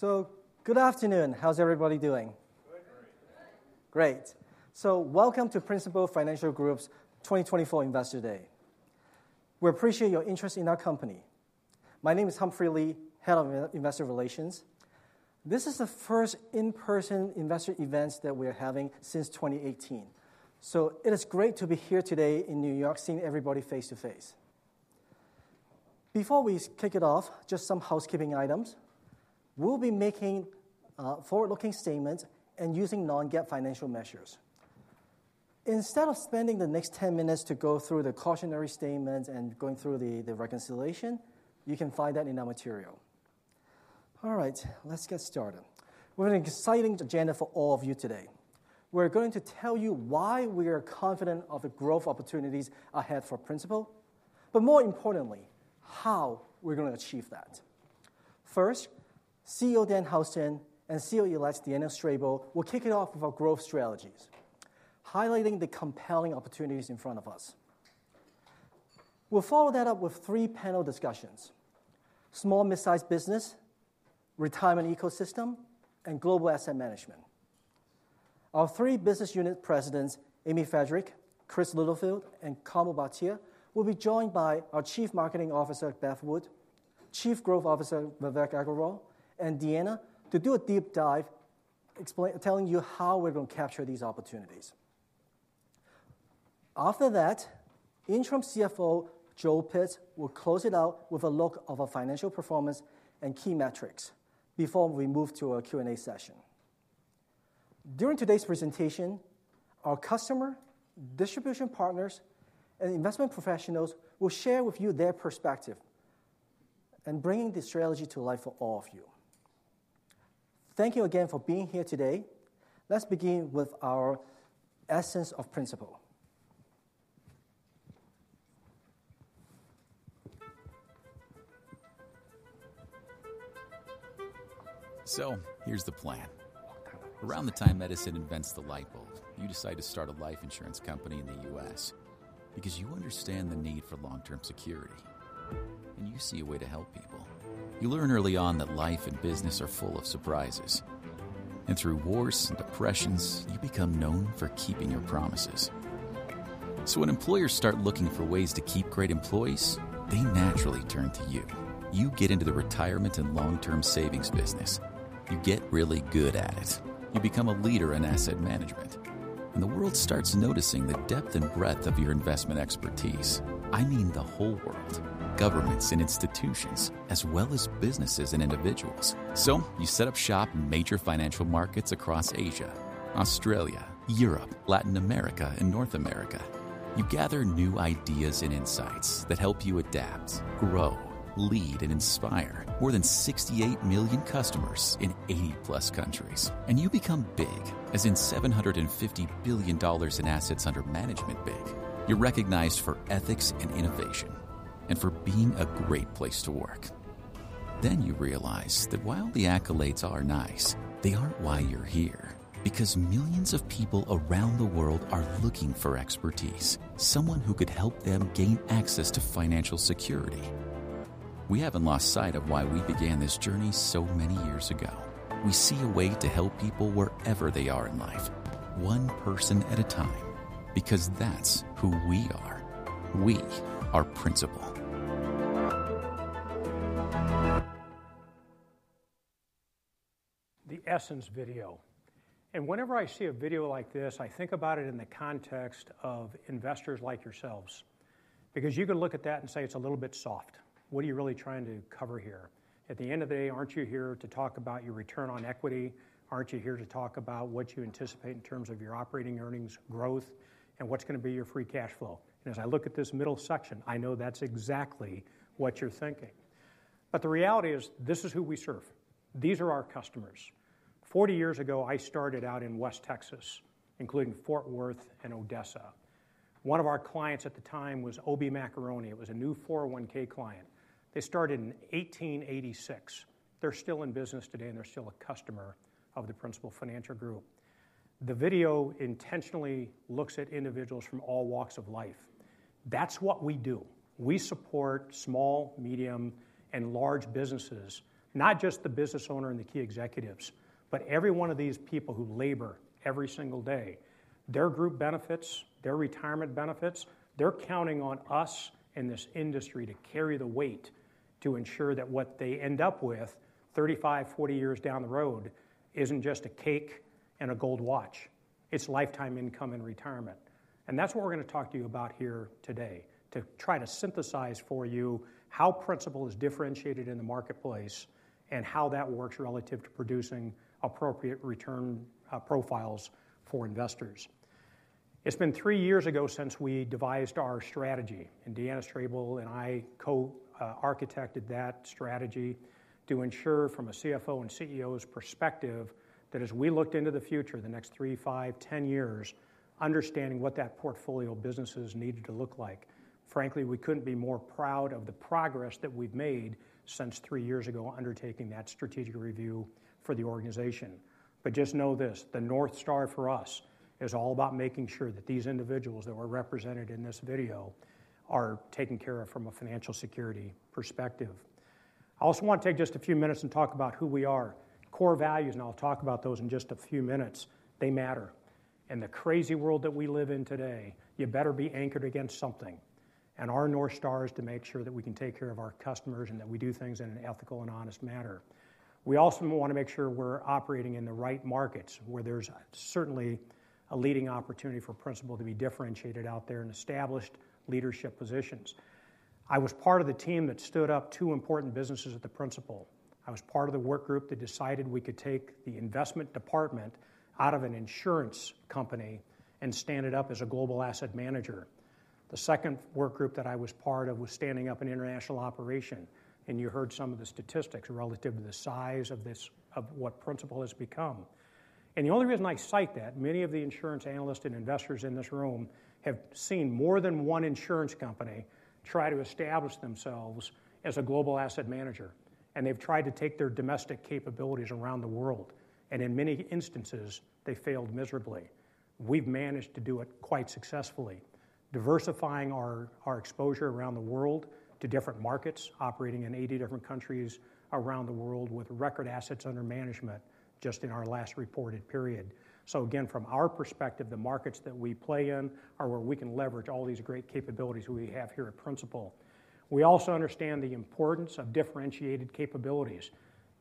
Good afternoon. How's everybody doing? Great. So, welcome to Principal Financial Group's 2024 Investor Day. We appreciate your interest in our company. My name is Humphrey Lee, Head of Investor Relations. This is the first in-person investor event that we are having since 2018. So, it is great to be here today in New York, seeing everybody face to face. Before we kick it off, just some housekeeping items. We'll be making forward-looking statements and using Non-GAAP financial measures. Instead of spending the next 10 minutes to go through the cautionary statements and going through the reconciliation, you can find that in our material. All right, let's get started. We have an exciting agenda for all of you today. We're going to tell you why we are confident of the growth opportunities ahead for Principal, but more importantly, how we're going to achieve that. First, CEO Dan Houston and CEO-Elect Deanna Strable will kick it off with our growth strategies, highlighting the compelling opportunities in front of us. We'll follow that up with three panel discussions: Small and Mid-Sized Business, Retirement Ecosystem, and Global Asset Management. Our three business unit presidents, Amy Friedrich, Chris Littlefield, and Kamal Bhatia, will be joined by our Chief Marketing Officer, Beth Wood, Chief Growth Officer, Vivek Agrawal, and Deanna, to do a deep dive, telling you how we're going to capture these opportunities. After that, Interim CFO Joel Pitz will close it out with a look at our financial performance and key metrics before we move to our Q&A session. During today's presentation, our customers, distribution partners, and investment professionals will share with you their perspective and bring the strategy to life for all of you. Thank you again for being here today. Let's begin with our essence of Principal. So, here's the plan. Around the time medicine invents the light bulb, you decide to start a life insurance company in the U.S. because you understand the need for long-term security, and you see a way to help people. You learn early on that life and business are full of surprises, and through wars and depressions, you become known for keeping your promises. So, when employers start looking for ways to keep great employees, they naturally turn to you. You get into the retirement and long-term savings business. You get really good at it. You become a leader in asset management, and the world starts noticing the depth and breadth of your investment expertise. I mean the whole world: governments and institutions, as well as businesses and individuals. So, you set up shop in major financial markets across Asia, Australia, Europe, Latin America, and North America. You gather new ideas and insights that help you adapt, grow, lead, and inspire more than 68 million customers in 80+ countries, and you become big, as in $750 billion in assets under management big. You're recognized for ethics and innovation and for being a great place to work. Then you realize that while the accolades are nice, they aren't why you're here, because millions of people around the world are looking for expertise, someone who could help them gain access to financial security. We haven't lost sight of why we began this journey so many years ago. We see a way to help people wherever they are in life, one person at a time, because that's who we are. We are Principal. The essence video. And whenever I see a video like this, I think about it in the context of investors like yourselves, because you can look at that and say, "It's a little bit soft. What are you really trying to cover here?" At the end of the day, aren't you here to talk about your return on equity? Aren't you here to talk about what you anticipate in terms of your operating earnings, growth, and what's going to be your free cash flow? And as I look at this middle section, I know that's exactly what you're thinking. But the reality is, this is who we serve. These are our customers. Forty years ago, I started out in West Texas, including Fort Worth and Odessa. One of our clients at the time was O.B. Macaroni. It was a new 401(k) client. They started in 1886. They're still in business today, and they're still a customer of the Principal Financial Group. The video intentionally looks at individuals from all walks of life. That's what we do. We support small, medium, and large businesses, not just the business owner and the key executives, but every one of these people who labor every single day. Their group benefits, their retirement benefits, they're counting on us in this industry to carry the weight to ensure that what they end up with 35, 40 years down the road isn't just a cake and a gold watch. It's lifetime income in retirement, and that's what we're going to talk to you about here today, to try to synthesize for you how Principal is differentiated in the marketplace and how that works relative to producing appropriate return profiles for investors. It's been three years ago since we devised our strategy, and Deanna Strable and I co-architected that strategy to ensure, from a CFO and CEO's perspective, that as we looked into the future, the next three, five, 10 years, understanding what that portfolio of businesses needed to look like. Frankly, we couldn't be more proud of the progress that we've made since three years ago undertaking that strategic review for the organization. But just know this: the North Star for us is all about making sure that these individuals that were represented in this video are taken care of from a financial security perspective. I also want to take just a few minutes and talk about who we are. Core values, and I'll talk about those in just a few minutes, they matter. In the crazy world that we live in today, you better be anchored against something. Our North Star is to make sure that we can take care of our customers and that we do things in an ethical and honest manner. We also want to make sure we're operating in the right markets, where there's certainly a leading opportunity for Principal to be differentiated out there in established leadership positions. I was part of the team that stood up two important businesses at the Principal. I was part of the work group that decided we could take the investment department out of an insurance company and stand it up as a global asset manager. The second work group that I was part of was standing up an international operation, and you heard some of the statistics relative to the size of what Principal has become. The only reason I cite that, many of the insurance analysts and investors in this room have seen more than one insurance company try to establish themselves as a global asset manager, and they've tried to take their domestic capabilities around the world. In many instances, they failed miserably. We've managed to do it quite successfully, diversifying our exposure around the world to different markets, operating in 80 different countries around the world with record assets under management just in our last reported period. Again, from our perspective, the markets that we play in are where we can leverage all these great capabilities we have here at Principal. We also understand the importance of differentiated capabilities.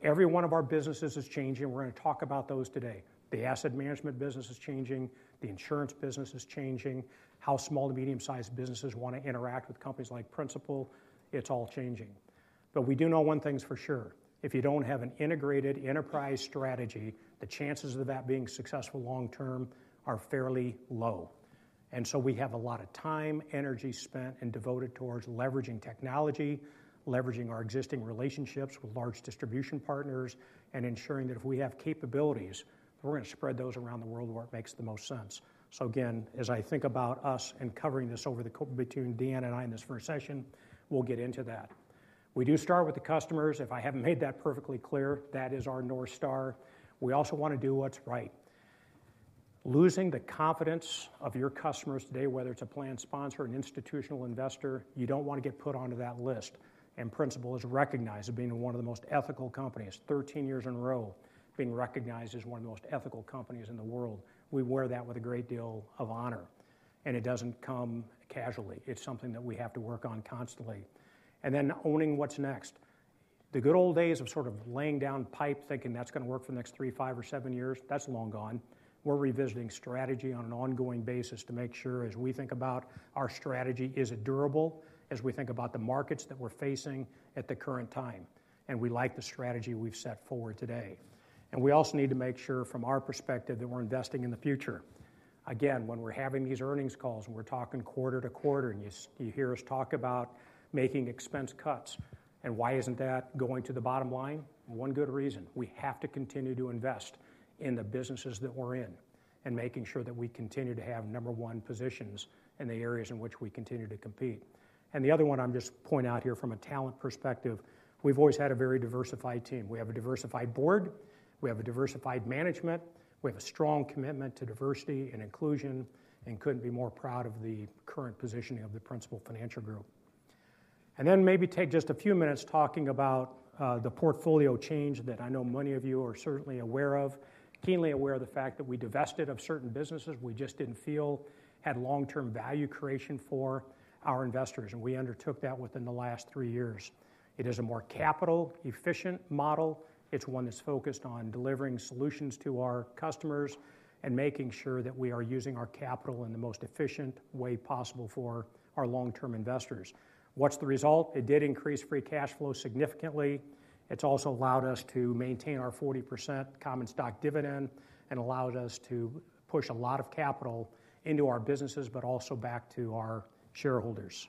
Every one of our businesses is changing, and we're going to talk about those today. The asset management business is changing, the insurance business is changing, how small and medium-sized businesses want to interact with companies like Principal, it's all changing. But we do know one thing's for sure: if you don't have an integrated enterprise strategy, the chances of that being successful long-term are fairly low. We have a lot of time, energy spent and devoted towards leveraging technology, leveraging our existing relationships with large distribution partners, and ensuring that if we have capabilities, we're going to spread those around the world where it makes the most sense. Again, as I think about us and covering this over the course between Deanna and I in this first session, we'll get into that. We do start with the customers. If I haven't made that perfectly clear, that is our North Star. We also want to do what's right. Losing the confidence of your customers today, whether it's a plan sponsor, an institutional investor, you don't want to get put onto that list. And Principal is recognized as being one of the most ethical companies, 13 years in a row being recognized as one of the most ethical companies in the world. We wear that with a great deal of honor, and it doesn't come casually. It's something that we have to work on constantly. And then owning what's next. The good old days of sort of laying down pipe, thinking that's going to work for the next three, five, or seven years, that's long gone. We're revisiting strategy on an ongoing basis to make sure, as we think about our strategy, is it durable, as we think about the markets that we're facing at the current time. And we like the strategy we've set forward today. And we also need to make sure, from our perspective, that we're investing in the future. Again, when we're having these earnings calls and we're talking quarter-to-quarter, and you hear us talk about making expense cuts, and why isn't that going to the bottom line? One good reason: we have to continue to invest in the businesses that we're in and making sure that we continue to have number-one positions in the areas in which we continue to compete. And the other one I'm just pointing out here from a talent perspective, we've always had a very diversified team. We have a diversified board, we have a diversified management, we have a strong commitment to diversity and inclusion, and couldn't be more proud of the current positioning of the Principal Financial Group. And then maybe take just a few minutes talking about the portfolio change that I know many of you are certainly aware of, keenly aware of the fact that we divested of certain businesses we just didn't feel had long-term value creation for our investors, and we undertook that within the last three years. It is a more capital-efficient model. It's one that's focused on delivering solutions to our customers and making sure that we are using our capital in the most efficient way possible for our long-term investors. What's the result? It did increase free cash flow significantly. It's also allowed us to maintain our 40% common stock dividend and allowed us to push a lot of capital into our businesses, but also back to our shareholders.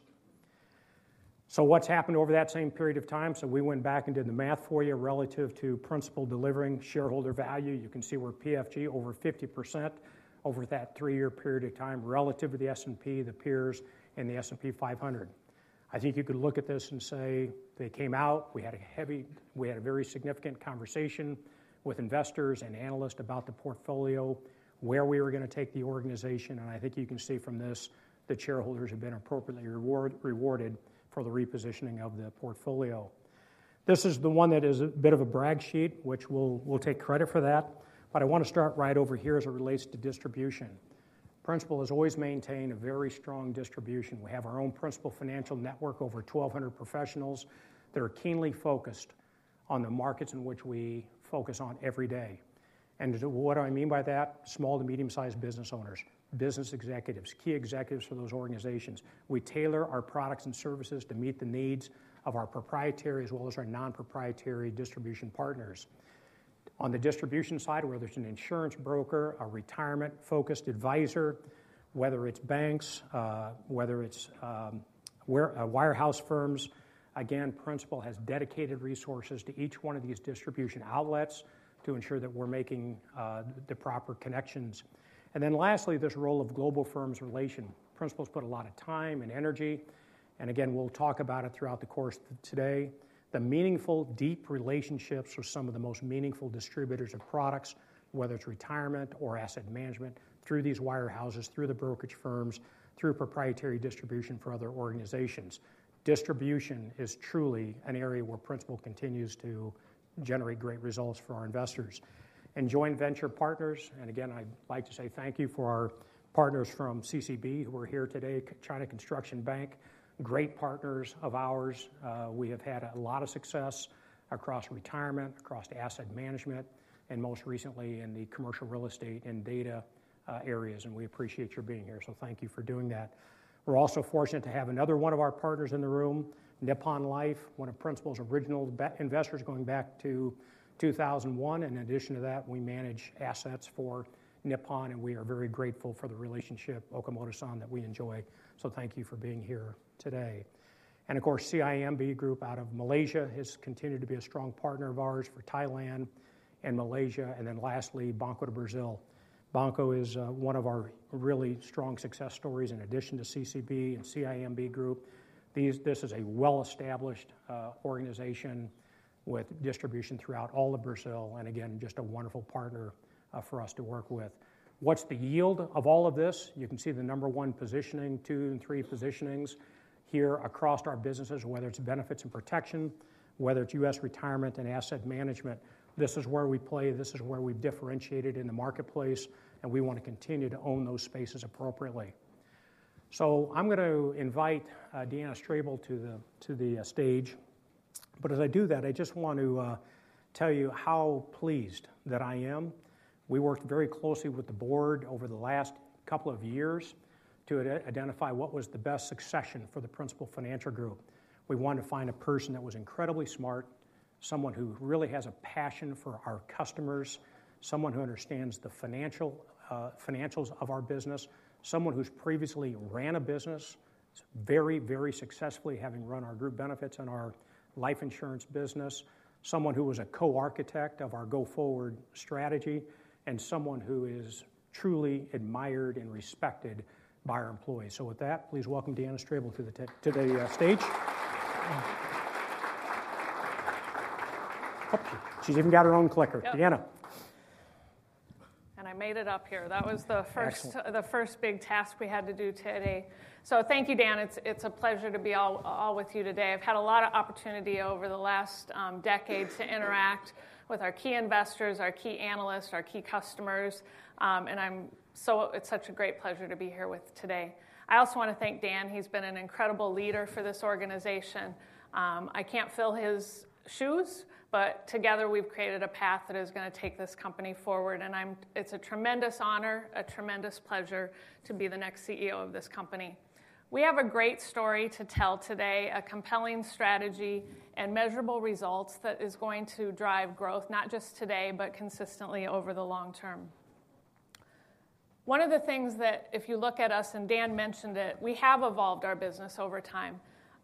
So what's happened over that same period of time? We went back and did the math for you relative to Principal delivering shareholder value. You can see we're PFG over 50% over that three-year period of time relative to the S&P, the peers, and the S&P 500. I think you could look at this and say, they came out, we had a heavy, we had a very significant conversation with investors and analysts about the portfolio, where we were going to take the organization, and I think you can see from this the shareholders have been appropriately rewarded for the repositioning of the portfolio. This is the one that is a bit of a brag sheet, which we'll take credit for that, but I want to start right over here as it relates to distribution. Principal has always maintained a very strong distribution. We have our own Principal Financial Network, over 1,200 professionals that are keenly focused on the markets in which we focus on every day. And what do I mean by that? Small to medium-sized business owners, business executives, key executives for those organizations. We tailor our products and services to meet the needs of our proprietary as well as our non-proprietary distribution partners. On the distribution side, whether it's an insurance broker, a retirement-focused advisor, whether it's banks, whether it's wirehouse firms, again, Principal has dedicated resources to each one of these distribution outlets to ensure that we're making the proper connections. And then lastly, this role of global investor relations. Principal's put a lot of time and energy, and again, we'll talk about it throughout the course today, the meaningful, deep relationships with some of the most meaningful distributors of products, whether it's retirement or asset management, through these wirehouses, through the brokerage firms, through proprietary distribution for other organizations. Distribution is truly an area where Principal continues to generate great results for our investors and joint venture partners, and again, I'd like to say thank you for our partners from CCB who are here today, China Construction Bank, great partners of ours. We have had a lot of success across retirement, across asset management, and most recently in the commercial real estate and data areas, and we appreciate your being here, so thank you for doing that. We're also fortunate to have another one of our partners in the room, Nippon Life, one of Principal's original investors going back to 2001. In addition to that, we manage assets for Nippon, and we are very grateful for the relationship, Okamoto-san, that we enjoy. So thank you for being here today, and of course, CIMB Group out of Malaysia has continued to be a strong partner of ours for Thailand and Malaysia, and then lastly, Banco do Brasil. Banco is one of our really strong success stories in addition to CCB and CIMB Group. This is a well-established organization with distribution throughout all of Brazil, and again, just a wonderful partner for us to work with. What's the yield of all of this? You can see the number-one positioning, two and three positionings here across our businesses, whether it's Benefits and Protection, whether it's U.S. retirement and asset management. This is where we play, this is where we've differentiated in the marketplace, and we want to continue to own those spaces appropriately. So I'm going to invite Deanna Strable to the stage, but as I do that, I just want to tell you how pleased that I am. We worked very closely with the board over the last couple of years to identify what was the best succession for the Principal Financial Group. We wanted to find a person that was incredibly smart, someone who really has a passion for our customers, someone who understands the financials of our business, someone who's previously ran a business very, very successfully, having run our group benefits and our life insurance business, someone who was a co-architect of our go-forward strategy, and someone who is truly admired and respected by our employees. So with that, please welcome Deanna Strable to the stage. She's even got her own clicker, Deanna. And I made it up here. That was the first big task we had to do today. So thank you, Dan. It's a pleasure to be here with all of you today. I've had a lot of opportunity over the last decade to interact with our key investors, our key analysts, our key customers, and it's such a great pleasure to be here with you today. I also want to thank Dan. He's been an incredible leader for this organization. I can't fill his shoes, but together we've created a path that is going to take this company forward, and it's a tremendous honor, a tremendous pleasure to be the next CEO of this company. We have a great story to tell today, a compelling strategy and measurable results that is going to drive growth, not just today, but consistently over the long term. One of the things that, if you look at us, and Dan mentioned it, we have evolved our business over time,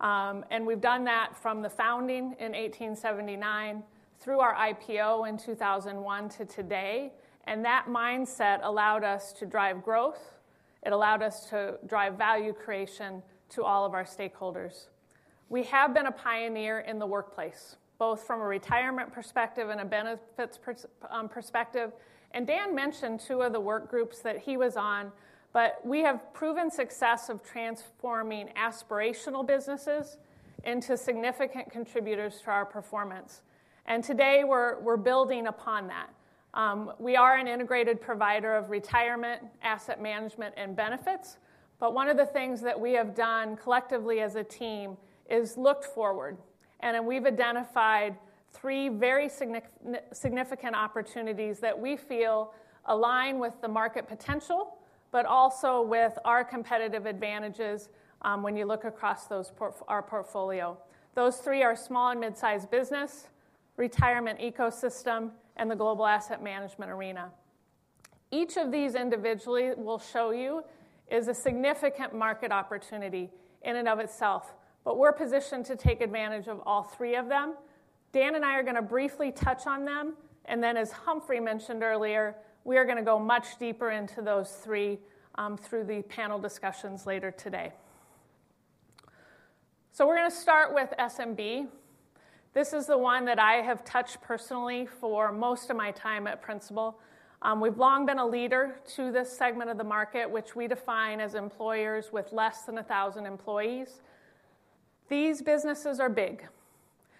and we've done that from the founding in 1879 through our IPO in 2001 to today, and that mindset allowed us to drive growth, it allowed us to drive value creation to all of our stakeholders. We have been a pioneer in the workplace, both from a retirement perspective and a benefits perspective, and Deanna mentioned two of the work groups that she was on, but we have proven success of transforming aspirational businesses into significant contributors to our performance, and today we're building upon that. We are an integrated provider of retirement, asset management, and benefits, but one of the things that we have done collectively as a team is looked forward, and we've identified three very significant opportunities that we feel align with the market potential, but also with our competitive advantages when you look across our portfolio. Those three are small and mid-sized business, retirement ecosystem, and the global asset management arena. Each of these individually we'll show you is a significant market opportunity in and of itself, but we're positioned to take advantage of all three of them. Dan and I are going to briefly touch on them, and then as Humphrey mentioned earlier, we are going to go much deeper into those three through the panel discussions later today. So we're going to start with SMB. This is the one that I have touched personally for most of my time at Principal. We've long been a leader to this segment of the market, which we define as employers with less than 1,000 employees. These businesses are big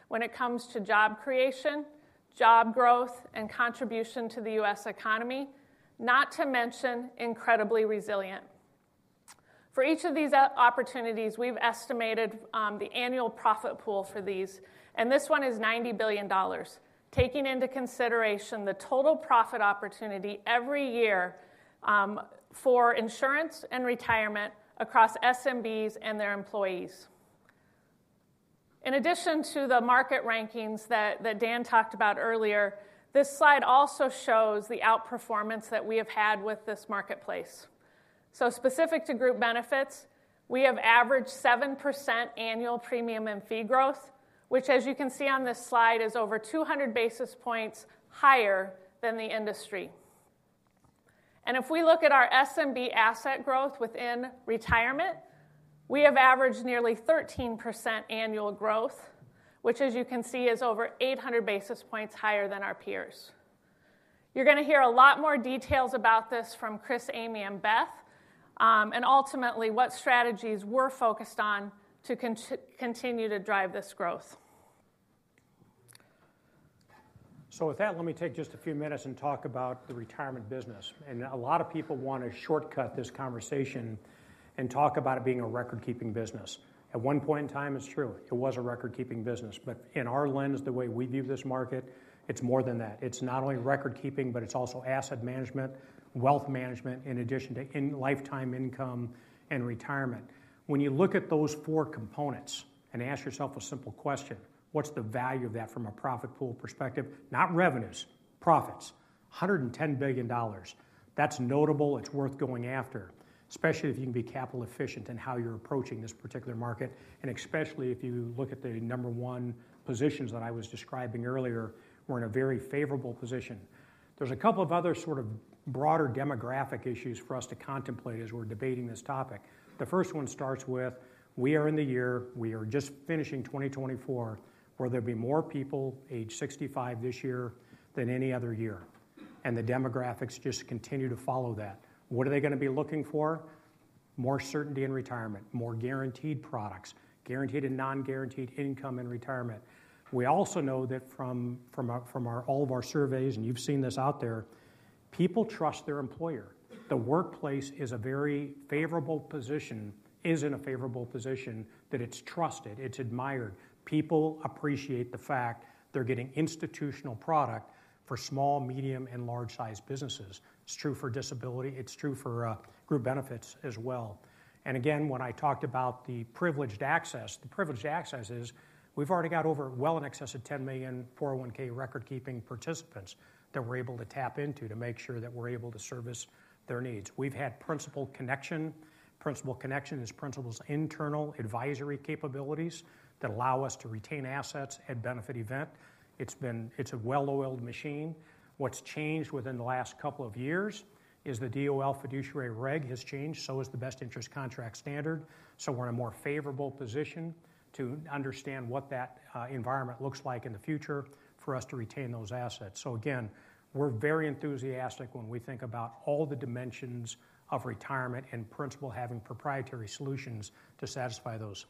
when it comes to job creation, job growth, and contribution to the U.S. economy, not to mention incredibly resilient. For each of these opportunities, we've estimated the annual profit pool for these, and this one is $90 billion, taking into consideration the total profit opportunity every year for insurance and retirement across SMBs and their employees. In addition to the market rankings that Dan talked about earlier, this slide also shows the outperformance that we have had with this marketplace. So specific to group benefits, we have averaged 7% annual premium and fee growth, which, as you can see on this slide, is over 200 basis points higher than the industry. And if we look at our SMB asset growth within retirement, we have averaged nearly 13% annual growth, which, as you can see, is over 800 basis points higher than our peers. You're going to hear a lot more details about this from Chris, Amy, and Beth, and ultimately what strategies we're focused on to continue to drive this growth. So with that, let me take just a few minutes and talk about the retirement business, and a lot of people want to shortcut this conversation and talk about it being a record-keeping business. At one point in time, it's true, it was a record-keeping business, but in our lens, the way we view this market, it's more than that. It's not only record-keeping, but it's also asset management, wealth management, in addition to lifetime income and retirement. When you look at those four components and ask yourself a simple question, what's the value of that from a profit pool perspective? Not revenues, profits, $110 billion. That's notable. It's worth going after, especially if you can be capital efficient in how you're approaching this particular market, and especially if you look at the number-one positions that I was describing earlier, we're in a very favorable position. There's a couple of other sort of broader demographic issues for us to contemplate as we're debating this topic. The first one starts with, we are in the year, we are just finishing 2024, where there'll be more people age 65 this year than any other year, and the demographics just continue to follow that. What are they going to be looking for? More certainty in retirement, more guaranteed products, guaranteed and non-guaranteed income in retirement. We also know that from all of our surveys, and you've seen this out there, people trust their employer. The workplace is a very favorable position, is in a favorable position that it's trusted, it's admired. People appreciate the fact they're getting institutional product for small, medium, and large-sized businesses. It's true for disability, it's true for group benefits as well. Again, when I talked about the privileged access, the privileged access is we've already got over in excess of 10 million 401(k) record-keeping participants that we're able to tap into to make sure that we're able to service their needs. We've had Principal Connection. Principal Connection is Principal's internal advisory capabilities that allow us to retain assets at benefit event. It's a well-oiled machine. What's changed within the last couple of years is the DOL fiduciary reg has changed, so has the Best Interest Contract standard, so we're in a more favorable position to understand what that environment looks like in the future for us to retain those assets. So again, we're very enthusiastic when we think about all the dimensions of retirement and Principal having proprietary solutions to satisfy those.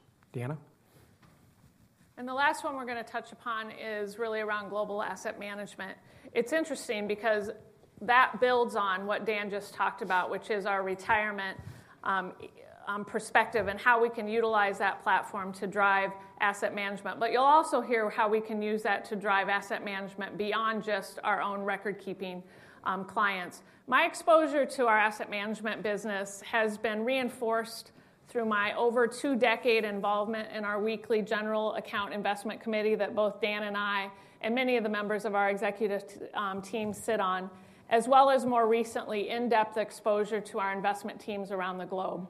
Deanna? The last one we're going to touch upon is really around global asset management. It's interesting because that builds on what Dan just talked about, which is our retirement perspective and how we can utilize that platform to drive asset management, but you'll also hear how we can use that to drive asset management beyond just our own record-keeping clients. My exposure to our asset management business has been reinforced through my over two-decade involvement in our weekly General Account investment committee that both Dan and I and many of the members of our executive team sit on, as well as more recently in-depth exposure to our investment teams around the globe.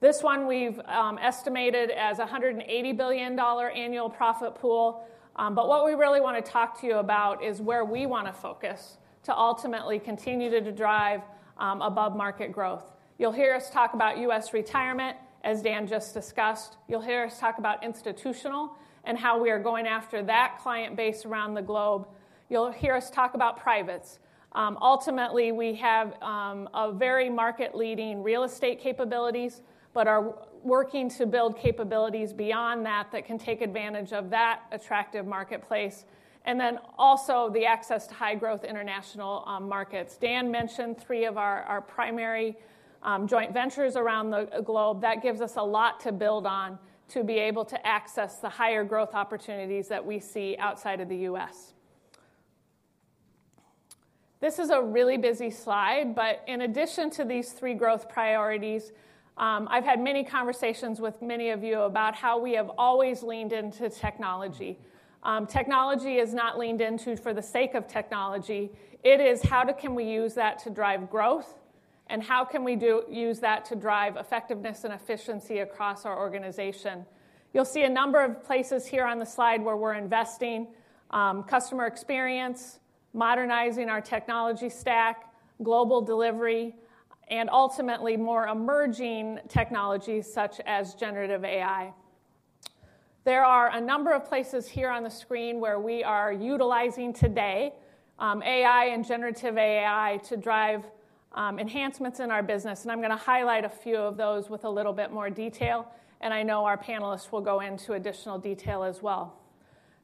This one we've estimated as a $180 billion annual profit pool, but what we really want to talk to you about is where we want to focus to ultimately continue to drive above-market growth. You'll hear us talk about U.S. retirement, as Dan just discussed. You'll hear us talk about institutional and how we are going after that client base around the globe. You'll hear us talk about privates. Ultimately, we have very market-leading real estate capabilities, but are working to build capabilities beyond that that can take advantage of that attractive marketplace, and then also the access to high-growth international markets. Dan mentioned three of our primary joint ventures around the globe. That gives us a lot to build on to be able to access the higher growth opportunities that we see outside of the U.S. This is a really busy slide, but in addition to these three growth priorities, I've had many conversations with many of you about how we have always leaned into technology. Technology is not leaned into for the sake of technology. It is how can we use that to drive growth, and how can we use that to drive effectiveness and efficiency across our organization. You'll see a number of places here on the slide where we're investing: customer experience, modernizing our technology stack, global delivery, and ultimately more emerging technologies such as generative AI. There are a number of places here on the screen where we are utilizing today AI and generative AI to drive enhancements in our business, and I'm going to highlight a few of those with a little bit more detail, and I know our panelists will go into additional detail as well.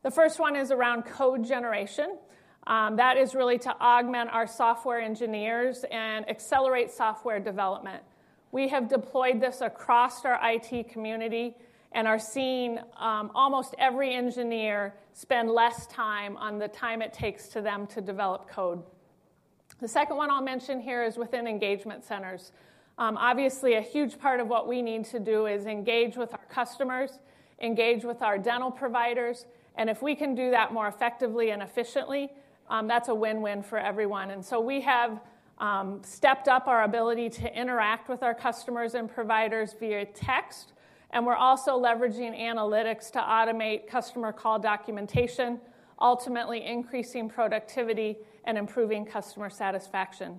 The first one is around code generation. That is really to augment our software engineers and accelerate software development. We have deployed this across our IT community and are seeing almost every engineer spend less time on the time it takes to them to develop code. The second one I'll mention here is within engagement centers. Obviously, a huge part of what we need to do is engage with our customers, engage with our dental providers, and if we can do that more effectively and efficiently, that's a win-win for everyone. And so we have stepped up our ability to interact with our customers and providers via text, and we're also leveraging analytics to automate customer call documentation, ultimately increasing productivity and improving customer satisfaction.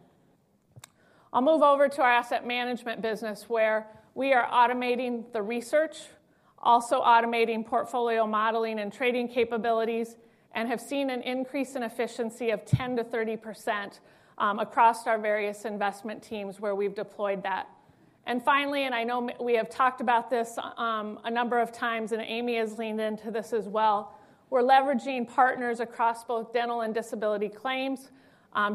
I'll move over to our asset management business where we are automating the research, also automating portfolio modeling and trading capabilities, and have seen an increase in efficiency of 10%-30% across our various investment teams where we've deployed that. And finally, and I know we have talked about this a number of times, and Amy has leaned into this as well, we're leveraging partners across both dental and disability claims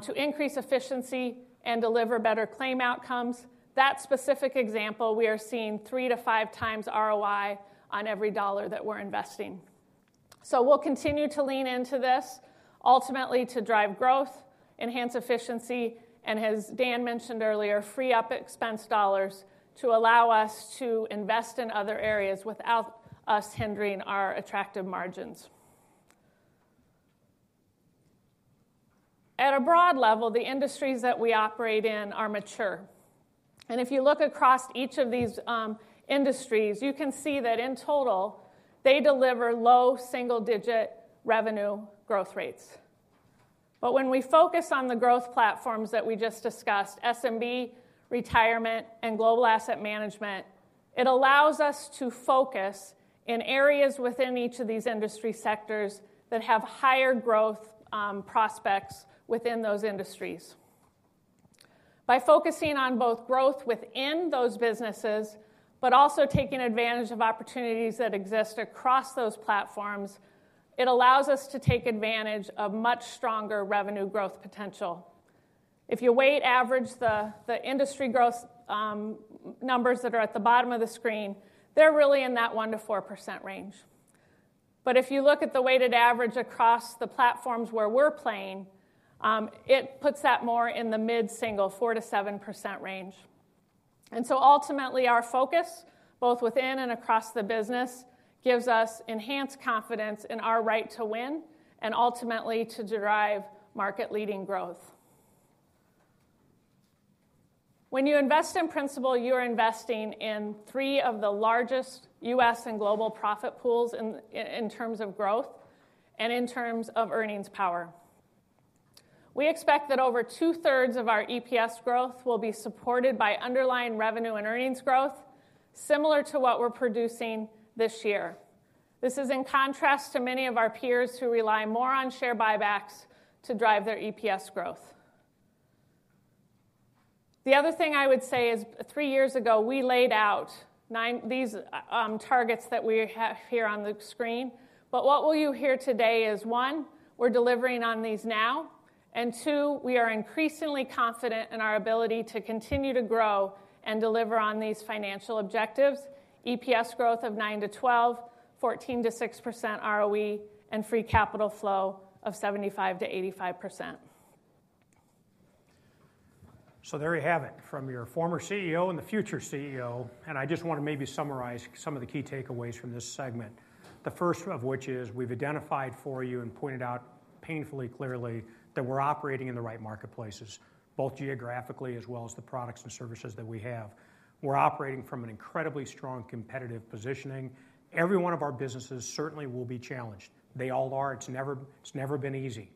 to increase efficiency and deliver better claim outcomes. That specific example, we are seeing 3x-5x on every dollar that we're investing. So we'll continue to lean into this, ultimately to drive growth, enhance efficiency, and as Dan mentioned earlier, free up expense dollars to allow us to invest in other areas without us hindering our attractive margins. At a broad level, the industries that we operate in are mature, and if you look across each of these industries, you can see that in total, they deliver low single-digit revenue growth rates. When we focus on the growth platforms that we just discussed, SMB, retirement, and global asset management, it allows us to focus in areas within each of these industry sectors that have higher growth prospects within those industries. By focusing on both growth within those businesses, but also taking advantage of opportunities that exist across those platforms, it allows us to take advantage of much stronger revenue growth potential. If you weighted average the industry growth numbers that are at the bottom of the screen, they're really in that 1%-4% range. But if you look at the weighted average across the platforms where we're playing, it puts that more in the mid-single, 4%-7% range. So ultimately, our focus, both within and across the business, gives us enhanced confidence in our right to win and ultimately to drive market-leading growth. When you invest in Principal, you are investing in three of the largest U.S. and global profit pools in terms of growth and in terms of earnings power. We expect that over two-thirds of our EPS growth will be supported by underlying revenue and earnings growth, similar to what we're producing this year. This is in contrast to many of our peers who rely more on share buybacks to drive their EPS growth. The other thing I would say is three years ago, we laid out these targets that we have here on the screen, but what will you hear today is, one, we're delivering on these now, and two, we are increasingly confident in our ability to continue to grow and deliver on these financial objectives, EPS growth of 9%-12%, 14%-16% ROE, and free capital flow of $7.5-$8.5 billion. So there you have it from your former CEO and the future CEO, and I just want to maybe summarize some of the key takeaways from this segment. The first of which is we've identified for you and pointed out painfully clearly that we're operating in the right marketplaces, both geographically as well as the products and services that we have. We're operating from an incredibly strong competitive positioning. Every one of our businesses certainly will be challenged. They all are. It's never been easy,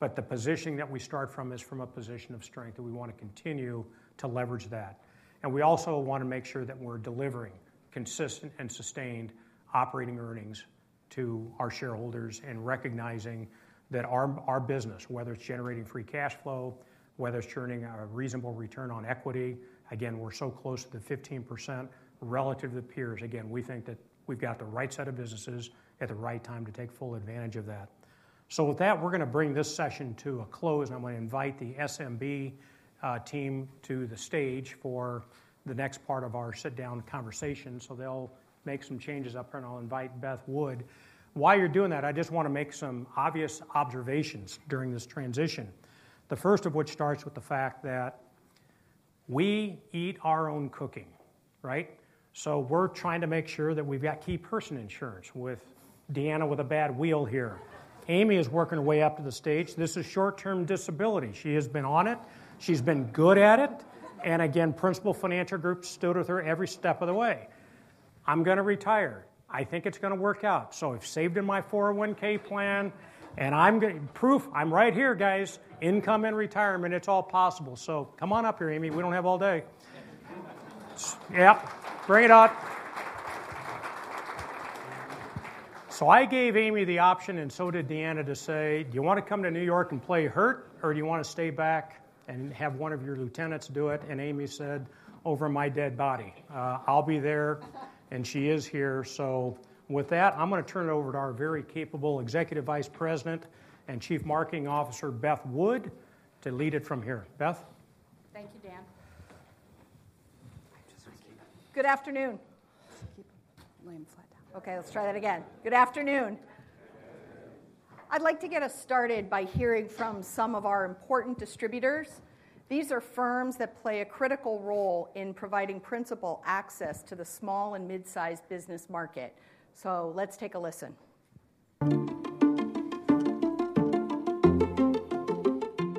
but the positioning that we start from is from a position of strength that we want to continue to leverage that. And we also want to make sure that we're delivering consistent and sustained operating earnings to our shareholders and recognizing that our business, whether it's generating free cash flow, whether it's churning a reasonable return on equity, again, we're so close to the 15% relative to the peers. Again, we think that we've got the right set of businesses at the right time to take full advantage of that. So with that, we're going to bring this session to a close, and I'm going to invite the SMB team to the stage for the next part of our sit-down conversation. So they'll make some changes up here, and I'll invite Beth Wood. While you're doing that, I just want to make some obvious observations during this transition, the first of which starts with the fact that we eat our own cooking, right? We're trying to make sure that we've got key person insurance with Deanna with a bad wheel here. Amy is working her way up to the stage. This is short-term disability. She has been on it. She's been good at it. And again, Principal Financial Group stood with her every step of the way. I'm going to retire. I think it's going to work out. I've saved in my 401(k) plan, and I'm going to prove I'm right here, guys. Income and retirement, it's all possible. Come on up here, Amy. We don't have all day. Yep. Bring it up. I gave Amy the option, and so did Deanna, to say, "Do you want to come to New York and play hurt, or do you want to stay back and have one of your lieutenants do it?" And Amy said, "Over my dead body. I'll be there," and she is here, so with that, I'm going to turn it over to our very capable Executive Vice President and Chief Marketing Officer, Beth Wood, to lead it from here. Beth? Thank you, Dan. Good afternoon. Okay, let's try that again. Good afternoon. I'd like to get us started by hearing from some of our important distributors. These are firms that play a critical role in providing Principal access to the small and mid-sized business market, so let's take a listen.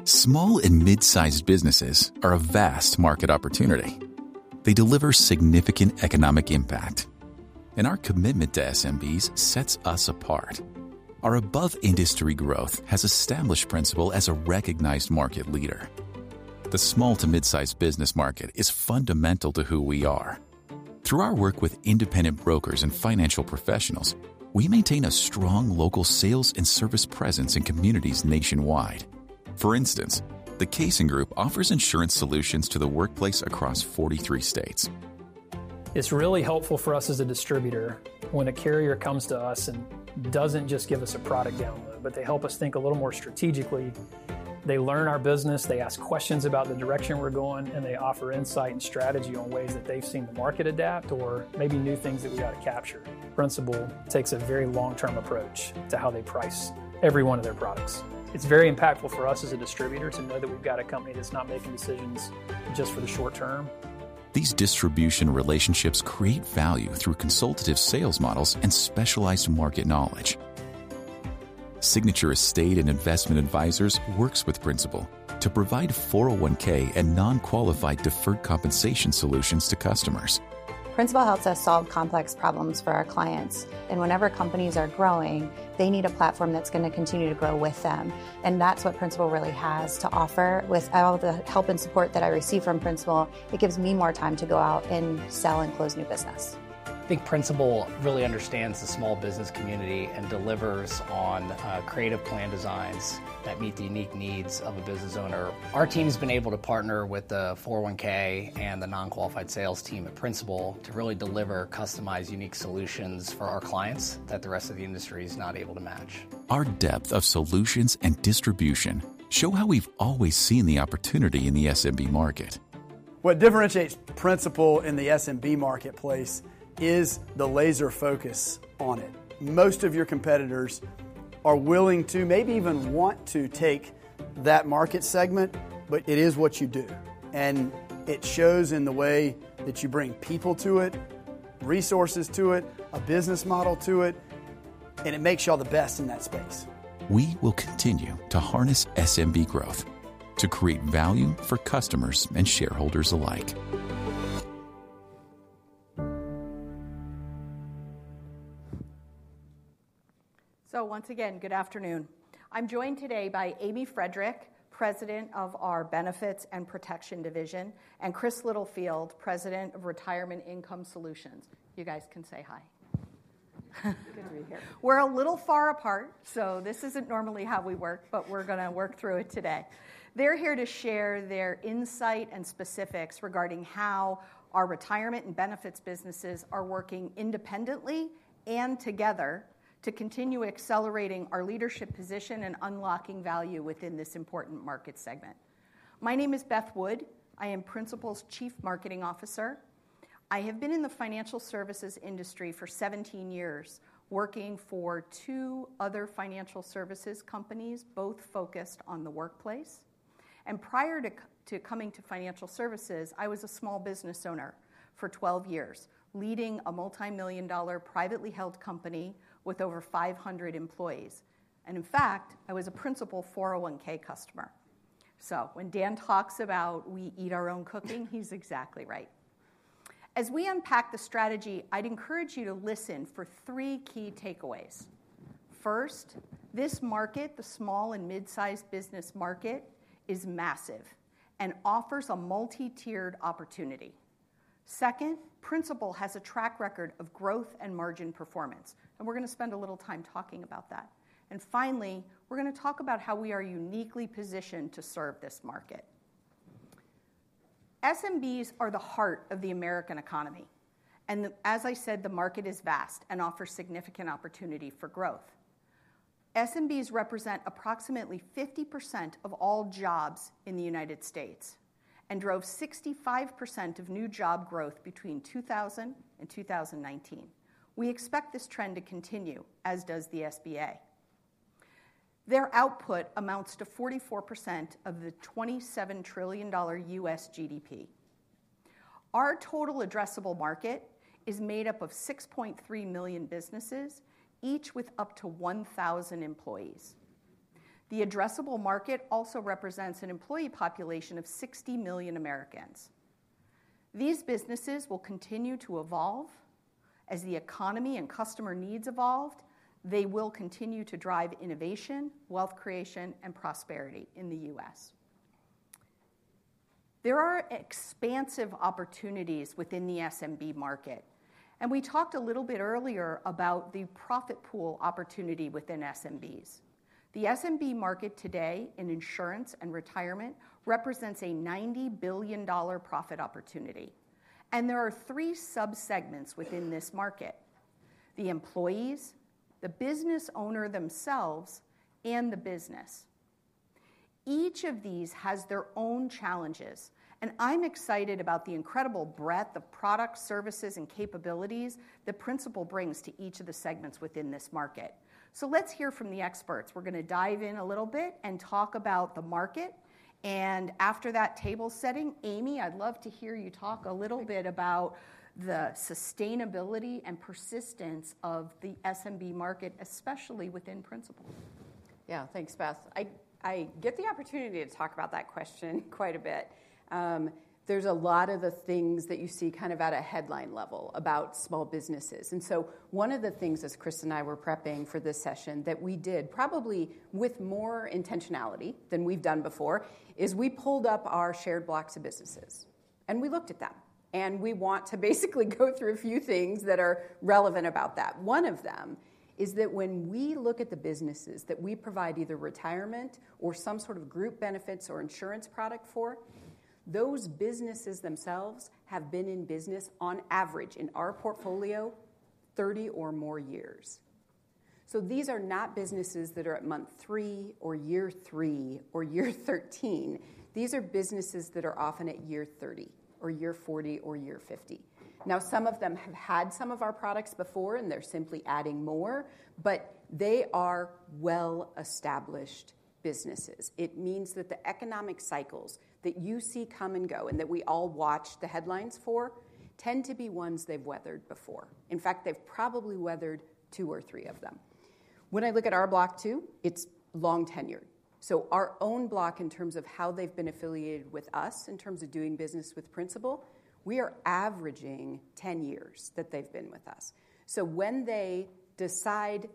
Small and mid-sized businesses are a vast market opportunity. They deliver significant economic impact, and our commitment to SMBs sets us apart. Our above-industry growth has established Principal as a recognized market leader. The small to mid-sized business market is fundamental to who we are. Through our work with independent brokers and financial professionals, we maintain a strong local sales and service presence in communities nationwide. For instance, The Cason Group offers insurance solutions to the workplace across 43 states. It's really helpful for us as a distributor when a carrier comes to us and doesn't just give us a product download, but they help us think a little more strategically. They learn our business. They ask questions about the direction we're going, and they offer insight and strategy on ways that they've seen the market adapt or maybe new things that we got to capture. Principal takes a very long-term approach to how they price every one of their products. It's very impactful for us as a distributor to know that we've got a company that's not making decisions just for the short term. These distribution relationships create value through consultative sales models and specialized market knowledge. Signature Estate & Investment Advisors works with Principal to provide 401(k) and non-qualified deferred compensation solutions to customers. Principal helps us solve complex problems for our clients, and whenever companies are growing, they need a platform that's going to continue to grow with them, and that's what Principal really has to offer. With all the help and support that I receive from Principal, it gives me more time to go out and sell and close new business. I think Principal really understands the small business community and delivers on creative plan designs that meet the unique needs of a business owner. Our team has been able to partner with the 401(k) and the non-qualified sales team at Principal to really deliver customized, unique solutions for our clients that the rest of the industry is not able to match. Our depth of solutions and distribution show how we've always seen the opportunity in the SMB market. What differentiates Principal in the SMB marketplace is the laser focus on it. Most of your competitors are willing to, maybe even want to, take that market segment, but it is what you do. And it shows in the way that you bring people to it, resources to it, a business model to it, and it makes y'all the best in that space. We will continue to harness SMB growth to create value for customers and shareholders alike. So once again, good afternoon. I'm joined today by Amy Friedrich, President of our Benefits and Protection Division, and Chris Littlefield, President of Retirement and Income Solutions. You guys can say hi. Good to be here. We're a little far apart, so this isn't normally how we work, but we're going to work through it today. They're here to share their insight and specifics regarding how our retirement and benefits businesses are working independently and together to continue accelerating our leadership position and unlocking value within this important market segment. My name is Beth Wood. I am Principal's Chief Marketing Officer. I have been in the financial services industry for 17 years, working for two other financial services companies, both focused on the workplace, and prior to coming to financial services, I was a small business owner for 12 years, leading a multi-million dollar privately held company with over 500 employees. In fact, I was a Principal 401(k) customer. So when Dan talks about we eat our own cooking, she's exactly right. As we unpack the strategy, I'd encourage you to listen for three key takeaways. First, this market, the small and mid-sized business market, is massive and offers a multi-tiered opportunity. Second, Principal has a track record of growth and margin performance, and we're going to spend a little time talking about that. And finally, we're going to talk about how we are uniquely positioned to serve this market. SMBs are the heart of the American economy, and as I said, the market is vast and offers significant opportunity for growth. SMBs represent approximately 50% of all jobs in the United States and drove 65% of new job growth between 2000 and 2019. We expect this trend to continue, as does the SBA. Their output amounts to 44% of the $27 trillion U.S. GDP. Our total addressable market is made up of 6.3 million businesses, each with up to 1,000 employees. The addressable market also represents an employee population of 60 million Americans. These businesses will continue to evolve. As the economy and customer needs evolved, they will continue to drive innovation, wealth creation, and prosperity in the U.S. There are expansive opportunities within the SMB market, and we talked a little bit earlier about the profit pool opportunity within SMBs. The SMB market today in insurance and retirement represents a $90 billion profit opportunity, and there are three subsegments within this market: the employees, the business owner themselves, and the business. Each of these has their own challenges, and I'm excited about the incredible breadth of products, services, and capabilities that Principal brings to each of the segments within this market. So, let's hear from the experts. We're going to dive in a little bit and talk about the market. And after that table setting, Amy, I'd love to hear you talk a little bit about the sustainability and persistence of the SMB market, especially within Principal. Yeah, thanks, Beth. I get the opportunity to talk about that question quite a bit. There's a lot of the things that you see kind of at a headline level about small businesses. And so one of the things, as Chris and I were prepping for this session, that we did probably with more intentionality than we've done before, is we pulled up our shared blocks of businesses, and we looked at them, and we want to basically go through a few things that are relevant about that. One of them is that when we look at the businesses that we provide either retirement or some sort of group benefits or insurance product for, those businesses themselves have been in business, on average, in our portfolio, 30 or more years. So these are not businesses that are at month three or year three or year 13. These are businesses that are often at year 30 or year 40 or year 50. Now, some of them have had some of our products before, and they're simply adding more, but they are well-established businesses. It means that the economic cycles that you see come and go and that we all watch the headlines for tend to be ones they've weathered before. In fact, they've probably weathered two or three of them. When I look at our block too, it's long tenured. Our own block, in terms of how they've been affiliated with us, in terms of doing business with Principal, we are averaging 10 years that they've been with us. When they decide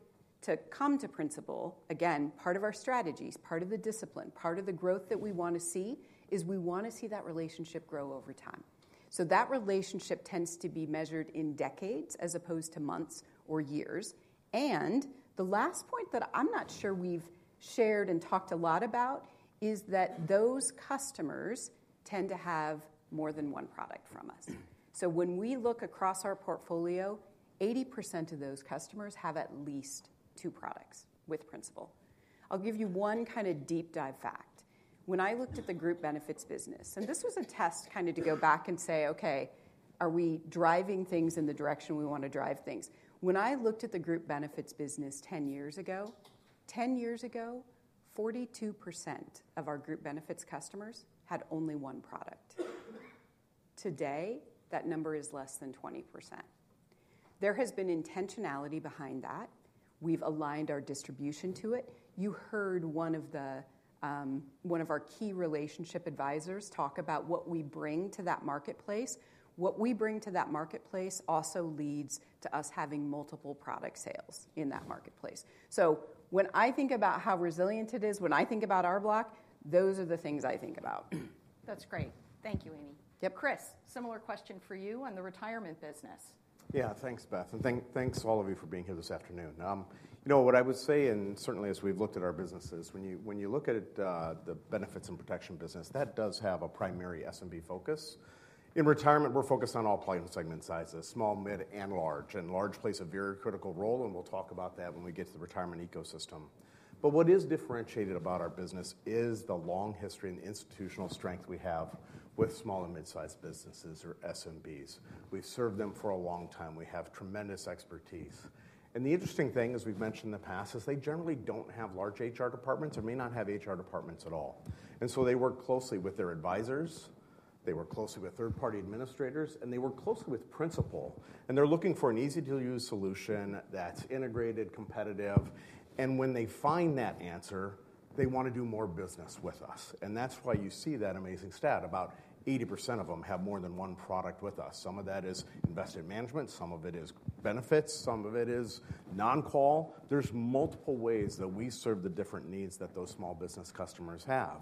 to come to Principal, again, part of our strategies, part of the discipline, part of the growth that we want to see is we want to see that relationship grow over time. That relationship tends to be measured in decades as opposed to months or years. And the last point that I'm not sure we've shared and talked a lot about is that those customers tend to have more than one product from us. When we look across our portfolio, 80% of those customers have at least two products with Principal. I'll give you one kind of deep dive fact. When I looked at the group benefits business, and this was a test kind of to go back and say, "Okay, are we driving things in the direction we want to drive things?" When I looked at the group benefits business 10 years ago, 10 years ago, 42% of our group benefits customers had only one product. Today, that number is less than 20%. There has been intentionality behind that. We've aligned our distribution to it. You heard one of our key relationship advisors talk about what we bring to that marketplace. What we bring to that marketplace also leads to us having multiple product sales in that marketplace. So when I think about how resilient it is, when I think about our block, those are the things I think about. That's great. Thank you, Amy. Yep. Chris, similar question for you on the retirement business. Yeah, thanks, Beth. Thanks to all of you for being here this afternoon. You know what I would say, and certainly as we've looked at our businesses, when you look at the Benefits and Protection business, that does have a primary SMB focus. In retirement, we're focused on all plan segment sizes: small, mid, and large. And large plays a very critical role, and we'll talk about that when we get to the retirement ecosystem. But what is differentiated about our business is the long history and the institutional strength we have with small and mid-sized businesses, or SMBs. We've served them for a long time. We have tremendous expertise. And the interesting thing, as we've mentioned in the past, is they generally don't have large HR departments or may not have HR departments at all. And so they work closely with their advisors. They work closely with third-party administrators, and they work closely with Principal. They're looking for an easy-to-use solution that's integrated, competitive. When they find that answer, they want to do more business with us. That's why you see that amazing stat: about 80% of them have more than one product with us. Some of that is investment management. Some of it is benefits. Some of it is non-qual. There's multiple ways that we serve the different needs that those small business customers have.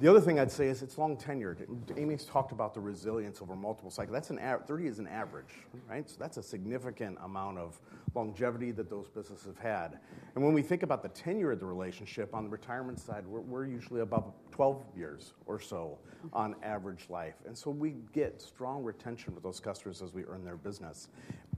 The other thing I'd say is it's long tenured. Amy's talked about the resilience over multiple cycles. 30 is an average, right? That's a significant amount of longevity that those businesses have had. When we think about the tenure of the relationship on the retirement side, we're usually above 12 years or so on average life. We get strong retention with those customers as we earn their business,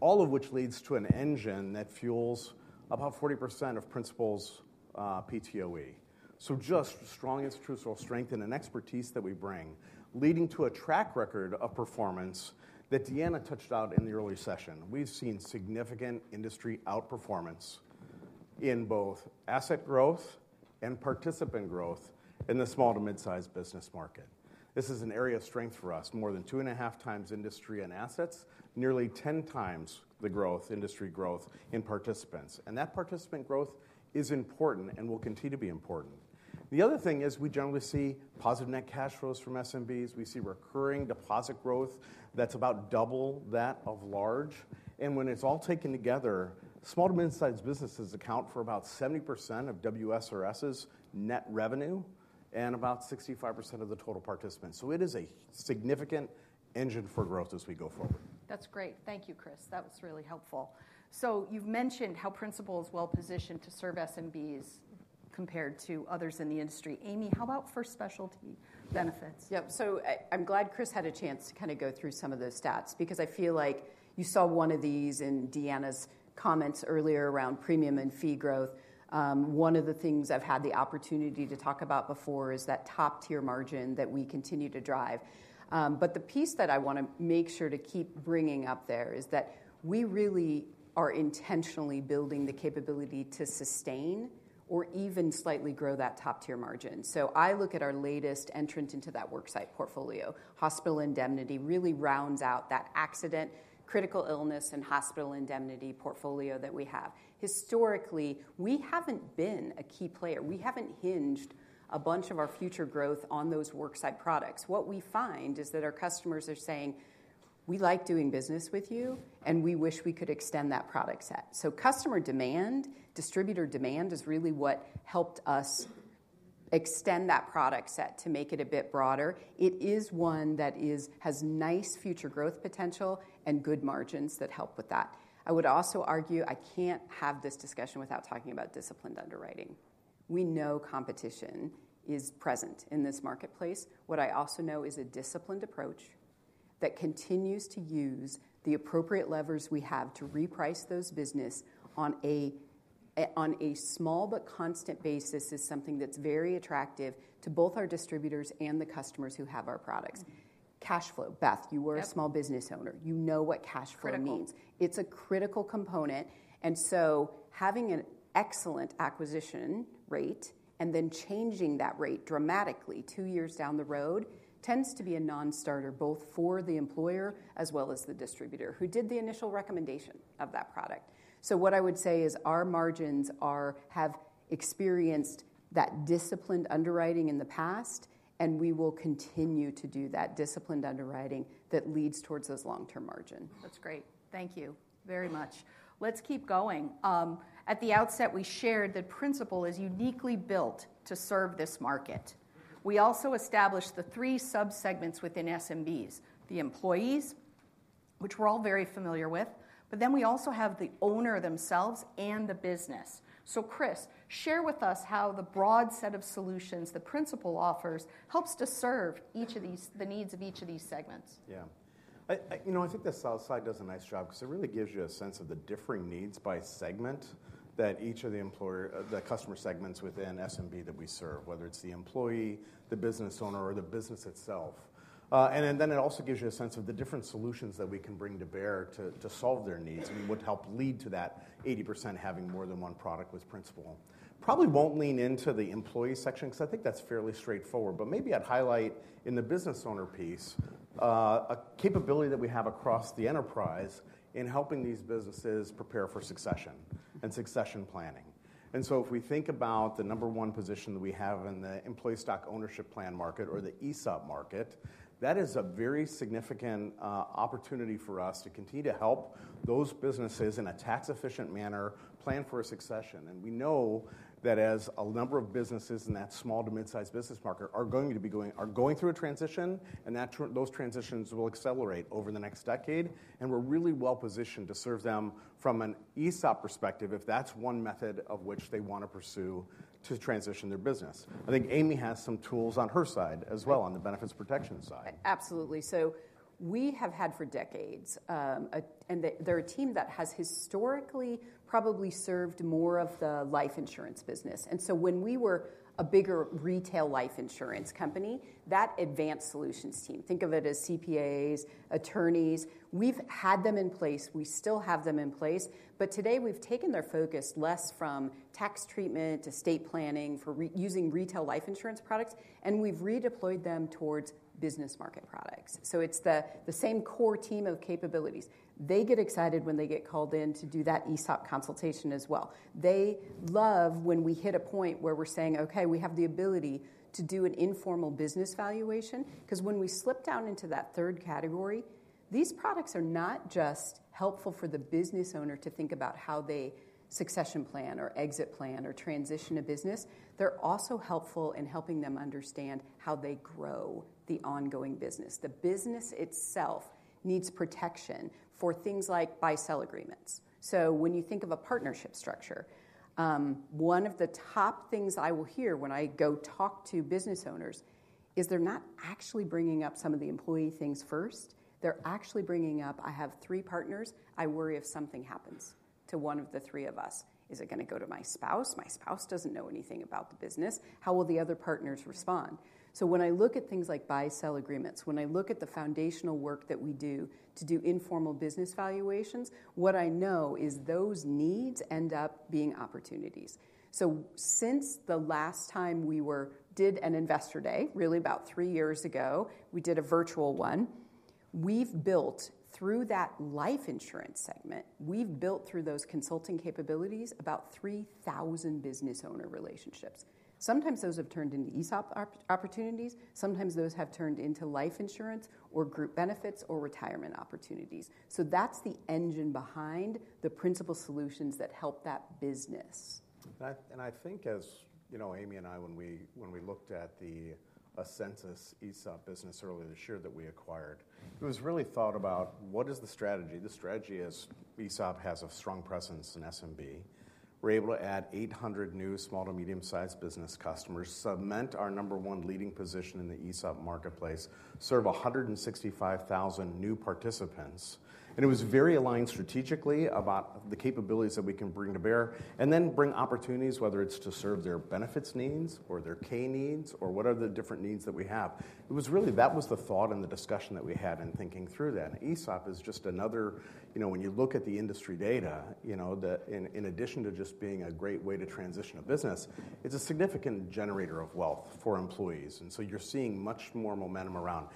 all of which leads to an engine that fuels about 40% of Principal's PTOE. So just strong institutional strength and expertise that we bring, leading to a track record of performance that Deanna touched on in the early session. We've seen significant industry outperformance in both asset growth and participant growth in the small to mid-sized business market. This is an area of strength for us: more than two and a half times industry and assets, nearly 10 times the growth, industry growth in participants. That participant growth is important and will continue to be important. The other thing is we generally see positive net cash flows from SMBs. We see recurring deposit growth that's about double that of large. When it's all taken together, small to mid-sized businesses account for about 70% of WSRS's net revenue and about 65% of the total participants. It is a significant engine for growth as we go forward. That's great. Thank you, Chris. That was really helpful. You've mentioned how Principal is well-positioned to serve SMBs compared to others in the industry. Amy, how about for Specialty Benefits? Yep. I'm glad Chris had a chance to kind of go through some of those stats because I feel like you saw one of these in Deanna's comments earlier around premium and fee growth. One of the things I've had the opportunity to talk about before is that top-tier margin that we continue to drive. But the piece that I want to make sure to keep bringing up there is that we really are intentionally building the capability to sustain or even slightly grow that top-tier margin. So I look at our latest entrant into that worksite portfolio, hospital indemnity, really rounds out that accident, critical illness, and hospital indemnity portfolio that we have. Historically, we haven't been a key player. We haven't hinged a bunch of our future growth on those worksite products. What we find is that our customers are saying, "We like doing business with you, and we wish we could extend that product set." So customer demand, distributor demand is really what helped us extend that product set to make it a bit broader. It is one that has nice future growth potential and good margins that help with that. I would also argue I can't have this discussion without talking about disciplined underwriting. We know competition is present in this marketplace. What I also know is a disciplined approach that continues to use the appropriate levers we have to reprice those businesses on a small but constant basis is something that's very attractive to both our distributors and the customers who have our products. Cash flow. Beth, you were a small business owner. You know what cash flow means. It's a critical component. And so having an excellent acquisition rate and then changing that rate dramatically two years down the road tends to be a non-starter both for the employer as well as the distributor who did the initial recommendation of that product. So what I would say is our margins have experienced that disciplined underwriting in the past, and we will continue to do that disciplined underwriting that leads towards those long-term margins. That's great. Thank you very much. Let's keep going. At the outset, we shared that Principal is uniquely built to serve this market. We also established the three subsegments within SMBs: the employees, which we're all very familiar with, but then we also have the owner themselves and the business. So Chris, share with us how the broad set of solutions that Principal offers helps to serve the needs of each of these segments. Yeah. You know, I think the slide does a nice job because it really gives you a sense of the differing needs by segment that each of the customer segments within SMB that we serve, whether it's the employee, the business owner, or the business itself. And then it also gives you a sense of the different solutions that we can bring to bear to solve their needs and would help lead to that 80% having more than one product with Principal. Probably won't lean into the employee section because I think that's fairly straightforward, but maybe I'd highlight in the business owner piece a capability that we have across the enterprise in helping these businesses prepare for succession and succession planning. If we think about the number one position that we have in the employee stock ownership plan market or the ESOP market, that is a very significant opportunity for us to continue to help those businesses in a tax-efficient manner plan for a succession. We know that as a number of businesses in that small to mid-sized business market are going to be going through a transition, and those transitions will accelerate over the next decade, and we're really well-positioned to serve them from an ESOP perspective if that's one method of which they want to pursue to transition their business. I think Amy has some tools on her side as well on the benefits protection side. Absolutely. We have had for decades, and they're a team that has historically probably served more of the life insurance business. And so when we were a bigger retail life insurance company, that Advanced Solutions team, think of it as CPAs, attorneys, we've had them in place. We still have them in place. But today, we've taken their focus less from tax treatment to estate planning for using retail life insurance products, and we've redeployed them towards business market products. So it's the same core team of capabilities. They get excited when they get called in to do that ESOP consultation as well. They love when we hit a point where we're saying, "Okay, we have the ability to do an informal business valuation," because when we slip down into that third category, these products are not just helpful for the business owner to think about how they succession plan or exit plan or transition a business. They're also helpful in helping them understand how they grow the ongoing business. The business itself needs protection for things like buy-sell agreements. So when you think of a partnership structure, one of the top things I will hear when I go talk to business owners is they're not actually bringing up some of the employee things first. They're actually bringing up, "I have three partners. I worry if something happens to one of the three of us. Is it going to go to my spouse? My spouse doesn't know anything about the business. How will the other partners respond?" So when I look at things like buy-sell agreements, when I look at the foundational work that we do to do informal business valuations, what I know is those needs end up being opportunities. So, since the last time we did an Investor Day, really about three years ago, we did a virtual one, we've built through that life insurance segment, we've built through those consulting capabilities about 3,000 business owner relationships. Sometimes those have turned into ESOP opportunities. Sometimes those have turned into life insurance or group benefits or retirement opportunities. So that's the engine behind the Principal solutions that help that business. And I think as Amy and I, when we looked at the Ascensus ESOP business earlier this year that we acquired, it was really thought about what is the strategy. The strategy is ESOP has a strong presence in SMB. We're able to add 800 new small to medium-sized business customers, cement our number one leading position in the ESOP marketplace, serve 165,000 new participants. It was very aligned strategically about the capabilities that we can bring to bear, and then bring opportunities, whether it's to serve their benefits needs or their K needs or what are the different needs that we have. It was really that was the thought and the discussion that we had in thinking through that, and ESOP is just another, you know, when you look at the industry data, you know, in addition to just being a great way to transition a business, it's a significant generator of wealth for employees, and so you're seeing much more momentum around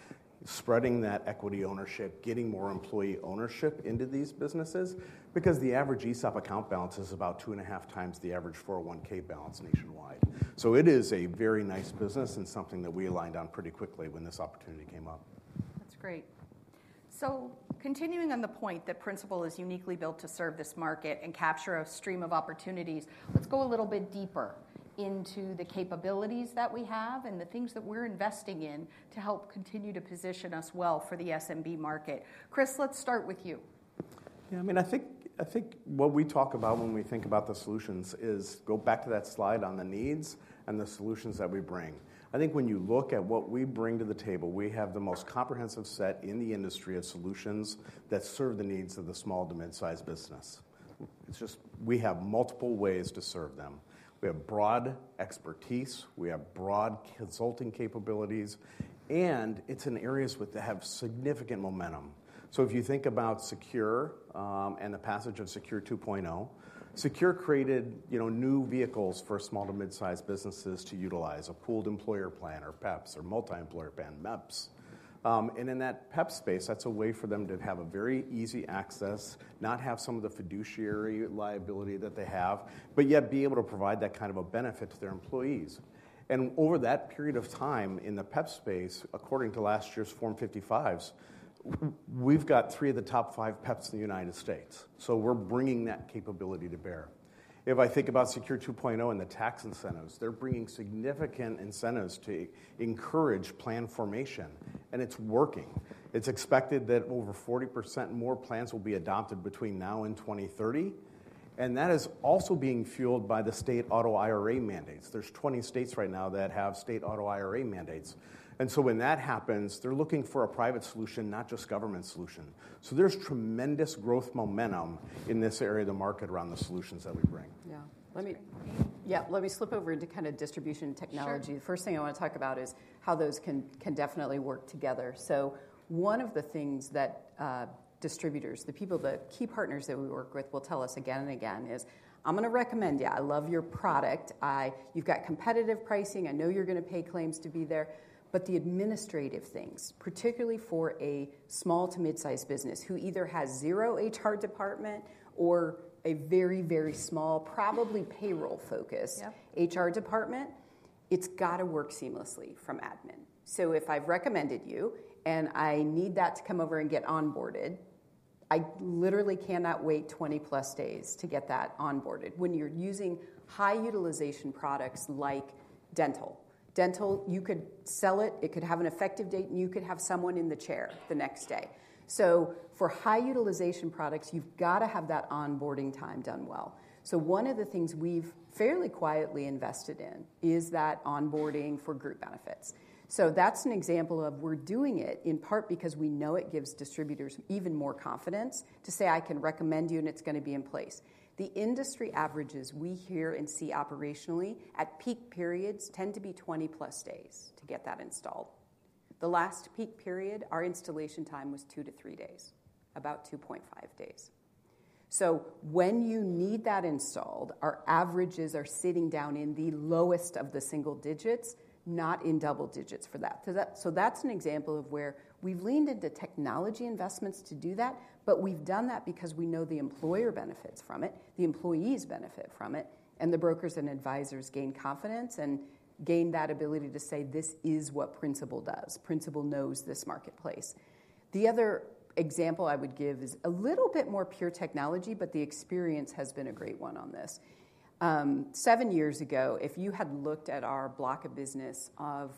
spreading that equity ownership, getting more employee ownership into these businesses because the average ESOP account balance is about two and a half times the average 401(k) balance nationwide, so it is a very nice business and something that we aligned on pretty quickly when this opportunity came up. That's great, so continuing on the point that Principal is uniquely built to serve this market and capture a stream of opportunities, let's go a little bit deeper into the capabilities that we have and the things that we're investing in to help continue to position us well for the SMB market. Chris, let's start with you. Yeah. I mean, I think what we talk about when we think about the solutions is go back to that slide on the needs and the solutions that we bring. I think when you look at what we bring to the table, we have the most comprehensive set in the industry of solutions that serve the needs of the small to mid-sized business. It's just, we have multiple ways to serve them. We have broad expertise. We have broad consulting capabilities, and it's in areas that have significant momentum. If you think about SECURE and the passage of SECURE 2.0, SECURE created new vehicles for small to mid-sized businesses to utilize a pooled employer plan or PEPs or multi-employer plan, MEPs. In that PEP space, that is a way for them to have very easy access, not have some of the fiduciary liability that they have, but yet be able to provide that kind of a benefit to their employees. Over that period of time in the PEP space, according to last year's Form 5500s, we have got three of the top five PEPs in the United States. We are bringing that capability to bear. If I think about SECURE 2.0 and the tax incentives, they are bringing significant incentives to encourage plan formation, and it is working. It is expected that over 40% more plans will be adopted between now and 2030. And that is also being fueled by the state auto IRA mandates. There's 20 states right now that have state auto IRA mandates. And so when that happens, they're looking for a private solution, not just government solution. So there's tremendous growth momentum in this area of the market around the solutions that we bring. Yeah. Let me slip over into kind of distribution technology. The first thing I want to talk about is how those can definitely work together. So one of the things that distributors, the people, the key partners that we work with will tell us again and again is, "I'm going to recommend you. I love your product. You've got competitive pricing. I know you're going to pay claims to be there," but the administrative things, particularly for a small to mid-sized business who either has zero HR department or a very, very small, probably payroll-focused HR department, it's got to work seamlessly from admin. So if I've recommended you and I need that to come over and get onboarded, I literally cannot wait 20+ days to get that onboarded. When you're using high utilization products like dental, dental, you could sell it, it could have an effective date, and you could have someone in the chair the next day. So for high utilization products, you've got to have that onboarding time done well. So one of the things we've fairly quietly invested in is that onboarding for group benefits. So that's an example of we're doing it in part because we know it gives distributors even more confidence to say, "I can recommend you, and it's going to be in place." The industry averages we hear and see operationally at peak periods tend to be 20+ days to get that installed. The last peak period, our installation time was two to three days, about 2.5 days. So when you need that installed, our averages are sitting down in the lowest of the single digits, not in double digits for that. So that's an example of where we've leaned into technology investments to do that, but we've done that because we know the employer benefits from it, the employees benefit from it, and the brokers and advisors gain confidence and gain that ability to say, "This is what Principal does. Principal knows this marketplace." The other example I would give is a little bit more pure technology, but the experience has been a great one on this. Seven years ago, if you had looked at our block of business of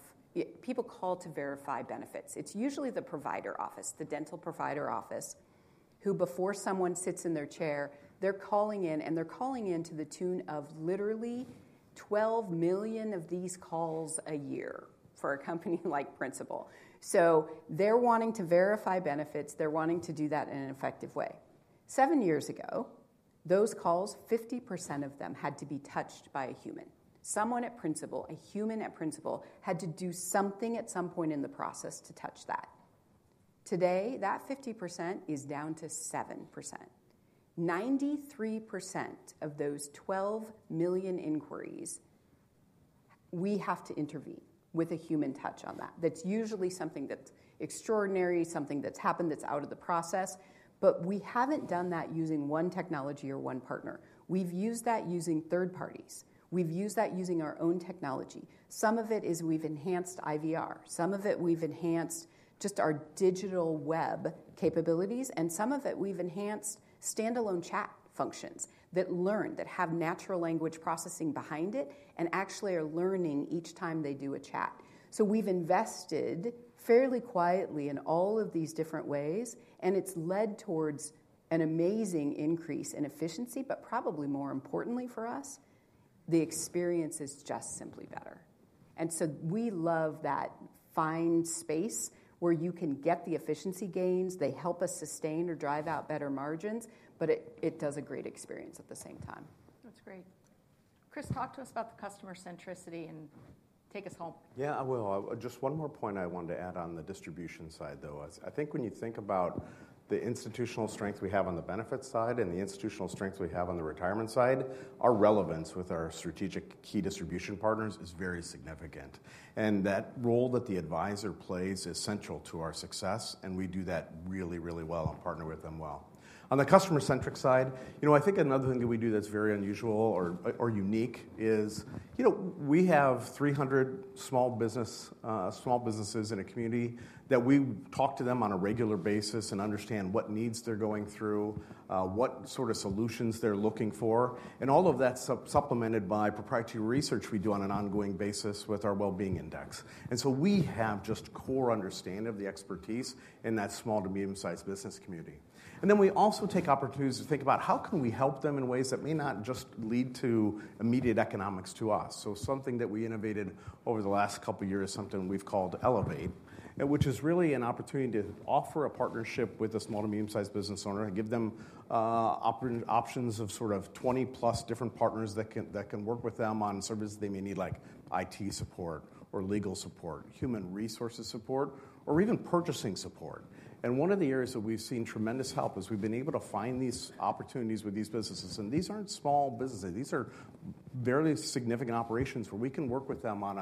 people called to verify benefits, it's usually the provider office, the dental provider office, who before someone sits in their chair, they're calling in, and they're calling in to the tune of literally 12 million of these calls a year for a company like Principal. So they're wanting to verify benefits. They're wanting to do that in an effective way. Seven years ago, those calls, 50% of them had to be touched by a human, someone at Principal, a human at Principal had to do something at some point in the process to touch that. Today, that 50% is down to 7%. 93% of those 12 million inquiries, we have to intervene with a human touch on that. That's usually something that's extraordinary, something that's happened that's out of the process, but we haven't done that using one technology or one partner. We've used that using third parties. We've used that using our own technology. Some of it is we've enhanced IVR. Some of it we've enhanced just our digital web capabilities, and some of it we've enhanced standalone chat functions that learn, that have natural language processing behind it and actually are learning each time they do a chat. So we've invested fairly quietly in all of these different ways, and it's led towards an amazing increase in efficiency, but probably more importantly for us, the experience is just simply better. And so we love that fine space where you can get the efficiency gains. They help us sustain or drive out better margins, but it does a great experience at the same time. That's great. Chris, talk to us about the customer centricity and take us home. Yeah, I will. Just one more point I wanted to add on the distribution side, though. I think when you think about the institutional strength we have on the benefits side and the institutional strength we have on the retirement side, our relevance with our strategic key distribution partners is very significant, and that role that the advisor plays is central to our success, and we do that really, really well and partner with them well. On the customer-centric side, you know, I think another thing that we do that's very unusual or unique is, you know, we have 300 small businesses in a community that we talk to them on a regular basis and understand what needs they're going through, what sort of solutions they're looking for, and all of that's supplemented by proprietary research we do on an ongoing basis with our Well-Being Index. And so we have just core understanding of the expertise in that small to medium-sized business community. And then we also take opportunities to think about how can we help them in ways that may not just lead to immediate economics to us. Something that we innovated over the last couple of years is something we've called Elevate, which is really an opportunity to offer a partnership with a small to medium-sized business owner and give them options of sort of 20+ different partners that can work with them on services they may need, like IT support or legal support, human resources support, or even purchasing support. One of the areas that we've seen tremendous help is we've been able to find these opportunities with these businesses. These aren't small businesses. These are fairly significant operations where we can work with them on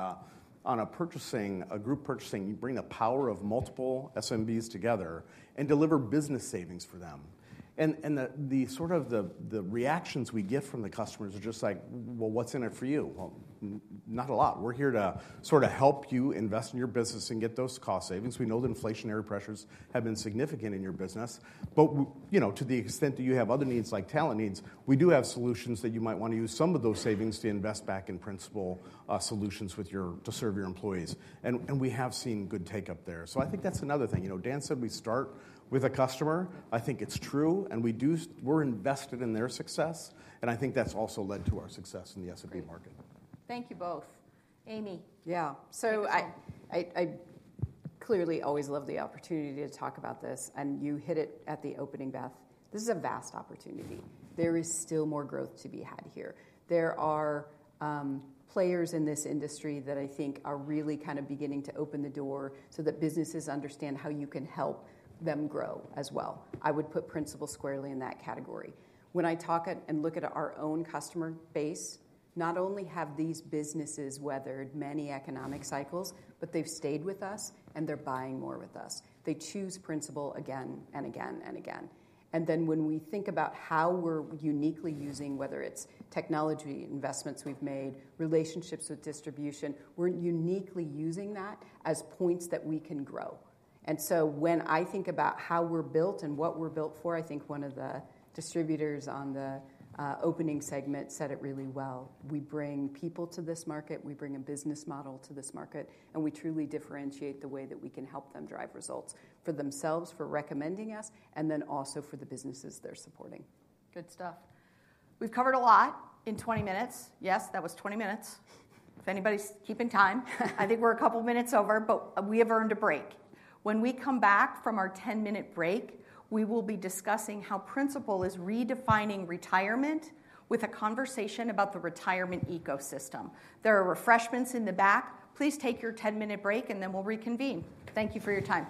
a purchasing, a group purchasing, bring the power of multiple SMBs together and deliver business savings for them. The sort of the reactions we get from the customers are just like, "Well, what's in it for you?" Well, not a lot. We're here to sort of help you invest in your business and get those cost savings. We know that inflationary pressures have been significant in your business, but you know, to the extent that you have other needs, like talent needs, we do have solutions that you might want to use some of those savings to invest back in Principal solutions to serve your employees. And we have seen good take-up there. So I think that's another thing. You know, Dan said we start with a customer. I think it's true, and we do, we're invested in their success, and I think that's also led to our success in the SMB market. Thank you both. Amy. Yeah. So I clearly always love the opportunity to talk about this, and you hit it at the opening, Beth. This is a vast opportunity. There is still more growth to be had here. There are players in this industry that I think are really kind of beginning to open the door so that businesses understand how you can help them grow as well. I would put Principal squarely in that category. When I talk and look at our own customer base, not only have these businesses weathered many economic cycles, but they've stayed with us and they're buying more with us. They choose Principal again and again and again. And then when we think about how we're uniquely using, whether it's technology investments we've made, relationships with distribution, we're uniquely using that as points that we can grow. And so when I think about how we're built and what we're built for, I think one of the distributors on the opening segment said it really well. We bring people to this market. We bring a business model to this market, and we truly differentiate the way that we can help them drive results for themselves, for recommending us, and then also for the businesses they're supporting. Good stuff. We've covered a lot in 20 minutes. Yes, that was 20 minutes. If anybody's keeping time, I think we're a couple of minutes over, but we have earned a break. When we come back from our 10-minute break, we will be discussing how Principal is redefining retirement with a conversation about the retirement ecosystem. There are refreshments in the back. Please take your 10-minute break, and then we'll reconvene. Thank you for your time.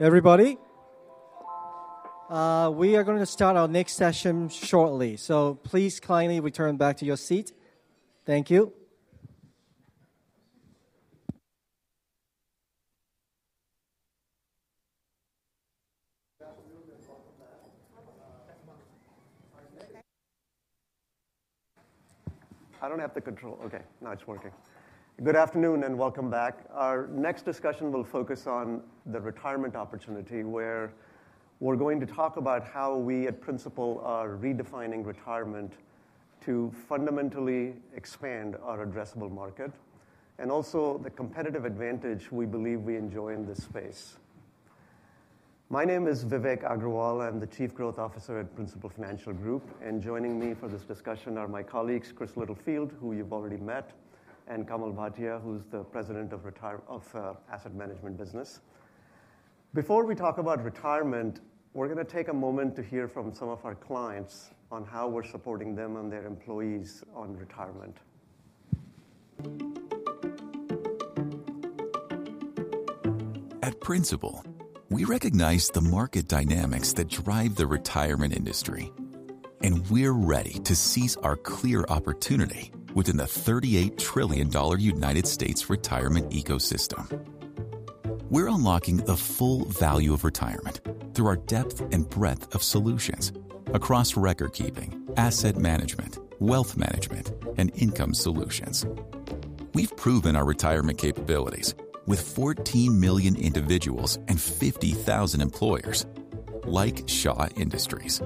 Everybody, we are going to start our next session shortly. So please kindly return back to your seat. Thank you. Good afternoon and welcome back. I don't have the control. Okay, now it's working. Good afternoon and welcome back. Our next discussion will focus on the retirement opportunity, where we're going to talk about how we at Principal are redefining retirement to fundamentally expand our addressable market and also the competitive advantage we believe we enjoy in this space. My name is Vivek Agrawal. I'm the Chief Growth Officer at Principal Financial Group, and joining me for this discussion are my colleagues, Chris Littlefield, who you've already met, and Kamal Bhatia, who's the President of Principal Asset Management. Before we talk about retirement, we're going to take a moment to hear from some of our clients on how we're supporting them and their employees on retirement. At Principal, we recognize the market dynamics that drive the retirement industry, and we're ready to seize our clear opportunity within the $38 trillion United States retirement ecosystem. We're unlocking the full value of retirement through our depth and breadth of solutions across record keeping, asset management, wealth management, and income solutions. We've proven our retirement capabilities with 14 million individuals and 50,000 employers like Shaw Industries.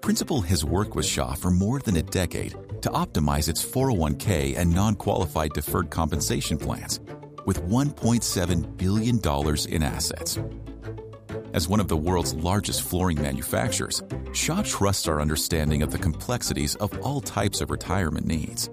Principal has worked with Shaw for more than a decade to optimize its 401(k) and non-qualified deferred compensation plans with $1.7 billion in assets. As one of the world's largest flooring manufacturers, Shaw trusts our understanding of the complexities of all types of retirement needs.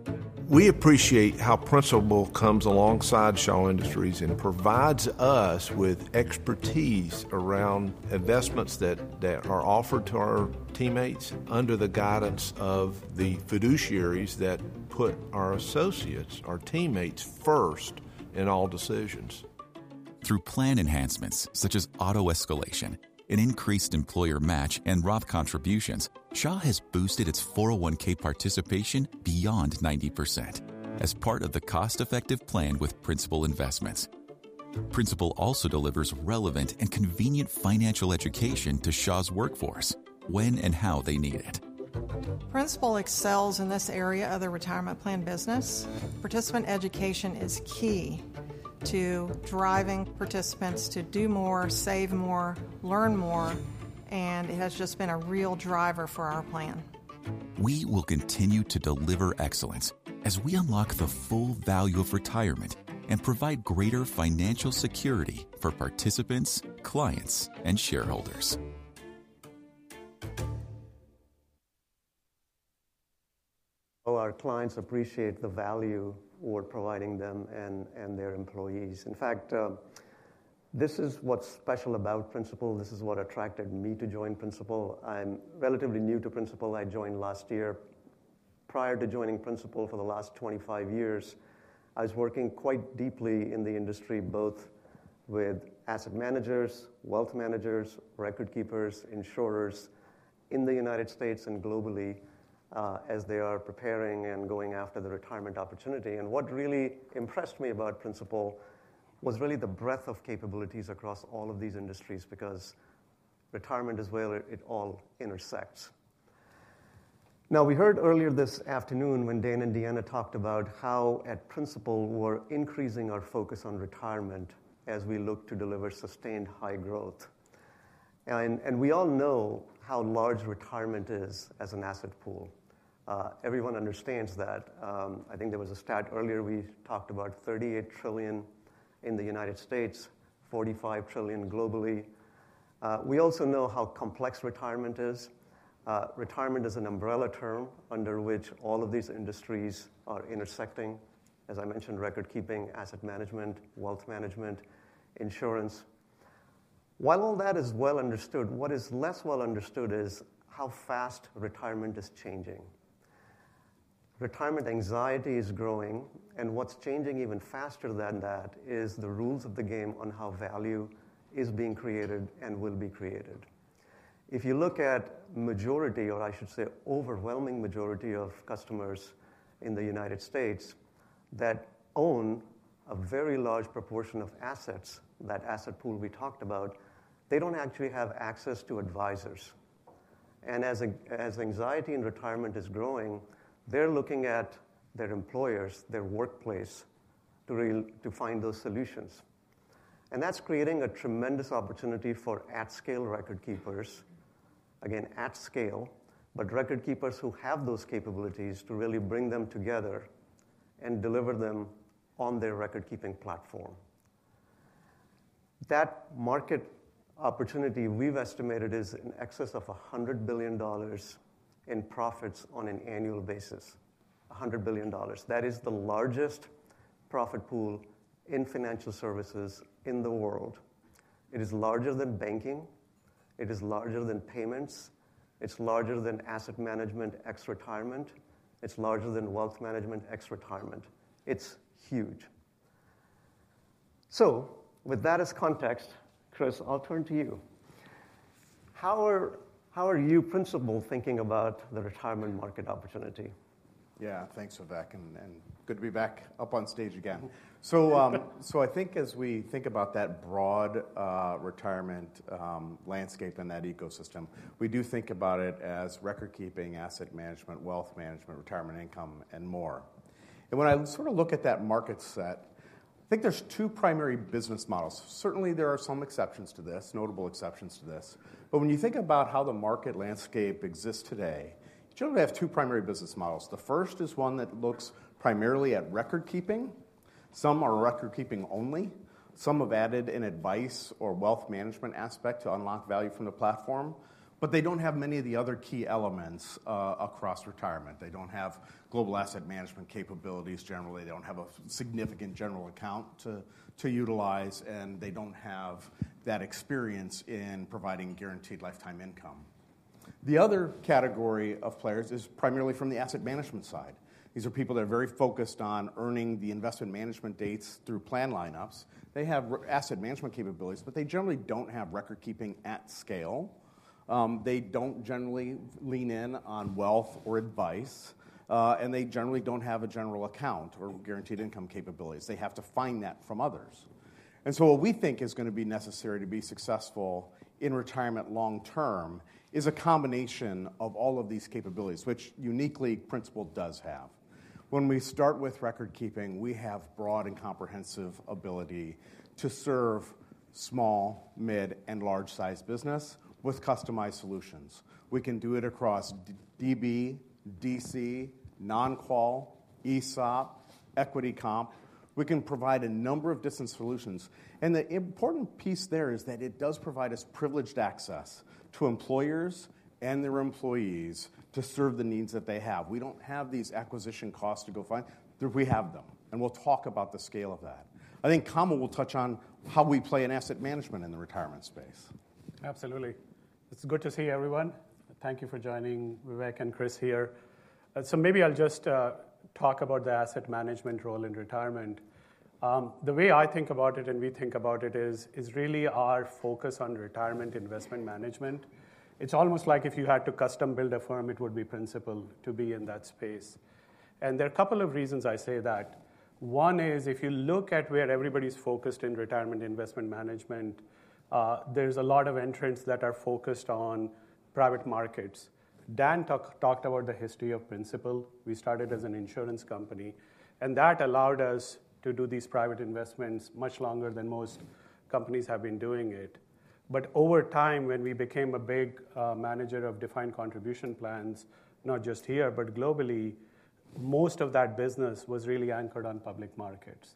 We appreciate how Principal comes alongside Shaw Industries and provides us with expertise around investments that are offered to our teammates under the guidance of the fiduciaries that put our associates, our teammates, first in all decisions. Through plan enhancements such as auto escalation, an increased employer match, and Roth contributions, Shaw has boosted its 401(k) participation beyond 90% as part of the cost-effective plan with Principal investments. Principal also delivers relevant and convenient financial education to Shaw's workforce when and how they need it. Principal excels in this area of the retirement plan business. Participant education is key to driving participants to do more, save more, learn more, and it has just been a real driver for our plan. We will continue to deliver excellence as we unlock the full value of retirement and provide greater financial security for participants, clients, and shareholders. Our clients appreciate the value we're providing them and their employees. In fact, this is what's special about Principal. This is what attracted me to join Principal. I'm relatively new to Principal. I joined last year. Prior to joining Principal for the last 25 years, I was working quite deeply in the industry, both with asset managers, wealth managers, record keepers, insurers in the United States and globally as they are preparing and going after the retirement opportunity. And what really impressed me about Principal was really the breadth of capabilities across all of these industries because retirement is where it all intersects. Now, we heard earlier this afternoon when Dan and Deanna talked about how at Principal we're increasing our focus on retirement as we look to deliver sustained high growth. And we all know how large retirement is as an asset pool. Everyone understands that. I think there was a stat earlier. We talked about $38 trillion in the United States, $45 trillion globally. We also know how complex retirement is. Retirement is an umbrella term under which all of these industries are intersecting, as I mentioned: record keeping, asset management, wealth management, insurance. While all that is well understood, what is less well understood is how fast retirement is changing. Retirement anxiety is growing, and what's changing even faster than that is the rules of the game on how value is being created and will be created. If you look at the majority, or I should say overwhelming majority, of customers in the United States that own a very large proportion of assets, that asset pool we talked about, they don't actually have access to advisors, and as anxiety in retirement is growing, they're looking at their employers, their workplace to find those solutions. And that's creating a tremendous opportunity for at-scale record keepers, again, at scale, but record keepers who have those capabilities to really bring them together and deliver them on their record keeping platform. That market opportunity we've estimated is in excess of $100 billion in profits on an annual basis, $100 billion. That is the largest profit pool in financial services in the world. It is larger than banking. It is larger than payments. It's larger than asset management ex-retirement. It's larger than wealth management ex-retirement. It's huge. So with that as context, Chris, I'll turn to you. How are you, Principal, thinking about the retirement market opportunity? Yeah, thanks, Vivek, and good to be back up on stage again. I think as we think about that broad retirement landscape and that ecosystem, we do think about it as record keeping, asset management, wealth management, retirement income, and more. When I sort of look at that market set, I think there's two primary business models. Certainly, there are some exceptions to this, notable exceptions to this. When you think about how the market landscape exists today, generally, we have two primary business models. The first is one that looks primarily at record keeping. Some are record keeping only. Some have added an advice or wealth management aspect to unlock value from the platform, but they don't have many of the other key elements across retirement. They don't have global asset management capabilities. Generally, they don't have a significant General Account to utilize, and they don't have that experience in providing guaranteed lifetime income. The other category of players is primarily from the asset management side. These are people that are very focused on earning the investment management dates through plan lineups. They have asset management capabilities, but they generally don't have record keeping at scale. They don't generally lean in on wealth or advice, and they generally don't have a General Account or guaranteed income capabilities. They have to find that from others. And so what we think is going to be necessary to be successful in retirement long term is a combination of all of these capabilities, which uniquely Principal does have. When we start with record keeping, we have broad and comprehensive ability to serve small, mid, and large-sized business with customized solutions. We can do it across DB, DC, non-qual, ESOP, equity comp. We can provide a number of different solutions. And the important piece there is that it does provide us privileged access to employers and their employees to serve the needs that they have. We don't have these acquisition costs to go find. We have them, and we'll talk about the scale of that. I think Kamal will touch on how we play in asset management in the retirement space. Absolutely. It's good to see everyone. Thank you for joining Vivek and Chris here. So maybe I'll just talk about the asset management role in retirement. The way I think about it and we think about it is really our focus on retirement investment management. It's almost like if you had to custom build a firm, it would be Principal to be in that space. And there are a couple of reasons I say that. One is if you look at where everybody's focused in retirement investment management, there's a lot of entrants that are focused on private markets. Dan talked about the history of Principal. We started as an insurance company, and that allowed us to do these private investments much longer than most companies have been doing it. But over time, when we became a big manager of defined contribution plans, not just here, but globally, most of that business was really anchored on public markets.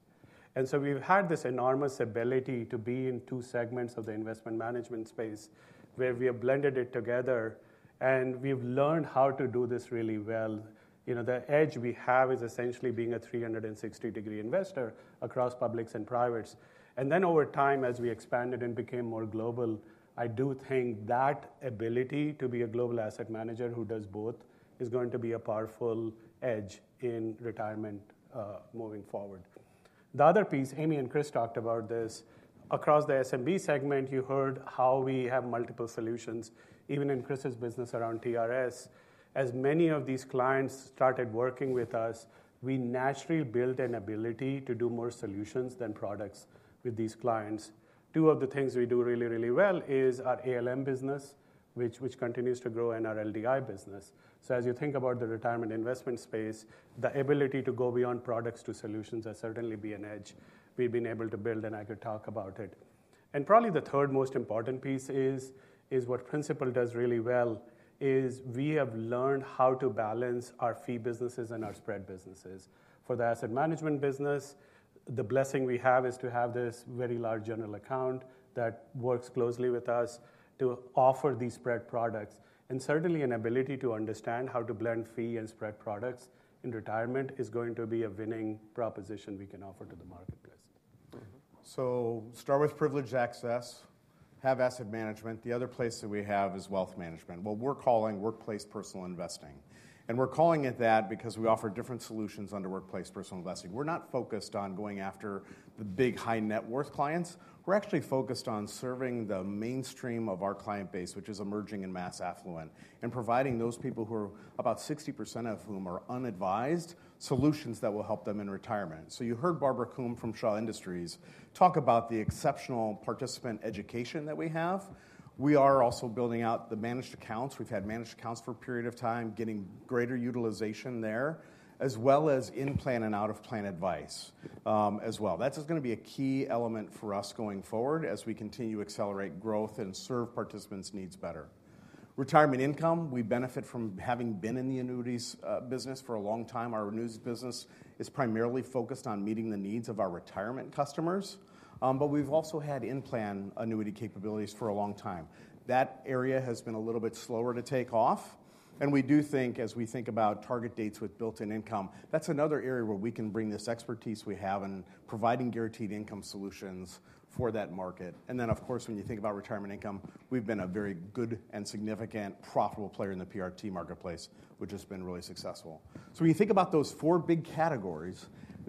And so we've had this enormous ability to be in two segments of the investment management space where we have blended it together, and we've learned how to do this really well. The edge we have is essentially being a 360-degree investor across publics and privates. Then over time, as we expanded and became more global, I do think that ability to be a global asset manager who does both is going to be a powerful edge in retirement moving forward. The other piece, Amy and Chris talked about this, across the SMB segment, you heard how we have multiple solutions, even in Chris's business around TRS. As many of these clients started working with us, we naturally built an ability to do more solutions than products with these clients. Two of the things we do really, really well is our ALM business, which continues to grow, and our LDI business. So as you think about the retirement investment space, the ability to go beyond products to solutions has certainly been an edge we've been able to build, and I could talk about it. Probably the third most important piece is what Principal does really well is we have learned how to balance our fee businesses and our spread businesses. For the asset management business, the blessing we have is to have this very large General Account that works closely with us to offer these spread products. Certainly, an ability to understand how to blend fee and spread products in retirement is going to be a winning proposition we can offer to the marketplace. Start with privileged access, have asset management. The other place that we have is wealth management, what we're calling Worksite Personal Investing. We're calling it that because we offer different solutions under Worksite Personal Investing. We're not focused on going after the big high net worth clients. We're actually focused on serving the mainstream of our client base, which is emerging and mass affluent, and providing those people, about 60% of whom are unadvised, solutions that will help them in retirement. So you heard Barbara Coombe from Shaw Industries talk about the exceptional participant education that we have. We are also building out the managed accounts. We've had managed accounts for a period of time, getting greater utilization there, as well as in-plan and out-of-plan advice as well. That's going to be a key element for us going forward as we continue to accelerate growth and serve participants' needs better. Retirement income, we benefit from having been in the annuities business for a long time. Our annuities business is primarily focused on meeting the needs of our retirement customers, but we've also had in-plan annuity capabilities for a long time. That area has been a little bit slower to take off. And we do think, as we think about target dates with built-in income, that's another area where we can bring this expertise we have in providing guaranteed income solutions for that market. And then, of course, when you think about retirement income, we've been a very good and significant profitable player in the PRT marketplace, which has been really successful. So when you think about those four big categories,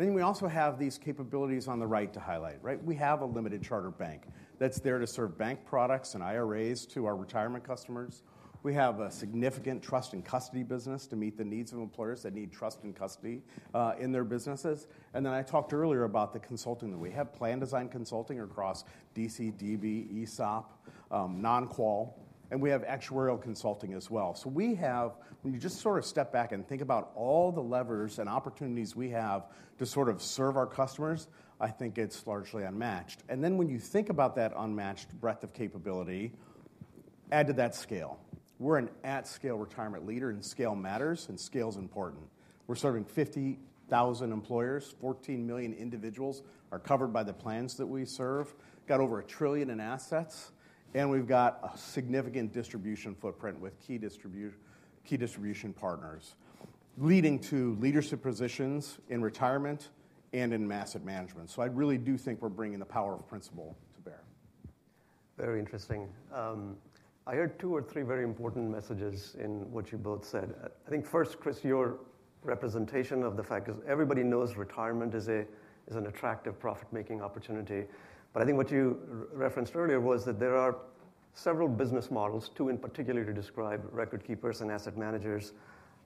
then we also have these capabilities on the right to highlight. We have a limited charter bank that's there to serve bank products and IRAs to our retirement customers. We have a significant trust and custody business to meet the needs of employers that need trust and custody in their businesses. And then I talked earlier about the consulting that we have, plan design consulting across DC, DB, ESOP, non-qual, and we have actuarial consulting as well. So we have, when you just sort of step back and think about all the levers and opportunities we have to sort of serve our customers, I think it's largely unmatched. And then when you think about that unmatched breadth of capability, add to that scale. We're an at-scale retirement leader, and scale matters, and scale is important. We're serving 50,000 employers. 14 million individuals are covered by the plans that we serve. Got over $1 trillion in assets, and we've got a significant distribution footprint with key distribution partners, leading to leadership positions in retirement and in asset management. So I really do think we're bringing the power of Principal to bear. Very interesting. I heard two or three very important messages in what you both said. I think first, Chris, your representation of the fact is everybody knows retirement is an attractive profit-making opportunity. But I think what you referenced earlier was that there are several business models, two in particular to describe: record keepers and asset managers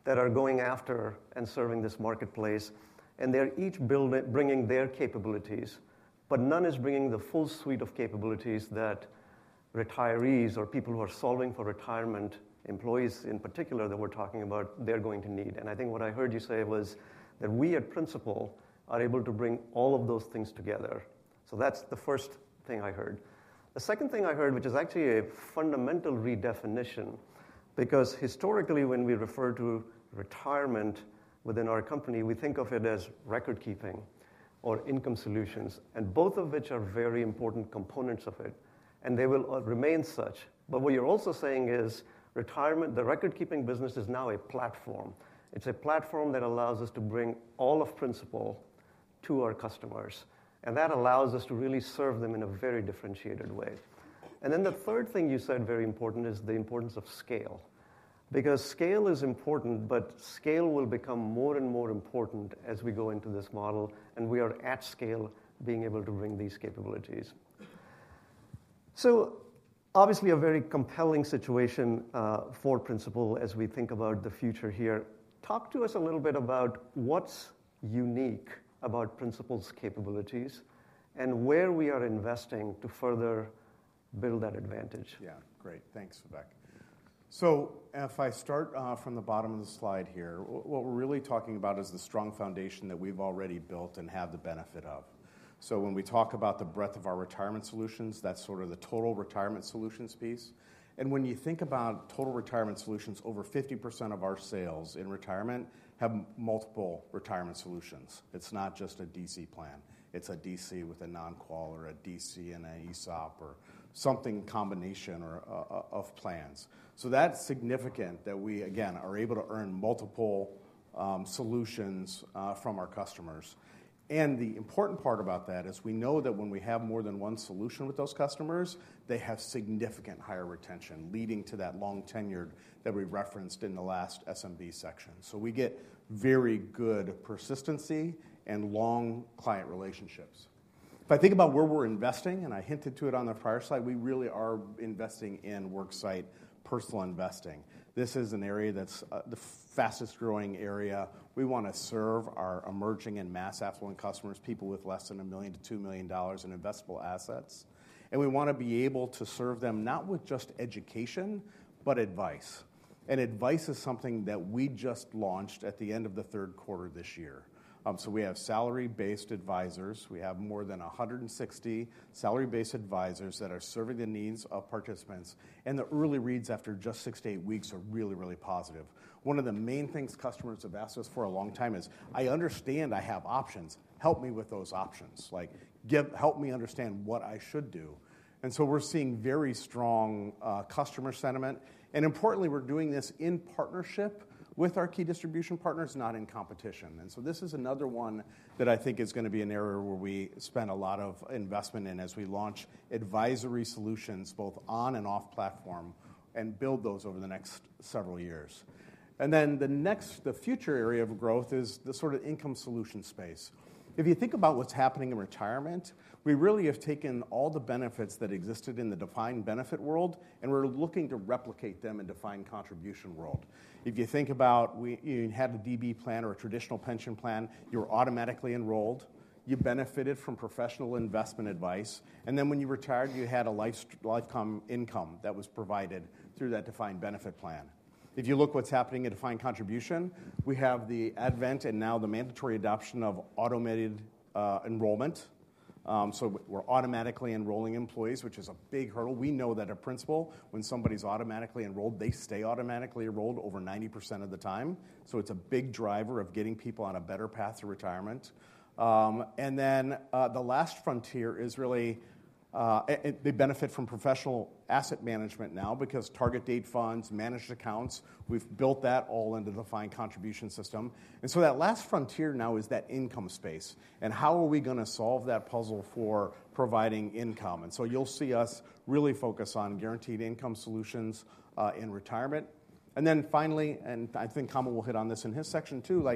that are going after and serving this marketplace, and they're each bringing their capabilities, but none is bringing the full suite of capabilities that retirees or people who are solving for retirement, employees in particular that we're talking about, they're going to need. And I think what I heard you say was that we at Principal are able to bring all of those things together. So that's the first thing I heard. The second thing I heard, which is actually a fundamental redefinition, because historically, when we refer to retirement within our company, we think of it as record keeping or income solutions, and both of which are very important components of it, and they will remain such. But what you're also saying is retirement, the record keeping business is now a platform. It's a platform that allows us to bring all of Principal to our customers, and that allows us to really serve them in a very differentiated way. And then the third thing you said, very important, is the importance of scale, because scale is important, but scale will become more and more important as we go into this model, and we are at scale being able to bring these capabilities. So obviously, a very compelling situation for Principal as we think about the future here. Talk to us a little bit about what's unique about Principal's capabilities and where we are investing to further build that advantage? Yeah, great. Thanks, Vivek. So if I start from the bottom of the slide here, what we're really talking about is the strong foundation that we've already built and have the benefit of. So when we talk about the breadth of our retirement solutions, that's sort of the Total Retirement Solutions piece. And when you think about Total Retirement Solutions, over 50% of our sales in retirement have multiple retirement solutions. It's not just a DC plan. It's a DC with a non-qual or a DC and an ESOP or something combination of plans. So that's significant that we, again, are able to earn multiple solutions from our customers. And the important part about that is we know that when we have more than one solution with those customers, they have significant higher retention, leading to that long tenure that we referenced in the last SMB section. So we get very good persistency and long client relationships. If I think about where we're investing, and I hinted to it on the prior slide, we really are investing in Worksite Personal Investing. This is an area that's the fastest growing area. We want to serve our emerging and mass affluent customers, people with less than a million to $2 million in investable assets. And we want to be able to serve them not with just education, but advice. And advice is something that we just launched at the end of the third quarter this year. So we have salary-based advisors. We have more than 160 salary-based advisors that are serving the needs of participants. And the early reads after just six to eight weeks are really, really positive. One of the main things customers have asked us for a long time is, "I understand I have options. Help me with those options. Help me understand what I should do." And so we're seeing very strong customer sentiment. And importantly, we're doing this in partnership with our key distribution partners, not in competition. And so this is another one that I think is going to be an area where we spend a lot of investment in as we launch advisory solutions both on and off platform and build those over the next several years. And then the next, the future area of growth is the sort of income solution space. If you think about what's happening in retirement, we really have taken all the benefits that existed in the defined benefit world, and we're looking to replicate them in defined contribution world. If you think about you had a DB plan or a traditional pension plan, you were automatically enrolled. You benefited from professional investment advice, and then when you retired, you had a lifetime income that was provided through that defined benefit plan. If you look at what's happening in defined contribution, we have the advent and now the mandatory adoption of automated enrollment, so we're automatically enrolling employees, which is a big hurdle. We know that at Principal, when somebody's automatically enrolled, they stay automatically enrolled over 90% of the time, so it's a big driver of getting people on a better path to retirement. And then the last frontier is really they benefit from professional asset management now because target date funds, managed accounts, we've built that all into the defined contribution system. And so that last frontier now is that income space. And how are we going to solve that puzzle for providing income? And so you'll see us really focus on guaranteed income solutions in retirement. And then finally, and I think Kamal will hit on this in his section too,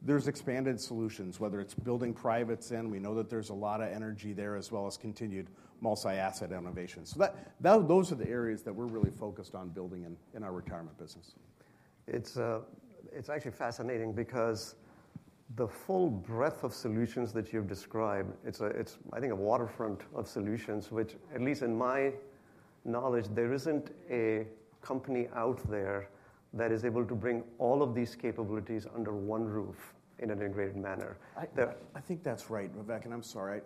there's expanded solutions, whether it's building privates in. We know that there's a lot of energy there as well as continued multi-asset innovation. So those are the areas that we're really focused on building in our retirement business. It's actually fascinating because the full breadth of solutions that you've described, it's, I think, a waterfront of solutions, which at least in my knowledge, there isn't a company out there that is able to bring all of these capabilities under one roof in an integrated manner. I think that's right, Vivek, and I'm sorry.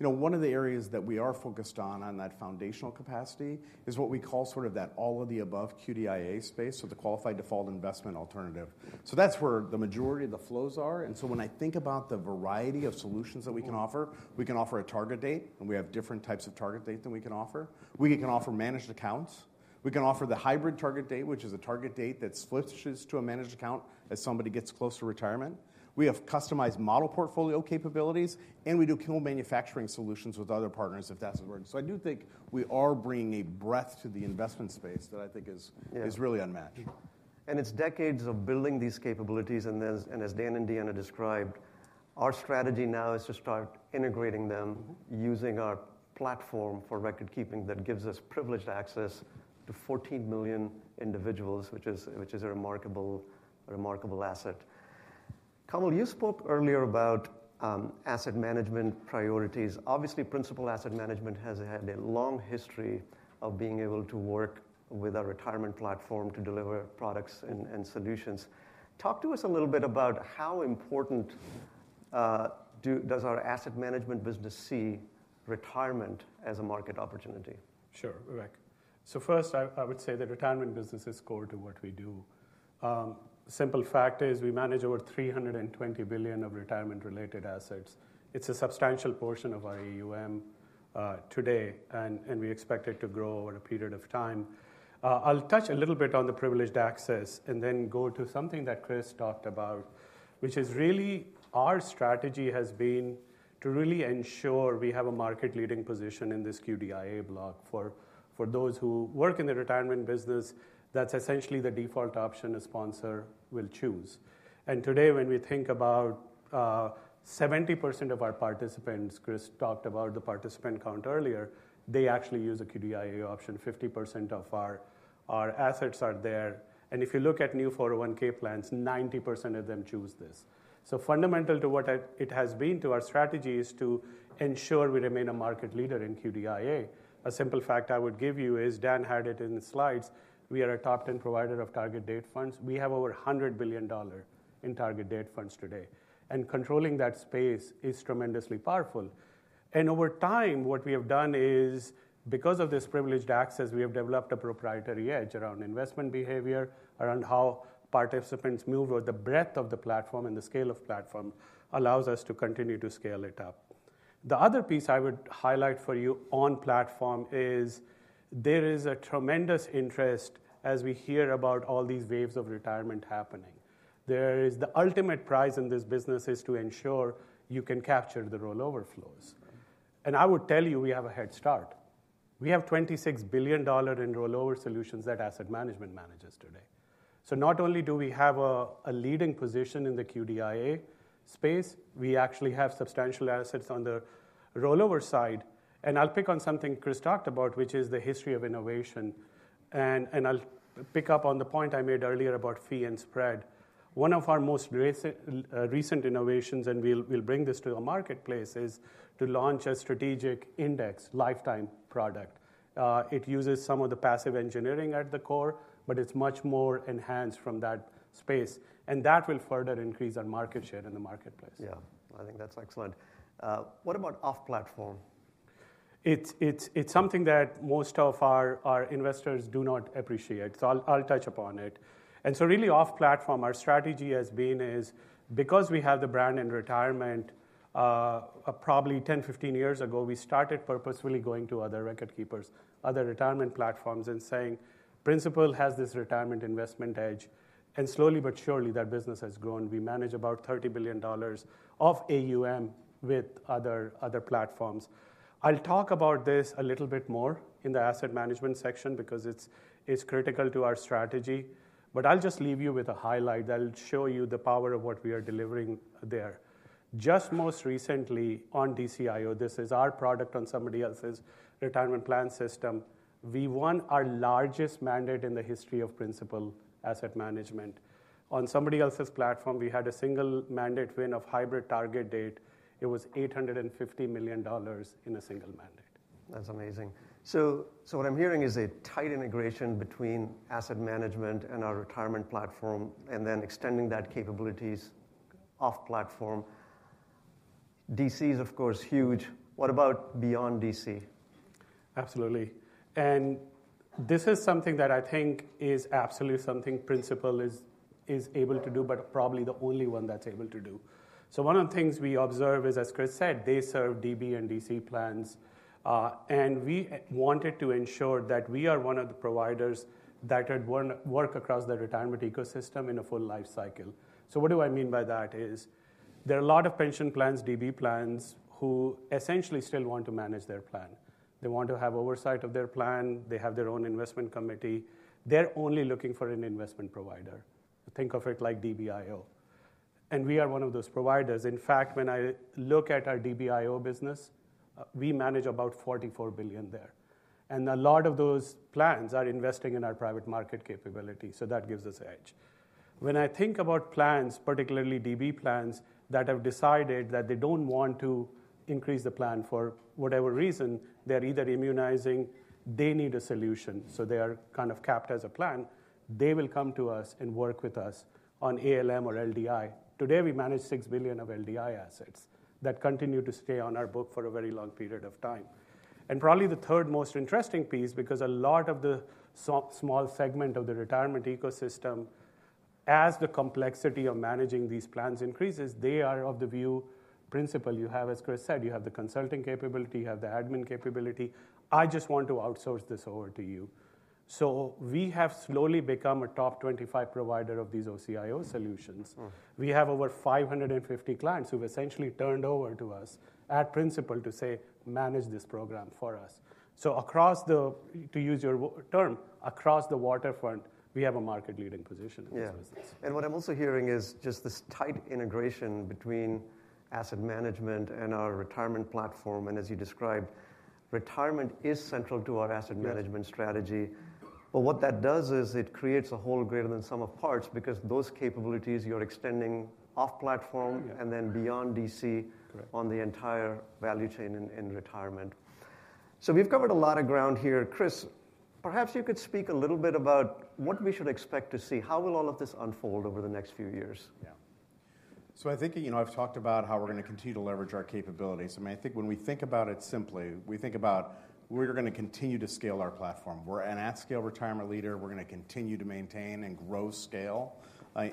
One of the areas that we are focused on, on that foundational capacity, is what we call sort of that all of the above QDIA space, so the qualified default investment alternative. So that's where the majority of the flows are. And so when I think about the variety of solutions that we can offer, we can offer a target date, and we have different types of target date that we can offer. We can offer managed accounts. We can offer the hybrid target date, which is a target date that switches to a managed account as somebody gets close to retirement. We have customized model portfolio capabilities, and we do co-manufacturing solutions with other partners if that's important. So I do think we are bringing a breadth to the investment space that I think is really unmatched. And it's decades of building these capabilities. And as Dan and Deanna described, our strategy now is to start integrating them, using our platform for record keeping that gives us privileged access to 14 million individuals, which is a remarkable asset. Kamal, you spoke earlier about asset management priorities. Obviously, Principal Asset Management has had a long history of being able to work with our retirement platform to deliver products and solutions. Talk to us a little bit about how important does our asset management business see retirement as a market opportunity? Sure, Vivek. So first, I would say the retirement business is core to what we do. Simple fact is we manage over $320 billion of retirement-related assets. It's a substantial portion of our AUM today, and we expect it to grow over a period of time. I'll touch a little bit on the privileged access and then go to something that Chris talked about, which is really our strategy has been to really ensure we have a market-leading position in this QDIA block for those who work in the retirement business. That's essentially the default option a sponsor will choose. And today, when we think about 70% of our participants, Chris talked about the participant count earlier, they actually use a QDIA option. 50% of our assets are there. If you look at new 401(k) plans, 90% of them choose this. Fundamental to what it has been to our strategy is to ensure we remain a market leader in QDIA. A simple fact I would give you is Dan had it in the slides. We are a top 10 provider of target date funds. We have over $100 billion in target date funds today. Controlling that space is tremendously powerful. Over time, what we have done is, because of this privileged access, we have developed a proprietary edge around investment behavior, around how participants move or the breadth of the platform and the scale of the platform allows us to continue to scale it up. The other piece I would highlight for you on platform is there is a tremendous interest as we hear about all these waves of retirement happening. The ultimate prize in this business is to ensure you can capture the rollover flows, and I would tell you we have a head start. We have $26 billion in rollover solutions that asset management manages today, so not only do we have a leading position in the QDIA space, we actually have substantial assets on the rollover side, and I'll pick on something Chris talked about, which is the history of innovation, and I'll pick up on the point I made earlier about fee and spread. One of our most recent innovations, and we'll bring this to the marketplace, is to launch a Strategic Index Lifetime product. It uses some of the passive engineering at the core, but it's much more enhanced from that space, and that will further increase our market share in the marketplace. Yeah, I think that's excellent. What about off-platform? It's something that most of our investors do not appreciate, so I'll touch upon it, and so really off-platform, our strategy has been is because we have the brand in retirement, probably 10, 15 years ago, we started purposefully going to other record keepers, other retirement platforms and saying, "Principal has this retirement investment edge," and slowly but surely, that business has grown. We manage about $30 billion of AUM with other platforms. I'll talk about this a little bit more in the asset management section because it's critical to our strategy, but I'll just leave you with a highlight. I'll show you the power of what we are delivering there. Just most recently on DCIO, this is our product on somebody else's retirement plan system. We won our largest mandate in the history of Principal Asset Management. On somebody else's platform, we had a single mandate win of hybrid target date. It was $850 million in a single mandate. That's amazing. So what I'm hearing is a tight integration between asset management and our retirement platform and then extending that capabilities off-platform. DC is, of course, huge. What about beyond DC? Absolutely. And this is something that I think is absolutely something Principal is able to do, but probably the only one that's able to do. So one of the things we observe is, as Chris said, they serve DB and DC plans. And we wanted to ensure that we are one of the providers that work across the retirement ecosystem in a full life cycle. So what do I mean by that is there are a lot of pension plans, DB plans, who essentially still want to manage their plan. They want to have oversight of their plan. They have their own investment committee. They're only looking for an investment provider. Think of it like DBIO. And we are one of those providers. In fact, when I look at our DBIO business, we manage about $44 billion there. And a lot of those plans are investing in our private market capability. So that gives us edge. When I think about plans, particularly DB plans, that have decided that they don't want to increase the plan for whatever reason, they're either immunizing, they need a solution. So they are kind of capped as a plan. They will come to us and work with us on ALM or LDI. Today, we manage $6 billion of LDI assets that continue to stay on our book for a very long period of time. Probably the third most interesting piece, because a lot of the small segment of the retirement ecosystem, as the complexity of managing these plans increases, they are of the view, "Principal, you have, as Chris said, you have the consulting capability, you have the admin capability. I just want to outsource this over to you." So we have slowly become a top 25 provider of these OCIO solutions. We have over 550 clients who've essentially turned over to us at Principal to say, "Manage this program for us." So across the, to use your term, across the waterfront, we have a market-leading position in this business. Yeah. What I'm also hearing is just this tight integration between asset management and our retirement platform. As you described, retirement is central to our asset management strategy. But what that does is it creates a whole greater than sum of parts because those capabilities you're extending off-platform and then beyond DC on the entire value chain in retirement. So we've covered a lot of ground here. Chris, perhaps you could speak a little bit about what we should expect to see. How will all of this unfold over the next few years? Yeah. So I think I've talked about how we're going to continue to leverage our capabilities. I mean, I think when we think about it simply, we think about we're going to continue to scale our platform. We're an at-scale retirement leader. We're going to continue to maintain and grow scale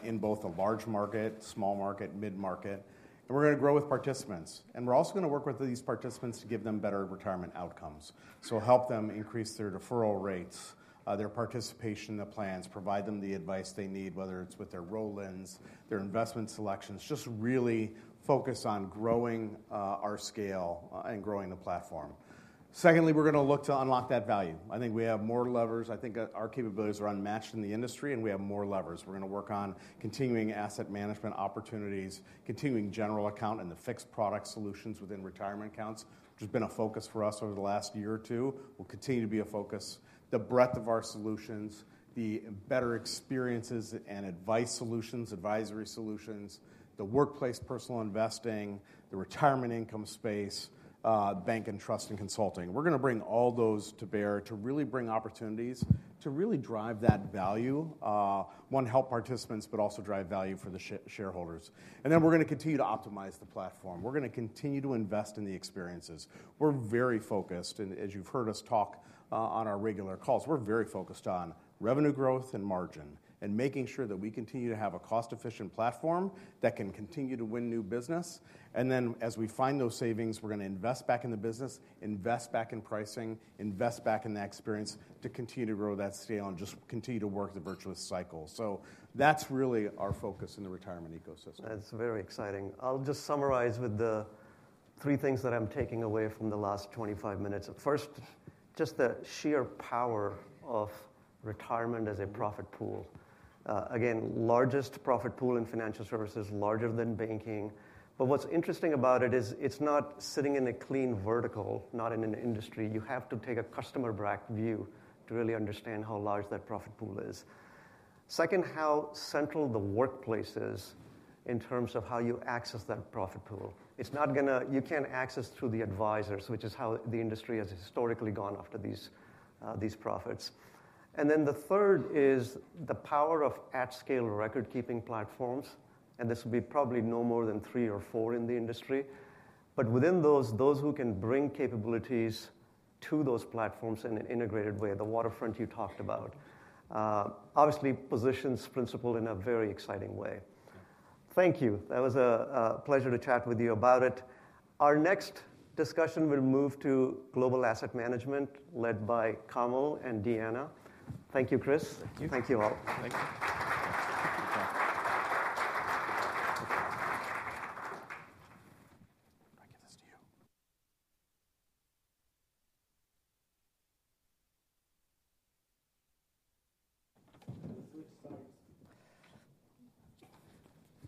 in both the large market, small market, mid-market. And we're going to grow with participants. And we're also going to work with these participants to give them better retirement outcomes. So, help them increase their deferral rates, their participation in the plans, provide them the advice they need, whether it's with their roll-ins, their investment selections, just really focus on growing our scale and growing the platform. Secondly, we're going to look to unlock that value. I think we have more levers. I think our capabilities are unmatched in the industry, and we have more levers. We're going to work on continuing asset management opportunities, continuing General Account and the fixed product solutions within retirement accounts, which has been a focus for us over the last year or two. It will continue to be a focus. The breadth of our solutions, the better experiences and advice solutions, advisory solutions, the Worksite Personal Investing, the retirement income space, the bank and trust, and consulting. We're going to bring all those to bear to really bring opportunities to really drive that value, one, help participants, but also drive value for the shareholders. And then we're going to continue to optimize the platform. We're going to continue to invest in the experiences. We're very focused. And as you've heard us talk on our regular calls, we're very focused on revenue growth and margin and making sure that we continue to have a cost-efficient platform that can continue to win new business. And then as we find those savings, we're going to invest back in the business, invest back in pricing, invest back in that experience to continue to grow that scale and just continue to work the virtuous cycle. So that's really our focus in the retirement ecosystem. That's very exciting. I'll just summarize with the three things that I'm taking away from the last 25 minutes. First, just the sheer power of retirement as a profit pool. Again, largest profit pool in financial services, larger than banking. But what's interesting about it is it's not sitting in a clean vertical, not in an industry. You have to take a customer-bracketed view to really understand how large that profit pool is. Second, how central the workplace is in terms of how you access that profit pool. You can't access through the advisors, which is how the industry has historically gone after these profits. And then the third is the power of at-scale record-keeping platforms. And this will be probably no more than three or four in the industry. But within those, those who can bring capabilities to those platforms in an integrated way, the waterfront you talked about, obviously positions Principal in a very exciting way. Thank you. That was a pleasure to chat with you about it. Our next discussion will move to global asset management led by Kamal and Deanna. Thank you, Chris. Thank you. Thank you all. Thank you. I give this to you.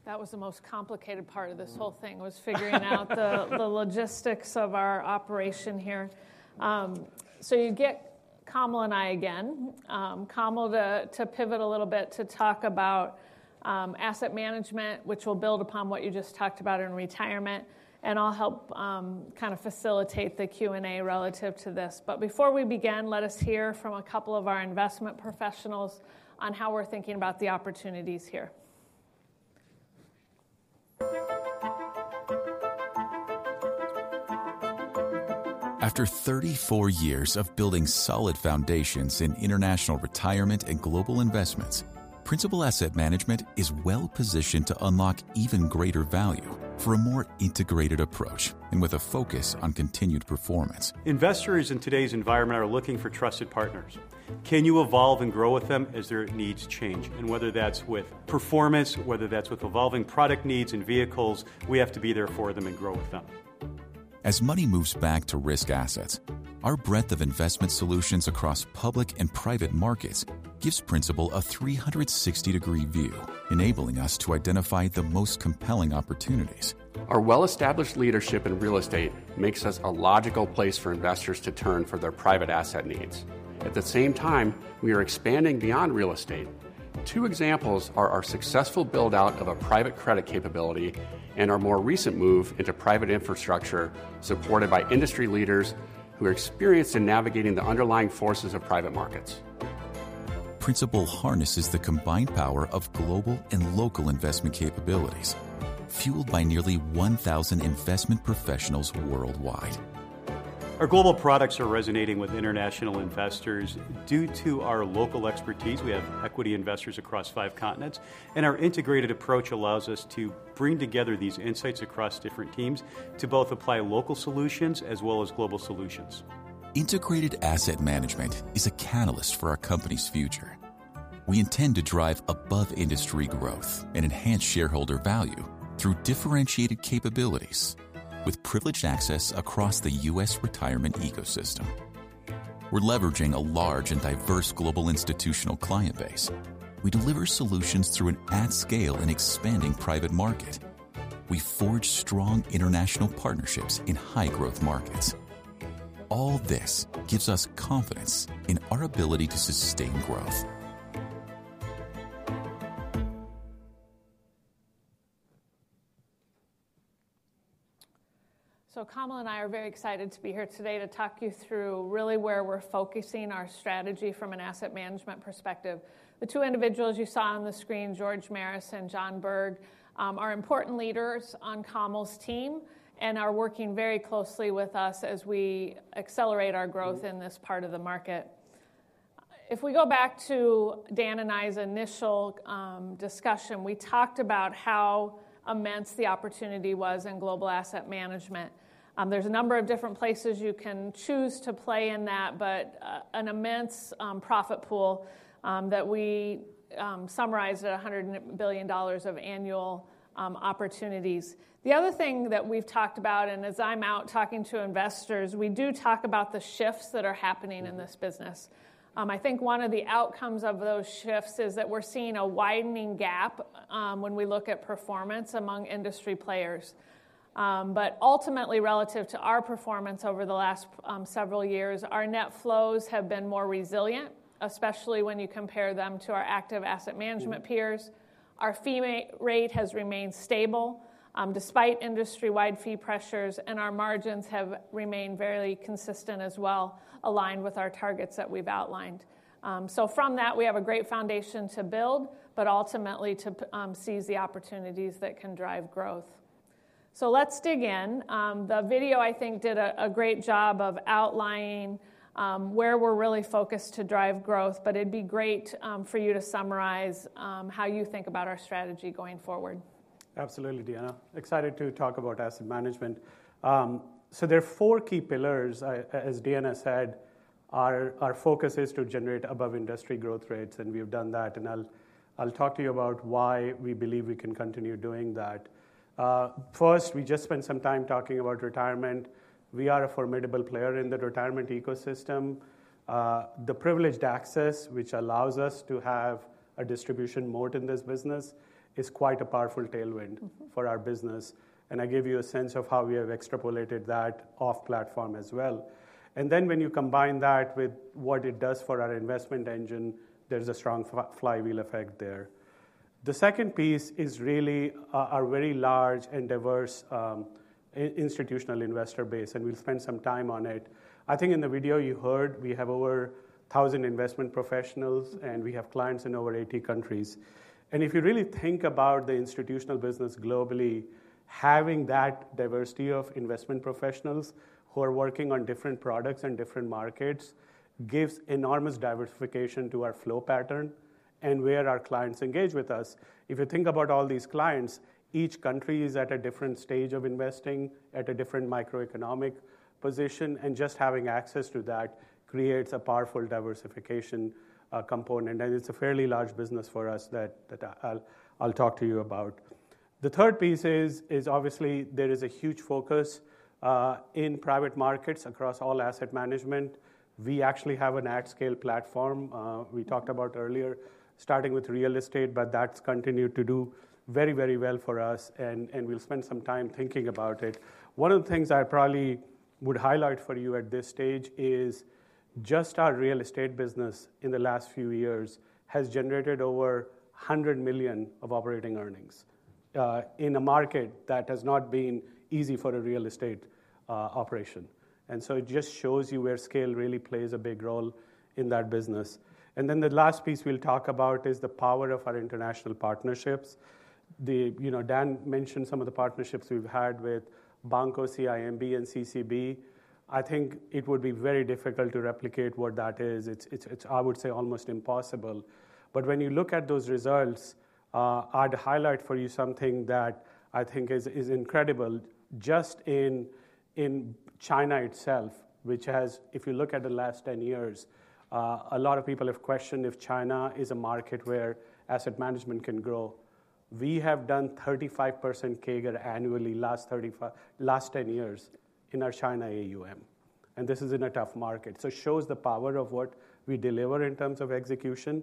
That was the most complicated part of this whole thing was figuring out the logistics of our operation here. So you get Kamal and I again. Kamal, to pivot a little bit to talk about asset management, which will build upon what you just talked about in retirement. And I'll help kind of facilitate the Q&A relative to this. But before we begin, let us hear from a couple of our investment professionals on how we're thinking about the opportunities here. After 34 years of building solid foundations in international retirement and global investments, Principal Asset Management is well positioned to unlock even greater value for a more integrated approach and with a focus on continued performance. Investors in today's environment are looking for trusted partners. Can you evolve and grow with them as their needs change? And whether that's with performance, whether that's with evolving product needs and vehicles, we have to be there for them and grow with them. As money moves back to risk assets, our breadth of investment solutions across public and private markets gives Principal a 360-degree view, enabling us to identify the most compelling opportunities. Our well-established leadership in real estate makes us a logical place for investors to turn for their private asset needs. At the same time, we are expanding beyond real estate. Two examples are our successful build-out of a private credit capability and our more recent move into private infrastructure supported by industry leaders who are experienced in navigating the underlying forces of private markets. Principal harnesses the combined power of global and local investment capabilities, fueled by nearly 1,000 investment professionals worldwide. Our global products are resonating with international investors. Due to our local expertise, we have equity investors across five continents, and our integrated approach allows us to bring together these insights across different teams to both apply local solutions as well as global solutions. Integrated asset management is a catalyst for our company's future. We intend to drive above-industry growth and enhance shareholder value through differentiated capabilities with privileged access across the U.S. retirement ecosystem. We're leveraging a large and diverse global institutional client base. We deliver solutions through an at-scale and expanding private market. We forge strong international partnerships in high-growth markets. All this gives us confidence in our ability to sustain growth. So Kamal and I are very excited to be here today to talk you through really where we're focusing our strategy from an asset management perspective. The two individuals you saw on the screen, George Maris and John Berg, are important leaders on Kamal's team and are working very closely with us as we accelerate our growth in this part of the market. If we go back to Dan and I's initial discussion, we talked about how immense the opportunity was in global asset management. There's a number of different places you can choose to play in that, but an immense profit pool that we summarized at $100 billion of annual opportunities. The other thing that we've talked about, and as I'm out talking to investors, we do talk about the shifts that are happening in this business. I think one of the outcomes of those shifts is that we're seeing a widening gap when we look at performance among industry players. But ultimately, relative to our performance over the last several years, our net flows have been more resilient, especially when you compare them to our active asset management peers. Our fee rate has remained stable despite industry-wide fee pressures, and our margins have remained fairly consistent as well, aligned with our targets that we've outlined. So from that, we have a great foundation to build, but ultimately to seize the opportunities that can drive growth. So let's dig in. The video, I think, did a great job of outlining where we're really focused to drive growth, but it'd be great for you to summarize how you think about our strategy going forward. Absolutely, Deanna. Excited to talk about asset management. So there are four key pillars, as Deanna said. Our focus is to generate above-industry growth rates, and we've done that. And I'll talk to you about why we believe we can continue doing that. First, we just spent some time talking about retirement. We are a formidable player in the retirement ecosystem. The privileged access, which allows us to have a distribution moat in this business, is quite a powerful tailwind for our business. And I give you a sense of how we have extrapolated that off-platform as well. And then when you combine that with what it does for our investment engine, there's a strong flywheel effect there. The second piece is really our very large and diverse institutional investor base, and we'll spend some time on it. I think in the video you heard, we have over 1,000 investment professionals, and we have clients in over 80 countries. And if you really think about the institutional business globally, having that diversity of investment professionals who are working on different products and different markets gives enormous diversification to our flow pattern and where our clients engage with us. If you think about all these clients, each country is at a different stage of investing, at a different microeconomic position, and just having access to that creates a powerful diversification component. And it's a fairly large business for us that I'll talk to you about. The third piece is, obviously, there is a huge focus in private markets across all asset management. We actually have an at-scale platform we talked about earlier, starting with real estate, but that's continued to do very, very well for us, and we'll spend some time thinking about it. One of the things I probably would highlight for you at this stage is just our real estate business in the last few years has generated over $100 million of operating earnings in a market that has not been easy for a real estate operation. And so it just shows you where scale really plays a big role in that business. And then the last piece we'll talk about is the power of our international partnerships. Dan mentioned some of the partnerships we've had with Banco, CIMB, and CCB. I think it would be very difficult to replicate what that is. It's, I would say, almost impossible. But when you look at those results, I'd highlight for you something that I think is incredible. Just in China itself, which has, if you look at the last 10 years, a lot of people have questioned if China is a market where asset management can grow. We have done 35% CAGR annually last 10 years in our China AUM. And this is in a tough market. So it shows the power of what we deliver in terms of execution.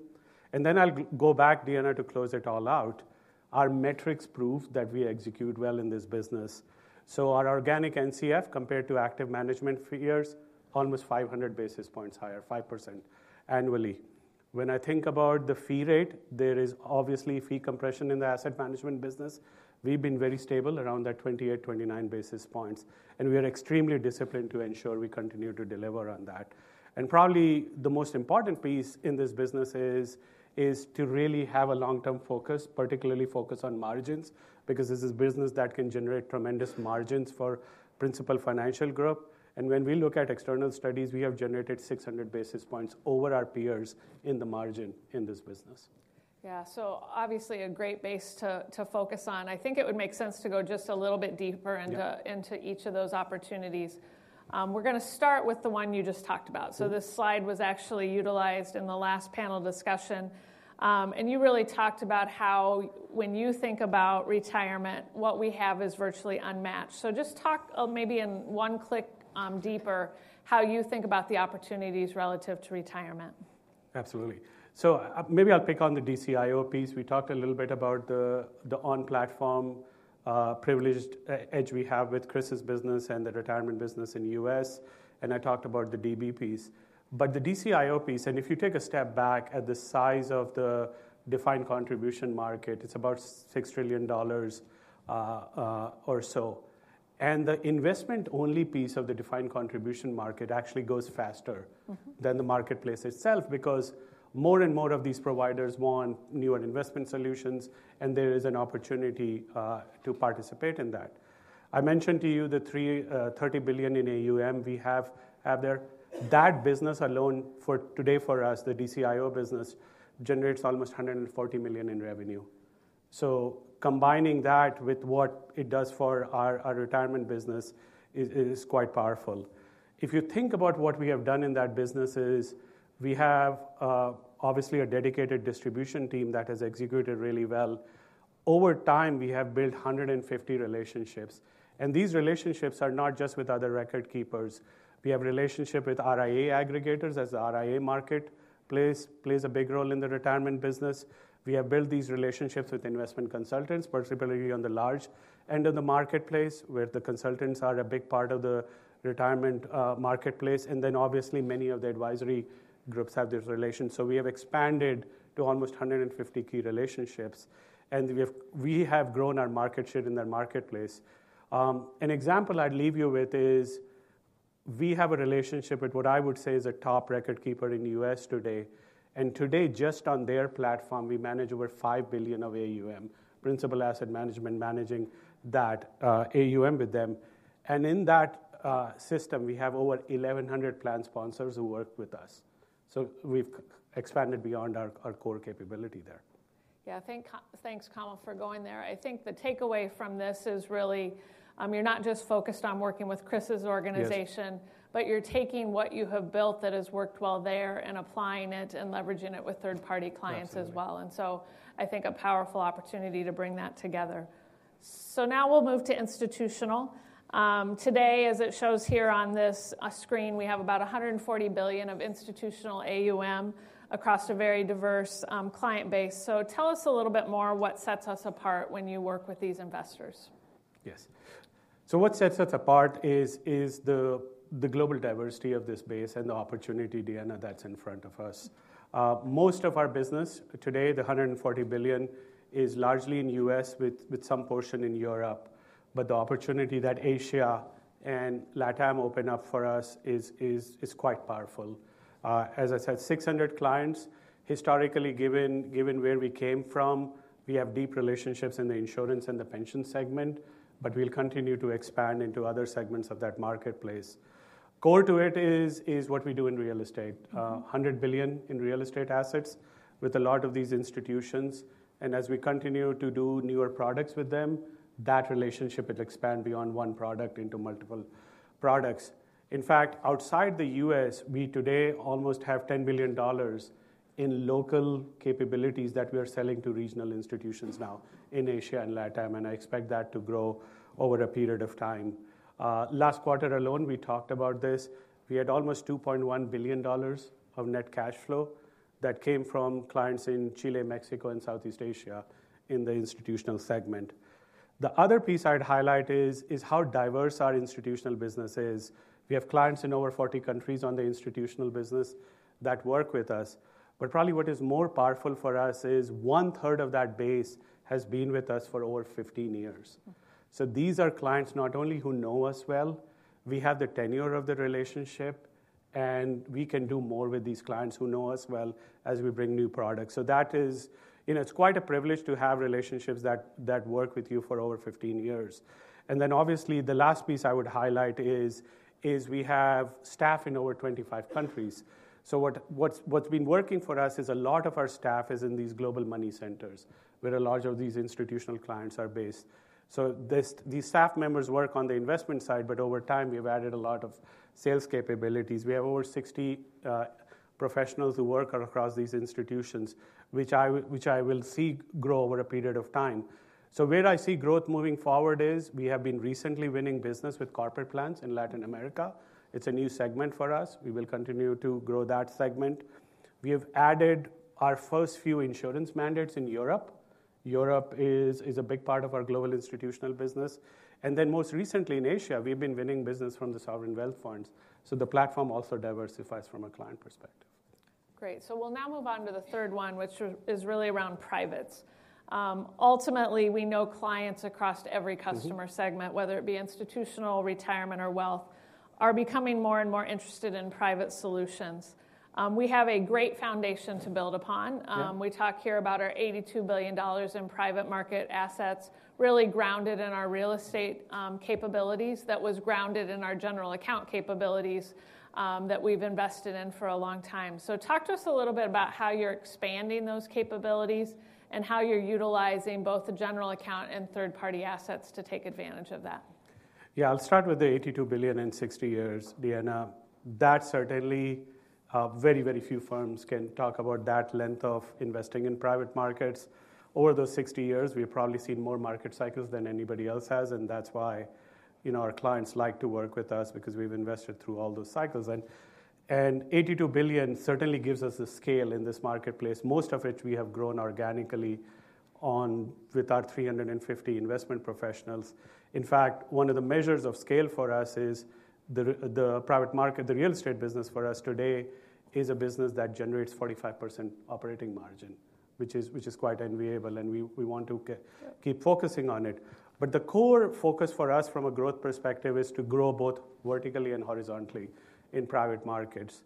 And then I'll go back, Deanna, to close it all out. Our metrics prove that we execute well in this business. So our organic NCF compared to active management figures, almost 500 basis points higher, 5% annually. When I think about the fee rate, there is obviously fee compression in the asset management business. We've been very stable around that 28-29 basis points. We are extremely disciplined to ensure we continue to deliver on that. Probably the most important piece in this business is to really have a long-term focus, particularly focus on margins, because this is a business that can generate tremendous margins for Principal Financial Group. When we look at external studies, we have generated 600 basis points over our peers in the margin in this business. Yeah, so obviously a great base to focus on. I think it would make sense to go just a little bit deeper into each of those opportunities. We're going to start with the one you just talked about. This slide was actually utilized in the last panel discussion. You really talked about how when you think about retirement, what we have is virtually unmatched. So just talk maybe one click deeper how you think about the opportunities relative to retirement. Absolutely. So maybe I'll pick on the DCIO piece. We talked a little bit about the on-platform privileged edge we have with Chris's business and the retirement business in the U.S. And I talked about the DB piece. But the DCIO piece, and if you take a step back at the size of the defined contribution market, it's about $6 trillion or so. And the investment-only piece of the defined contribution market actually goes faster than the marketplace itself because more and more of these providers want newer investment solutions, and there is an opportunity to participate in that. I mentioned to you the $30 billion in AUM we have there. That business alone for today for us, the DCIO business, generates almost $140 million in revenue. So combining that with what it does for our retirement business is quite powerful. If you think about what we have done in that business, we have obviously a dedicated distribution team that has executed really well. Over time, we have built 150 relationships. And these relationships are not just with other record keepers. We have a relationship with RIA aggregators as the RIA marketplace plays a big role in the retirement business. We have built these relationships with investment consultants, particularly on the large end of the marketplace where the consultants are a big part of the retirement marketplace. And then obviously many of the advisory groups have these relations. So we have expanded to almost 150 key relationships. And we have grown our market share in that marketplace. An example I'd leave you with is we have a relationship with what I would say is a top record keeper in the U.S. today. And today, just on their platform, we manage over $5 billion of AUM, Principal Asset Management, managing that AUM with them. And in that system, we have over 1,100 plan sponsors who work with us. So we've expanded beyond our core capability there. Yeah, thanks, Kamal, for going there. I think the takeaway from this is really you're not just focused on working with Chris's organization, but you're taking what you have built that has worked well there and applying it and leveraging it with third-party clients as well. And so I think a powerful opportunity to bring that together. So now we'll move to institutional. Today, as it shows here on this screen, we have about $140 billion of institutional AUM across a very diverse client base. So tell us a little bit more what sets us apart when you work with these investors. Yes. So what sets us apart is the global diversity of this base and the opportunity, Deanna, that's in front of us. Most of our business today, the $140 billion, is largely in the U.S. with some portion in Europe. But the opportunity that Asia and LATAM open up for us is quite powerful. As I said, 600 clients, historically, given where we came from, we have deep relationships in the insurance and the pension segment, but we'll continue to expand into other segments of that marketplace. Core to it is what we do in real estate, $100 billion in real estate assets with a lot of these institutions. As we continue to do newer products with them, that relationship will expand beyond one product into multiple products. In fact, outside the U.S., we today almost have $10 billion in local capabilities that we are selling to regional institutions now in Asia and LATAM. I expect that to grow over a period of time. Last quarter alone, we talked about this. We had almost $2.1 billion of net cash flow that came from clients in Chile, Mexico, and Southeast Asia in the institutional segment. The other piece I'd highlight is how diverse our institutional business is. We have clients in over 40 countries on the institutional business that work with us. Probably what is more powerful for us is one-third of that base has been with us for over 15 years. So these are clients not only who know us well, we have the tenure of the relationship, and we can do more with these clients who know us well as we bring new products. So that is, it's quite a privilege to have relationships that work with you for over 15 years. And then obviously, the last piece I would highlight is we have staff in over 25 countries. So what's been working for us is a lot of our staff is in these global money centers where a large of these institutional clients are based. So these staff members work on the investment side, but over time, we've added a lot of sales capabilities. We have over 60 professionals who work across these institutions, which I will see grow over a period of time. So where I see growth moving forward is we have been recently winning business with corporate plans in Latin America. It's a new segment for us. We will continue to grow that segment. We have added our first few insurance mandates in Europe. Europe is a big part of our global institutional business. And then most recently in Asia, we've been winning business from the sovereign wealth funds. So the platform also diversifies from a client perspective. Great. So we'll now move on to the third one, which is really around privates. Ultimately, we know clients across every customer segment, whether it be institutional, retirement, or wealth, are becoming more and more interested in private solutions. We have a great foundation to build upon. We talk here about our $82 billion in private market assets, really grounded in our real estate capabilities that was grounded in our General Account capabilities that we've invested in for a long time. So talk to us a little bit about how you're expanding those capabilities and how you're utilizing both the General Account and third-party assets to take advantage of that. Yeah, I'll start with the $82 billion in 60 years, Deanna. That certainly very, very few firms can talk about that length of investing in private markets. Over those 60 years, we've probably seen more market cycles than anybody else has. And that's why our clients like to work with us because we've invested through all those cycles. And $82 billion certainly gives us the scale in this marketplace, most of which we have grown organically with our 350 investment professionals. In fact, one of the measures of scale for us is the private market, the real estate business for us today is a business that generates 45% operating margin, which is quite enviable. And we want to keep focusing on it. But the core focus for us from a growth perspective is to grow both vertically and horizontally in private markets.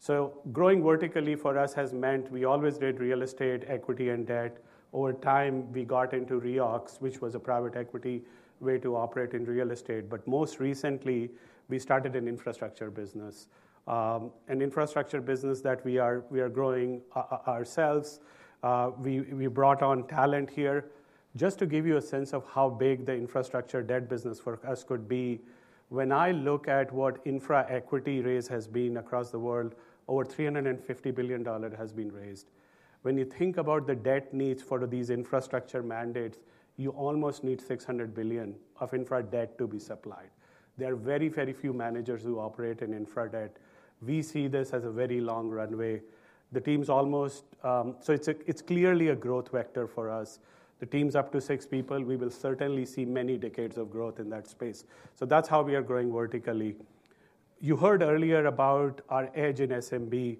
So growing vertically for us has meant we always did real estate, equity, and debt. Over time, we got into REOC, which was a private equity way to operate in real estate. But most recently, we started an infrastructure business, an infrastructure business that we are growing ourselves. We brought on talent here just to give you a sense of how big the infrastructure debt business for us could be. When I look at what infra equity raise has been across the world, over $350 billion has been raised. When you think about the debt needs for these infrastructure mandates, you almost need $600 billion of infra debt to be supplied. There are very, very few managers who operate in infra debt. We see this as a very long runway. The team's almost, so it's clearly a growth vector for us. The team's up to six people. We will certainly see many decades of growth in that space. So that's how we are growing vertically. You heard earlier about our edge in SMB.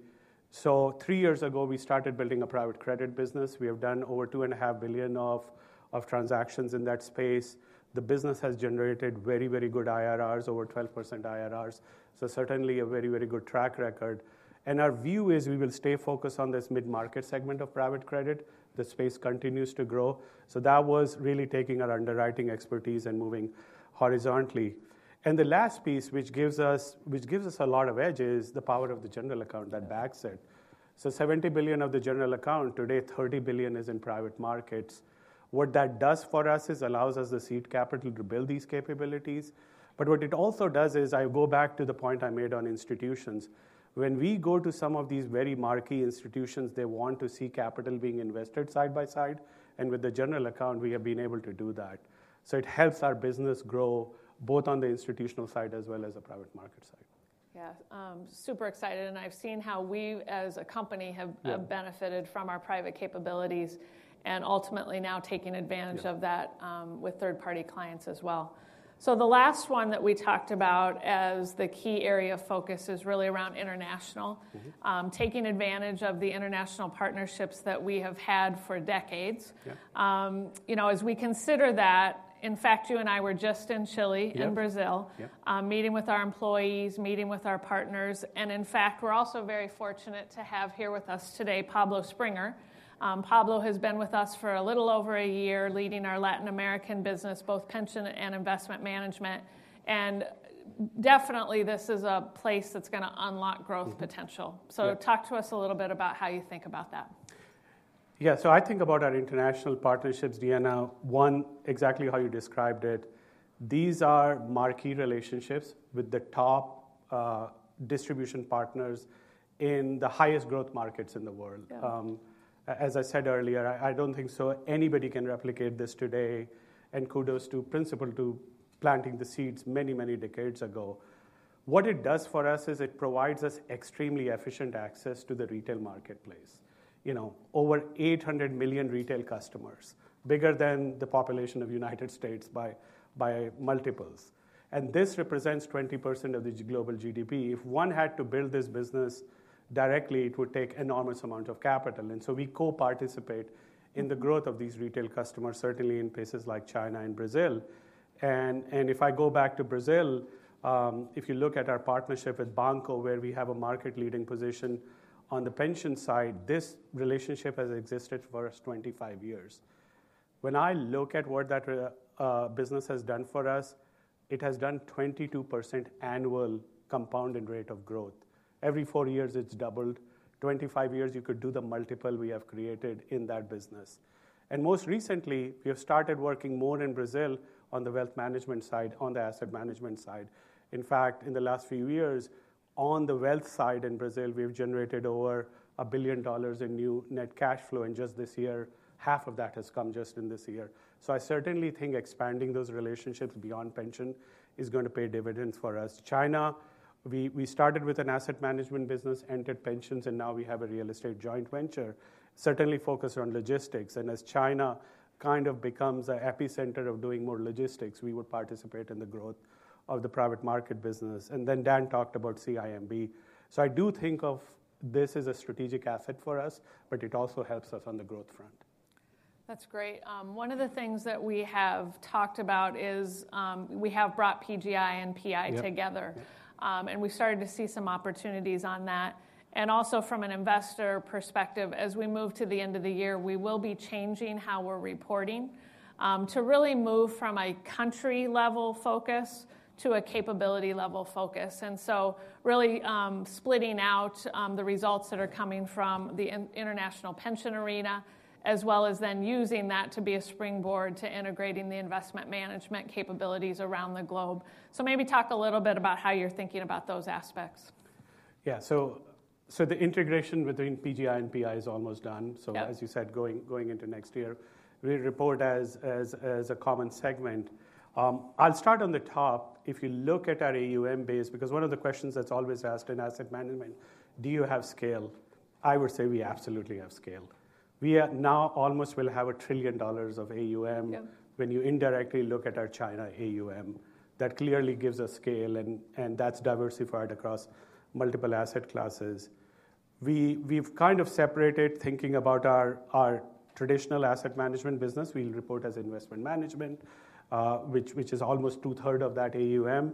So three years ago, we started building a private credit business. We have done over $2.5 billion of transactions in that space. The business has generated very, very good IRRs, over 12% IRRs. So certainly a very, very good track record. And our view is we will stay focused on this mid-market segment of private credit. The space continues to grow. That was really taking our underwriting expertise and moving horizontally. The last piece, which gives us a lot of edge, is the power of General Account that backs it. $70 billion of General Account, today $30 billion is in private markets. What that does for us is allows us the seed capital to build these capabilities. But what it also does is I go back to the point I made on institutions. When we go to some of these very marquee institutions, they want to see capital being invested side by side. With General Account, we have been able to do that. It helps our business grow both on the institutional side as well as the private market side. Yeah, super excited. I've seen how we as a company have benefited from our private capabilities and ultimately now taking advantage of that with third-party clients as well. The last one that we talked about as the key area of focus is really around international, taking advantage of the international partnerships that we have had for decades. As we consider that, in fact, you and I were just in Chile, in Brazil, meeting with our employees, meeting with our partners. In fact, we're also very fortunate to have here with us today, Pablo Sprenger. Pablo has been with us for a little over a year leading our Latin American business, both pension and investment management. Definitely, this is a place that's going to unlock growth potential. Talk to us a little bit about how you think about that. Yeah, so I think about our international partnerships, Deanna, one exactly how you described it. These are marquee relationships with the top distribution partners in the highest growth markets in the world. As I said earlier, I don't think so anybody can replicate this today. And kudos to Principal to planting the seeds many, many decades ago. What it does for us is it provides us extremely efficient access to the retail marketplace, over 800 million retail customers, bigger than the population of the United States by multiples. And this represents 20% of the global GDP. If one had to build this business directly, it would take an enormous amount of capital. And so we co-participate in the growth of these retail customers, certainly in places like China and Brazil. And if I go back to Brazil, if you look at our partnership with Banco, where we have a market-leading position on the pension side, this relationship has existed for us 25 years. When I look at what that business has done for us, it has done 22% annual compounding rate of growth. Every four years, it's doubled. 25 years, you could do the multiple we have created in that business. And most recently, we have started working more in Brazil on the wealth management side, on the asset management side. In fact, in the last few years, on the wealth side in Brazil, we've generated over $1 billion in new net cash flow. And just this year, half of that has come just in this year. So I certainly think expanding those relationships beyond pension is going to pay dividends for us. China, we started with an asset management business, entered pensions, and now we have a real estate joint venture, certainly focused on logistics, and as China kind of becomes an epicenter of doing more logistics, we would participate in the growth of the private market business, and then Dan talked about CIMB, so I do think of this as a strategic asset for us, but it also helps us on the growth front. That's great. One of the things that we have talked about is we have brought PGI and PI together, and we started to see some opportunities on that, and also from an investor perspective, as we move to the end of the year, we will be changing how we're reporting to really move from a country-level focus to a capability-level focus. And so really splitting out the results that are coming from the international pension arena, as well as then using that to be a springboard to integrating the investment management capabilities around the globe. So maybe talk a little bit about how you're thinking about those aspects. Yeah, so the integration between PGI and PI is almost done. So as you said, going into next year, we report as a common segment. I'll start on the top. If you look at our AUM base, because one of the questions that's always asked in asset management, do you have scale? I would say we absolutely have scale. We now almost will have $1 trillion of AUM when you indirectly look at our China AUM. That clearly gives us scale, and that's diversified across multiple asset classes. We've kind of separated thinking about our traditional asset management business. We'll report as investment management, which is almost two-thirds of that AUM.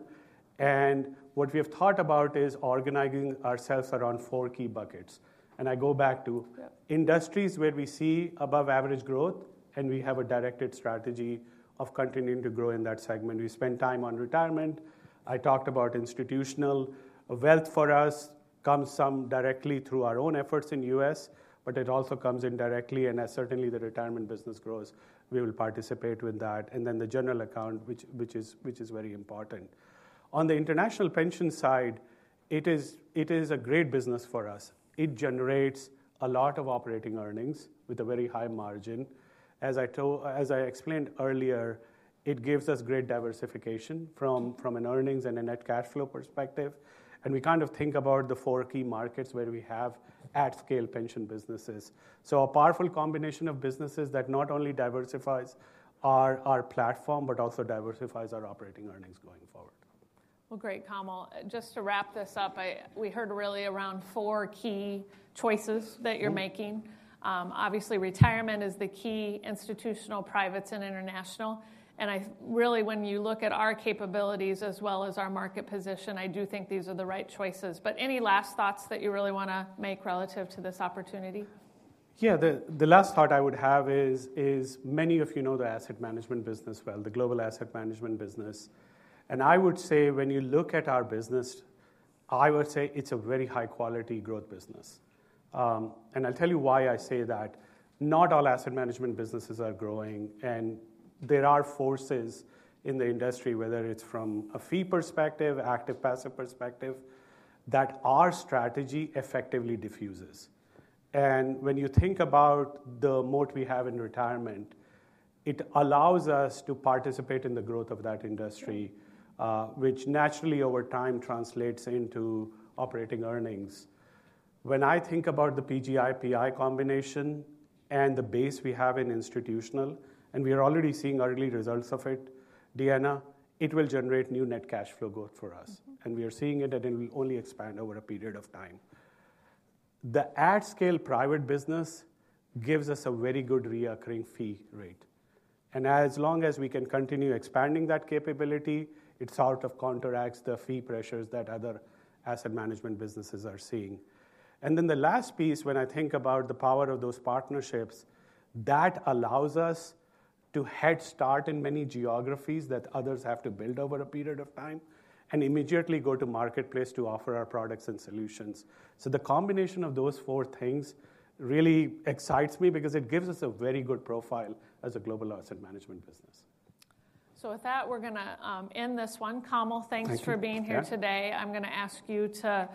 And what we have thought about is organizing ourselves around four key buckets. And I go back to industries where we see above-average growth, and we have a directed strategy of continuing to grow in that segment. We spend time on retirement. I talked about institutional wealth for us comes some directly through our own efforts in the U.S., but it also comes indirectly. And as certainly the retirement business grows, we will participate with that. And then the General Account, which is very important. On the international pension side, it is a great business for us. It generates a lot of operating earnings with a very high margin. As I explained earlier, it gives us great diversification from an earnings and a net cash flow perspective. And we kind of think about the four key markets where we have at-scale pension businesses. So a powerful combination of businesses that not only diversifies our platform, but also diversifies our operating earnings going forward. Well, great, Kamal. Just to wrap this up, we heard really around four key choices that you're making. Obviously, retirement is the key institutional, private, and international. And really, when you look at our capabilities as well as our market position, I do think these are the right choices. But any last thoughts that you really want to make relative to this opportunity? Yeah, the last thought I would have is many of you know the asset management business well, the global asset management business. And I would say when you look at our business, I would say it's a very high-quality growth business. And I'll tell you why I say that. Not all asset management businesses are growing. And there are forces in the industry, whether it's from a fee perspective, active-passive perspective, that our strategy effectively diffuses. And when you think about the moat we have in retirement, it allows us to participate in the growth of that industry, which naturally over time translates into operating earnings. When I think about the PGI-PI combination and the base we have in institutional, and we are already seeing early results of it, Deanna, it will generate new net cash flow growth for us. And we are seeing it, and it will only expand over a period of time. The at-scale private business gives us a very good recurring fee rate. And as long as we can continue expanding that capability, it sort of counteracts the fee pressures that other asset management businesses are seeing. And then the last piece, when I think about the power of those partnerships, that allows us to head start in many geographies that others have to build over a period of time and immediately go to marketplace to offer our products and solutions. So the combination of those four things really excites me because it gives us a very good profile as a global asset management business. So with that, we're going to end this one. Kamal, thanks for being here today. I'm going to ask you to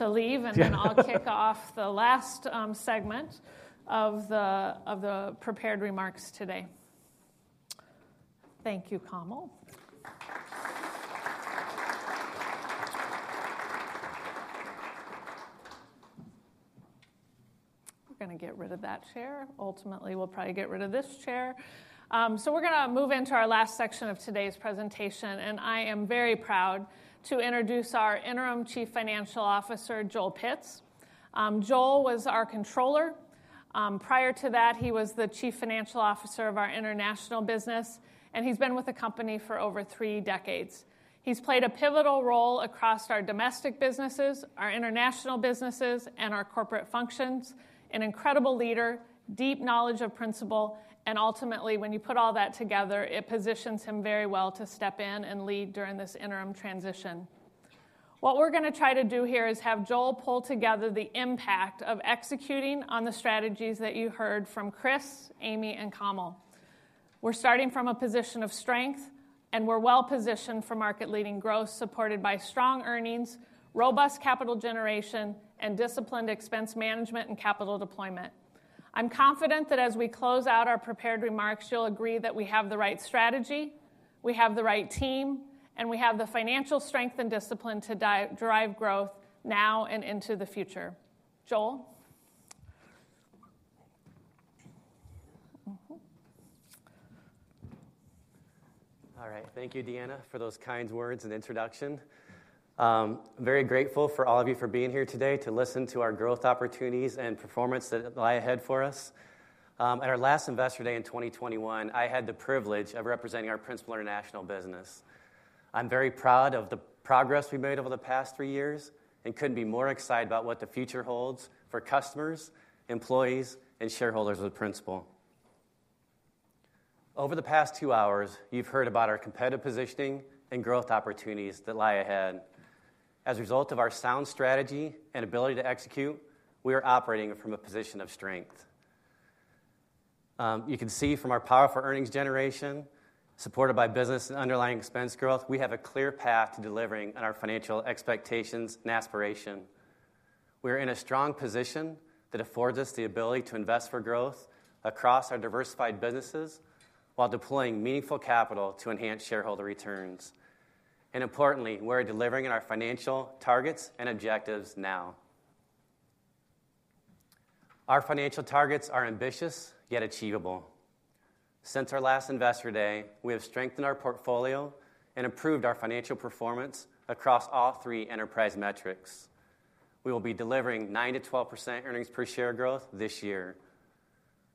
leave, and then I'll kick off the last segment of the prepared remarks today. Thank you, Kamal. We're going to get rid of that chair. Ultimately, we'll probably get rid of this chair. So we're going to move into our last section of today's presentation. And I am very proud to introduce our Interim Chief Financial Officer, Joel Pitz. Joel was our Controller. Prior to that, he was the Chief Financial Officer of our international business. And he's been with the company for over three decades. He's played a pivotal role across our domestic businesses, our international businesses, and our corporate functions, an incredible leader, deep knowledge of Principal. And ultimately, when you put all that together, it positions him very well to step in and lead during this interim transition. What we're going to try to do here is have Joel pull together the impact of executing on the strategies that you heard from Chris, Amy, and Kamal. We're starting from a position of strength, and we're well positioned for market-leading growth supported by strong earnings, robust capital generation, and disciplined expense management and capital deployment. I'm confident that as we close out our prepared remarks, you'll agree that we have the right strategy, we have the right team, and we have the financial strength and discipline to drive growth now and into the future. Joel? All right, thank you, Deanna, for those kind words and introduction. Very grateful for all of you for being here today to listen to our growth opportunities and performance that lie ahead for us. At our last Investor Day in 2021, I had the privilege of representing our Principal International business. I'm very proud of the progress we've made over the past three years and couldn't be more excited about what the future holds for customers, employees, and shareholders of Principal. Over the past two hours, you've heard about our competitive positioning and growth opportunities that lie ahead. As a result of our sound strategy and ability to execute, we are operating from a position of strength. You can see from our powerful earnings generation supported by business and underlying expense growth, we have a clear path to delivering on our financial expectations and aspiration. We are in a strong position that affords us the ability to invest for growth across our diversified businesses while deploying meaningful capital to enhance shareholder returns. And importantly, we're delivering on our financial targets and objectives now. Our financial targets are ambitious, yet achievable. Since our last Investor Day, we have strengthened our portfolio and improved our financial performance across all three enterprise metrics. We will be delivering 9%-12% earnings per share growth this year.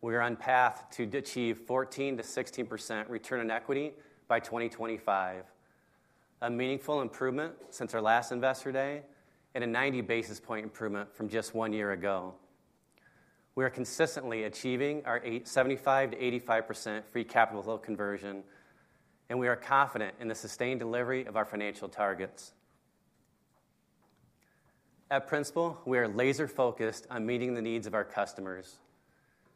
We are on path to achieve 14%-16% return on equity by 2025, a meaningful improvement since our last Investor Day and a 90 basis points improvement from just one year ago. We are consistently achieving our 75%-85% free capital conversion, and we are confident in the sustained delivery of our financial targets. At Principal, we are laser-focused on meeting the needs of our customers.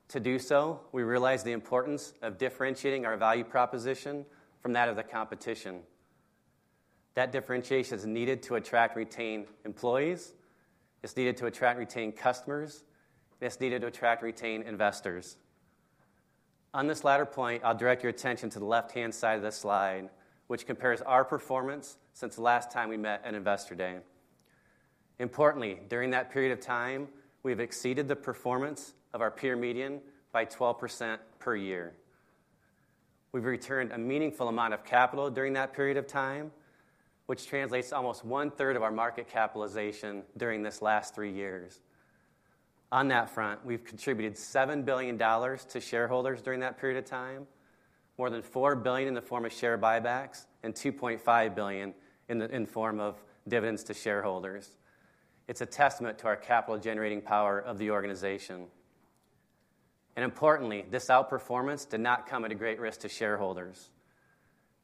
To do so, we realize the importance of differentiating our value proposition from that of the competition. That differentiation is needed to attract and retain employees. It's needed to attract and retain customers. It's needed to attract and retain investors. On this latter point, I'll direct your attention to the left-hand side of this slide, which compares our performance since the last time we met at Investor Day. Importantly, during that period of time, we've exceeded the performance of our peer median by 12% per year. We've returned a meaningful amount of capital during that period of time, which translates to almost one-third of our market capitalization during this last three years. On that front, we've contributed $7 billion to shareholders during that period of time, more than $4 billion in the form of share buybacks and $2.5 billion in the form of dividends to shareholders. It's a testament to our capital-generating power of the organization. And importantly, this outperformance did not come at a great risk to shareholders.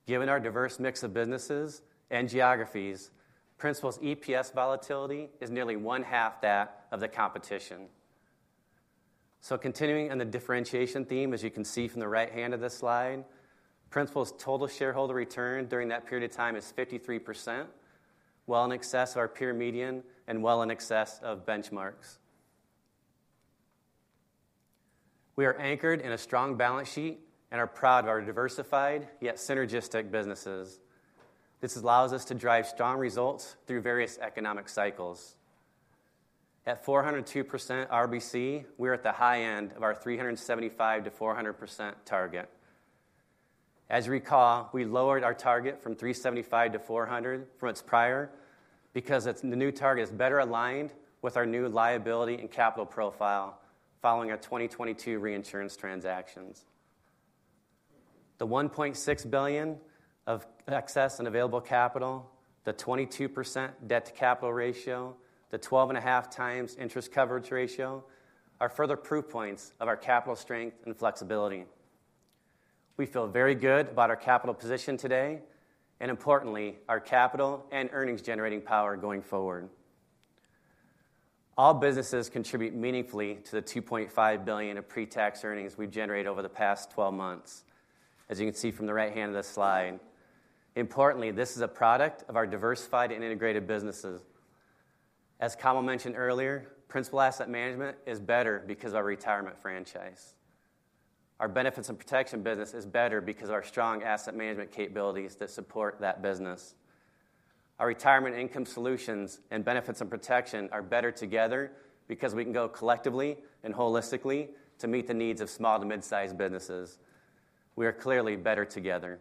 Given our diverse mix of businesses and geographies, Principal's EPS volatility is nearly one-half that of the competition. Continuing on the differentiation theme, as you can see from the right hand of this slide, Principal's total shareholder return during that period of time is 53%, well in excess of our peer median and well in excess of benchmarks. We are anchored in a strong balance sheet and are proud of our diversified, yet synergistic businesses. This allows us to drive strong results through various economic cycles. At 402% RBC, we are at the high end of our 375%-400% target. As you recall, we lowered our target from 375 to 400 from its prior because the new target is better aligned with our new liability and capital profile following our 2022 reinsurance transactions. The $1.6 billion of excess and available capital, the 22% debt-to-capital ratio, the 12.5x interest coverage ratio are further proof points of our capital strength and flexibility. We feel very good about our capital position today and, importantly, our capital and earnings-generating power going forward. All businesses contribute meaningfully to the $2.5 billion of pre-tax earnings we've generated over the past 12 months, as you can see from the right hand of this slide. Importantly, this is a product of our diversified and integrated businesses. As Kamal mentioned earlier, Principal Asset Management is better because of our retirement franchise. Our Benefits and Protection business is better because of our strong asset management capabilities that support that business. Our Retirement Income Solutions and Benefits and Protection are better together because we can go collectively and holistically to meet the needs of small to mid-sized businesses. We are clearly better together.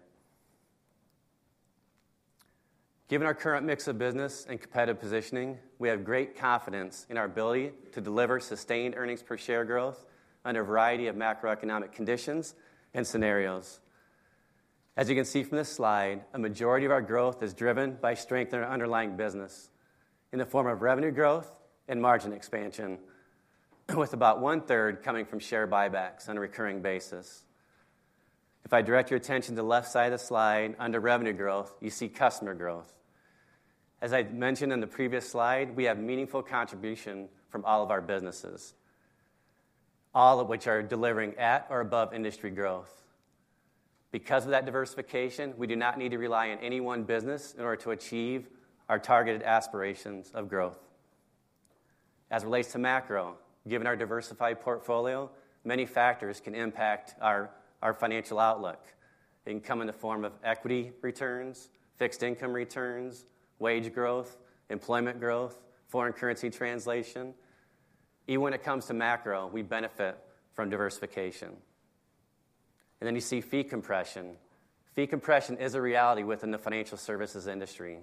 Given our current mix of business and competitive positioning, we have great confidence in our ability to deliver sustained earnings per share growth under a variety of macroeconomic conditions and scenarios. As you can see from this slide, a majority of our growth is driven by strength in our underlying business in the form of revenue growth and margin expansion, with about one-third coming from share buybacks on a recurring basis. If I direct your attention to the left side of the slide, under revenue growth, you see customer growth. As I mentioned on the previous slide, we have meaningful contribution from all of our businesses, all of which are delivering at or above industry growth. Because of that diversification, we do not need to rely on any one business in order to achieve our targeted aspirations of growth. As it relates to macro, given our diversified portfolio, many factors can impact our financial outlook. It can come in the form of equity returns, fixed income returns, wage growth, employment growth, foreign currency translation. Even when it comes to macro, we benefit from diversification, and then you see fee compression. Fee compression is a reality within the financial services industry.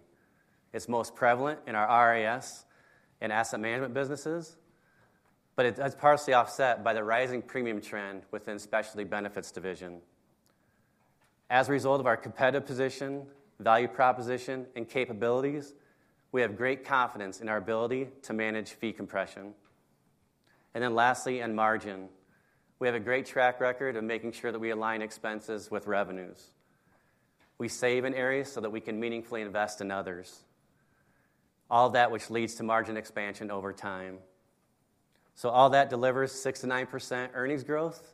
It's most prevalent in our RIS and asset management businesses, but it's partially offset by the rising premium trend within the Specialty Benefits division. As a result of our competitive position, value proposition, and capabilities, we have great confidence in our ability to manage fee compression, and then lastly, in margin, we have a great track record of making sure that we align expenses with revenues. We save in areas so that we can meaningfully invest in others, all that which leads to margin expansion over time. So all that delivers 6%-9% earnings growth.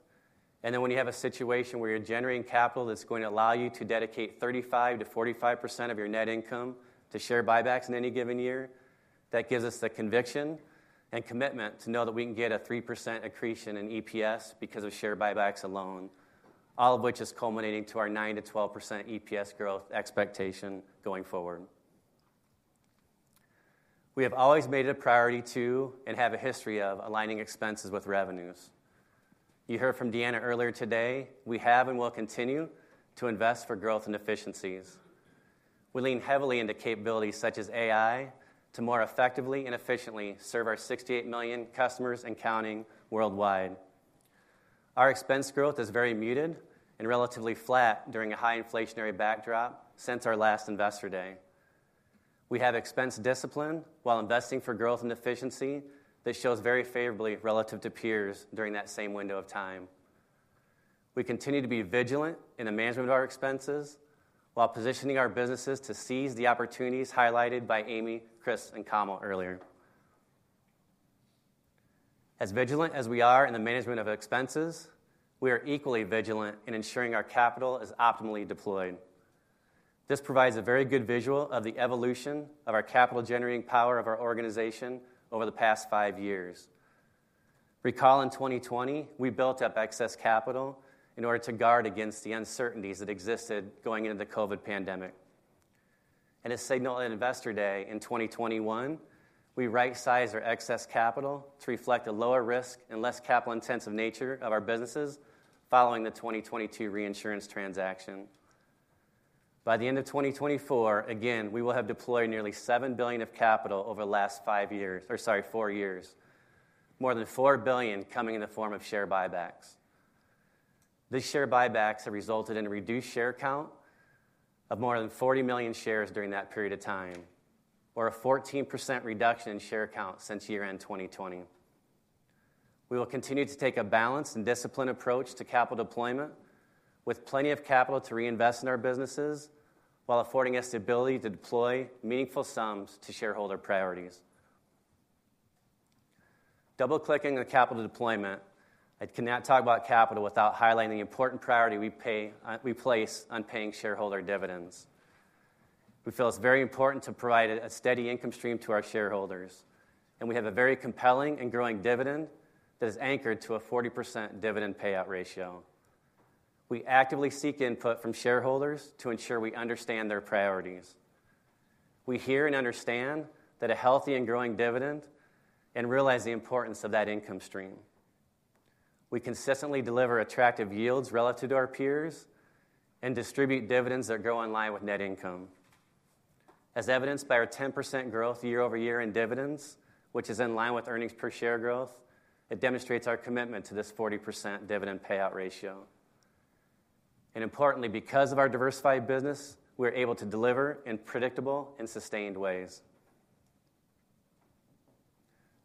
And then when you have a situation where you're generating capital that's going to allow you to dedicate 35%-45% of your net income to share buybacks in any given year, that gives us the conviction and commitment to know that we can get a 3% accretion in EPS because of share buybacks alone, all of which is culminating to our 9%-2% EPS growth expectation going forward. We have always made it a priority to and have a history of aligning expenses with revenues. You heard from Deanna earlier today. We have and will continue to invest for growth and efficiencies. We lean heavily into capabilities such as AI to more effectively and efficiently serve our 68 million customers and counting worldwide. Our expense growth is very muted and relatively flat during a high inflationary backdrop since our last Investor Day. We have expense discipline while investing for growth and efficiency that shows very favorably relative to peers during that same window of time. We continue to be vigilant in the management of our expenses while positioning our businesses to seize the opportunities highlighted by Amy, Chris, and Kamal earlier. As vigilant as we are in the management of expenses, we are equally vigilant in ensuring our capital is optimally deployed. This provides a very good visual of the evolution of our capital-generating power of our organization over the past five years. Recall in 2020, we built up excess capital in order to guard against the uncertainties that existed going into the COVID pandemic. At Investor Day in 2021, we right-sized our excess capital to reflect a lower risk and less capital-intensive nature of our businesses following the 2022 reinsurance transaction. By the end of 2024, again, we will have deployed nearly $7 billion of capital over the last five years or, sorry, four years, more than $4 billion coming in the form of share buybacks. These share buybacks have resulted in a reduced share count of more than 40 million shares during that period of time, or a 14% reduction in share count since year-end 2020. We will continue to take a balanced and disciplined approach to capital deployment with plenty of capital to reinvest in our businesses while affording us the ability to deploy meaningful sums to shareholder priorities. Double-clicking on capital deployment, I cannot talk about capital without highlighting the important priority we place on paying shareholder dividends. We feel it's very important to provide a steady income stream to our shareholders, and we have a very compelling and growing dividend that is anchored to a 40% dividend payout ratio. We actively seek input from shareholders to ensure we understand their priorities. We hear and understand that a healthy and growing dividend and realize the importance of that income stream. We consistently deliver attractive yields relative to our peers and distribute dividends that go in line with net income. As evidenced by our 10% growth year-over-year in dividends, which is in line with earnings per share growth, it demonstrates our commitment to this 40% dividend payout ratio. Importantly, because of our diversified business, we are able to deliver in predictable and sustained ways.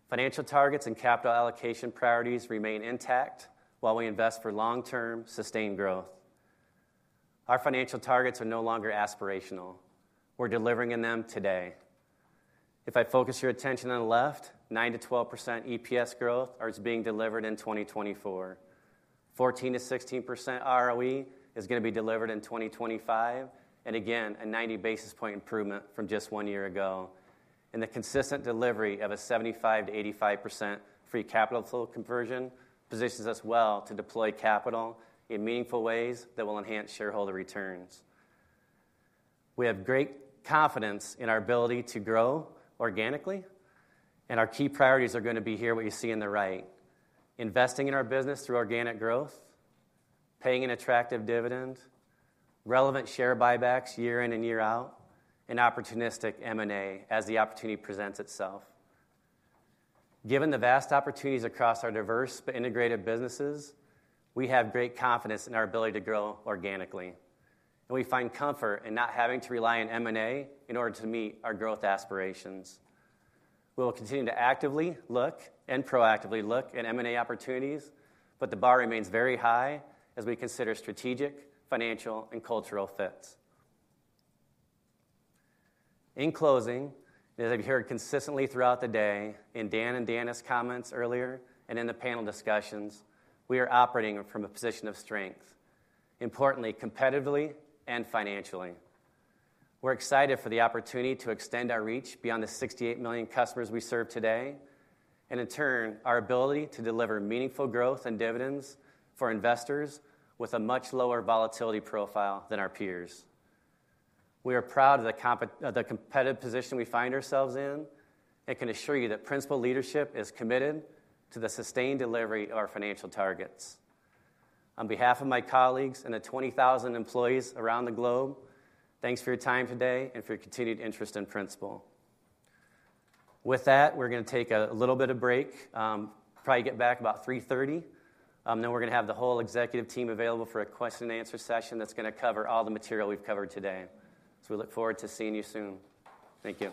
Financial targets and capital allocation priorities remain intact while we invest for long-term sustained growth. Our financial targets are no longer aspirational. We're delivering on them today. If I focus your attention on the left, 9%-12% EPS growth is being delivered in 2024. 14%-16% ROE is going to be delivered in 2025, and again, a 90 basis point improvement from just one year ago. And the consistent delivery of a 75%-85% free capital conversion positions us well to deploy capital in meaningful ways that will enhance shareholder returns. We have great confidence in our ability to grow organically, and our key priorities are going to be here what you see on the right: investing in our business through organic growth, paying an attractive dividend, relevant share buybacks year in and year out, and opportunistic M&A as the opportunity presents itself. Given the vast opportunities across our diverse but integrated businesses, we have great confidence in our ability to grow organically, and we find comfort in not having to rely on M&A in order to meet our growth aspirations. We will continue to actively look and proactively look at M&A opportunities, but the bar remains very high as we consider strategic, financial, and cultural fits. In closing, as I've heard consistently throughout the day in Dan and Deanna's comments earlier and in the panel discussions, we are operating from a position of strength, importantly, competitively and financially. We're excited for the opportunity to extend our reach beyond the 68 million customers we serve today and, in turn, our ability to deliver meaningful growth and dividends for investors with a much lower volatility profile than our peers. We are proud of the competitive position we find ourselves in and can assure you that Principal leadership is committed to the sustained delivery of our financial targets. On behalf of my colleagues and the 20,000 employees around the globe, thanks for your time today and for your continued interest in Principal. With that, we're going to take a little bit of break, probably get back about 3:30 P.M. Then we're going to have the whole executive team available for a question and answer session that's going to cover all the material we've covered today. So we look forward to seeing you soon. Thank you.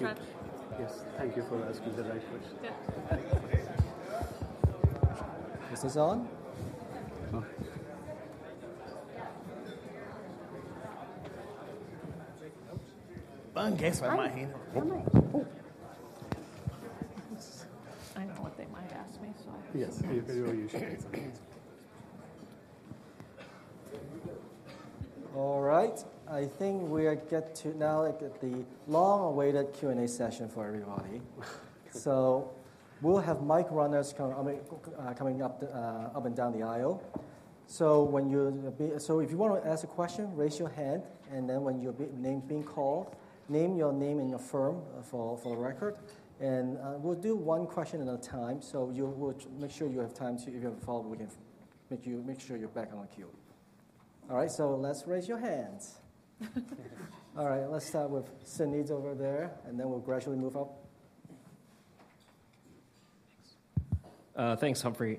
All right. I think we are getting to now at the long-awaited Q&A session for everybody. So we'll have mic runners coming up and down the aisle. So if you want to ask a question, raise your hand, and then when you're being called, name your name and your firm for the record, and we'll do one question at a time, so you will make sure you have time to, if you have a follow-up, we can make sure you're back on the queue. All right, so let's raise your hands. All right, let's start with Suneet's over there, and then we'll gradually move up. Thanks, Humphrey.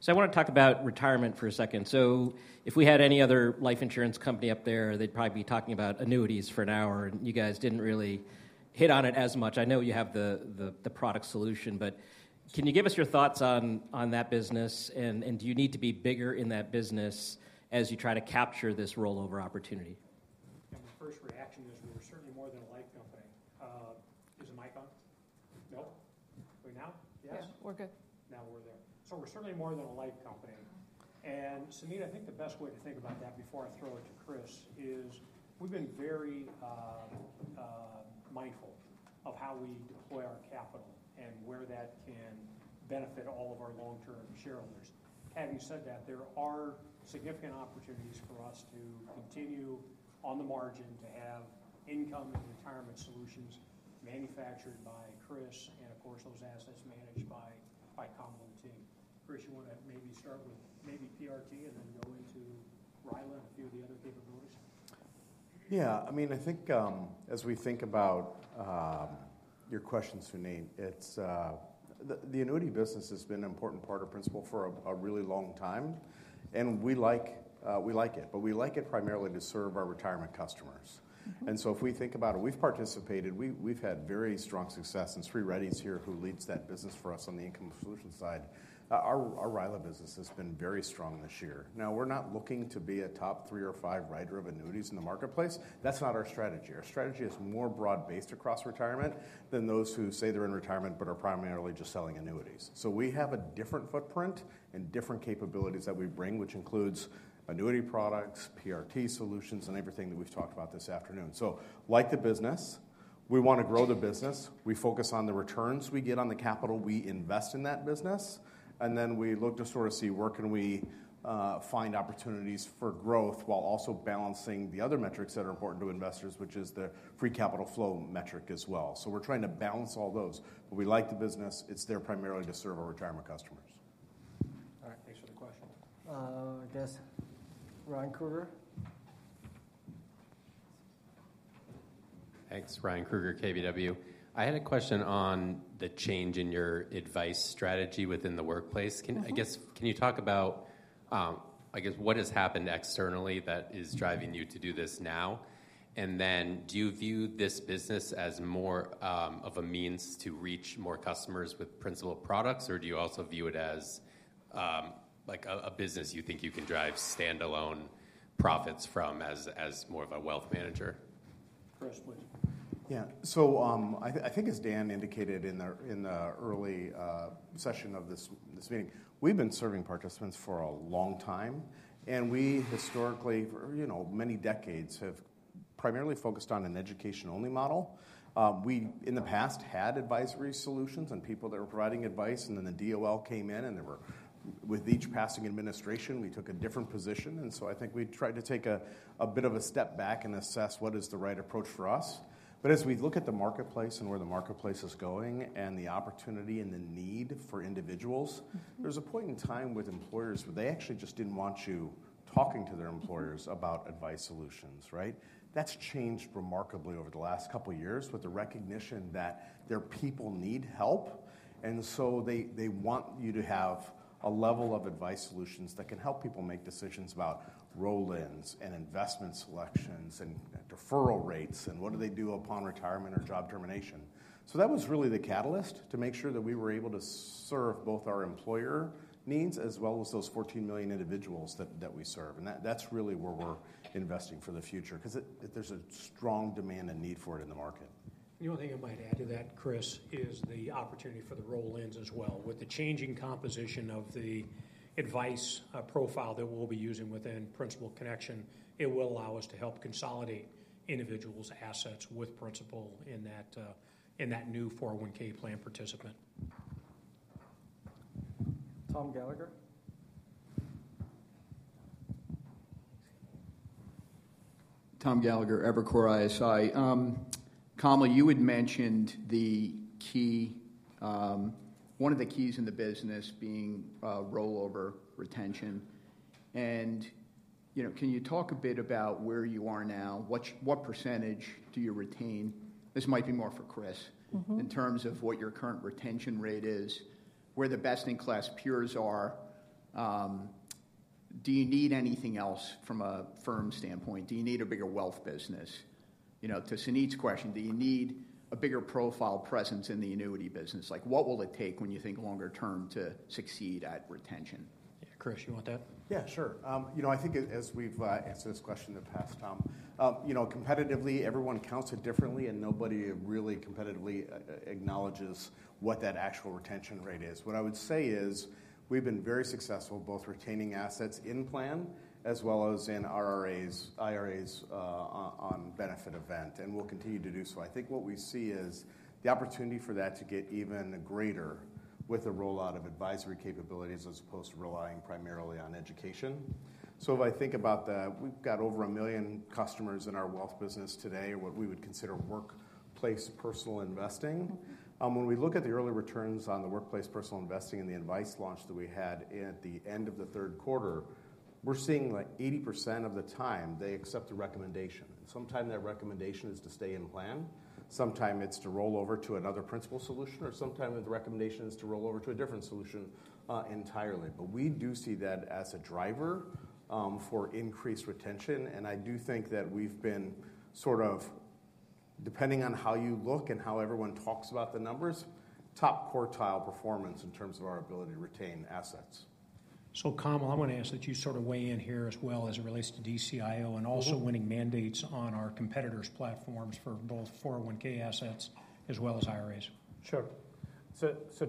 So I want to talk about retirement for a second. So if we had any other life insurance company up there, they'd probably be talking about annuities for an hour, and you guys didn't really hit on it as much. I know you have the product solution, but can you give us your thoughts on that business, and do you need to be bigger in that business as you try to capture this rollover opportunity? And the first reaction is we're certainly more than a life company. Is the mic on? No? We're now? Yes? Yeah, we're good. Now we're there. So we're certainly more than a life company. And, Suneet, I think the best way to think about that before I throw it to Chris is we've been very mindful of how we deploy our capital and where that can benefit all of our long-term shareholders. Having said that, there are significant opportunities for us to continue on the margin to have income and retirement solutions manufactured by Chris, and of course, those assets managed by asset management team. Chris, you want to maybe start with maybe PRT and then go into RILA and a few of the other capabilities? Yeah, I mean, I think as we think about your question, Suneet, the annuity business has been an important part of Principal for a really long time, and we like it, but we like it primarily to serve our retirement customers. And so if we think about it, we've participated, we've had very strong success. And Sri Reddy's here, who leads that business for us on the income solution side. Our RILA business has been very strong this year. Now, we're not looking to be a top three or five writer of annuities in the marketplace. That's not our strategy. Our strategy is more broad-based across retirement than those who say they're in retirement but are primarily just selling annuities. So we have a different footprint and different capabilities that we bring, which includes annuity products, PRT solutions, and everything that we've talked about this afternoon. So like the business, we want to grow the business. We focus on the returns we get on the capital we invest in that business, and then we look to sort of see where can we find opportunities for growth while also balancing the other metrics that are important to investors, which is the free capital flow metric as well. So we're trying to balance all those, but we like the business. It's there primarily to serve our retirement customers. All right, thanks for the question. I guess Ryan Krueger. Thanks, Ryan Krueger, KBW. I had a question on the change in your advice strategy within the workplace. I guess can you talk about, I guess, what has happened externally that is driving you to do this now? And then do you view this business as more of a means to reach more customers with Principal products, or do you also view it as a business you think you can drive standalone profits from as more of a wealth manager? Chris, please. Yeah, so I think as Dan indicated in the early session of this meeting, we've been serving participants for a long time, and we historically, for many decades, have primarily focused on an education-only model. We, in the past, had advisory solutions and people that were providing advice, and then the DOL came in, and with each passing administration, we took a different position. And so I think we tried to take a bit of a step back and assess what is the right approach for us. But as we look at the marketplace and where the marketplace is going and the opportunity and the need for individuals, there's a point in time with employers where they actually just didn't want you talking to their employees about advice solutions, right? That's changed remarkably over the last couple of years with the recognition that their people need help, and so they want you to have a level of advice solutions that can help people make decisions about roll-ins and investment selections and deferral rates and what do they do upon retirement or job termination. So that was really the catalyst to make sure that we were able to serve both our employer needs as well as those 14 million individuals that we serve. And that's really where we're investing for the future because there's a strong demand and need for it in the market. The only thing I might add to that, Chris, is the opportunity for the roll-ins as well. With the changing composition of the advice profile that we'll be using within Principal Connection, it will allow us to help consolidate individuals' assets with Principal in that new 401(k) plan participant. Tom Gallagher. Tom Gallagher, Evercore ISI. Kamal, you had mentioned one of the keys in the business being rollover retention. And can you talk a bit about where you are now? What percentage do you retain? This might be more for Chris, in terms of what your current retention rate is, where the best-in-class peers are. Do you need anything else from a firm standpoint? Do you need a bigger wealth business? To Suneet's question, do you need a bigger profile presence in the annuity business? What will it take when you think longer term to succeed at retention? Yeah, Chris, you want that? Yeah, sure. I think as we've answered this question in the past, Tom, competitively everyone counts it differently, and nobody really competitively acknowledges what that actual retention rate is. What I would say is we've been very successful both retaining assets in plan as well as in IRAs on benefit event, and we'll continue to do so. I think what we see is the opportunity for that to get even greater with the rollout of advisory capabilities as opposed to relying primarily on education. So if I think about the, we've got over a million customers in our wealth business today, what we would consider Workplace Personal Investing. When we look at the early returns on the Workplace Personal Investing and the advice launch that we had at the end of the third quarter, we're seeing like 80% of the time they accept a recommendation. Sometimes that recommendation is to stay in plan, sometimes it's to rollover to another Principal solution, or sometimes the recommendation is to rollover to a different solution entirely. But we do see that as a driver for increased retention, and I do think that we've been sort of, depending on how you look and how everyone talks about the numbers, top quartile performance in terms of our ability to retain assets. So Kamal, I want to ask that you sort of weigh in here as well as it relates to DCIO and also winning mandates on our competitors' platforms for both 401(k) assets as well as IRAs. Sure.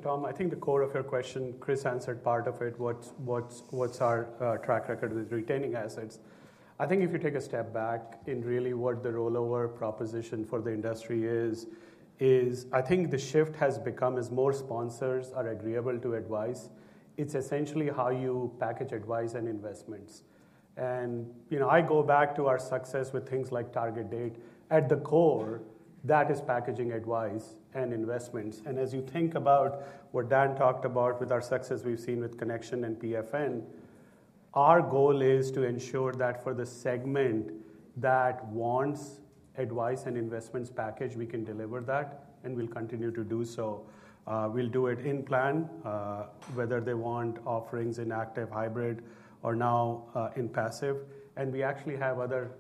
Tom, I think the core of your question, Chris answered part of it, what's our track record with retaining assets. I think if you take a step back in really what the rollover proposition for the industry is, I think the shift has become as more sponsors are agreeable to advice, it's essentially how you package advice and investments. And I go back to our success with things like target date. At the core, that is packaging advice and investments. And as you think about what Dan talked about with our success we've seen with Connection and PFN, our goal is to ensure that for the segment that wants advice and investments packaged, we can deliver that, and we'll continue to do so. We'll do it in plan, whether they want offerings in active, hybrid, or now in passive. We actually have other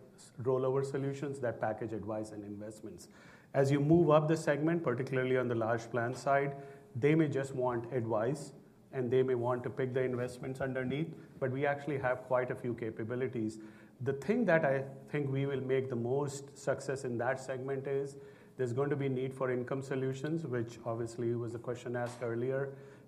rollover solutions that package advice and investments. As you move up the segment, particularly on the large plan side, they may just want advice, and they may want to pick the investments underneath, but we actually have quite a few capabilities. The thing that I think we will make the most success in that segment is there's going to be a need for income solutions, which obviously was a question asked earlier.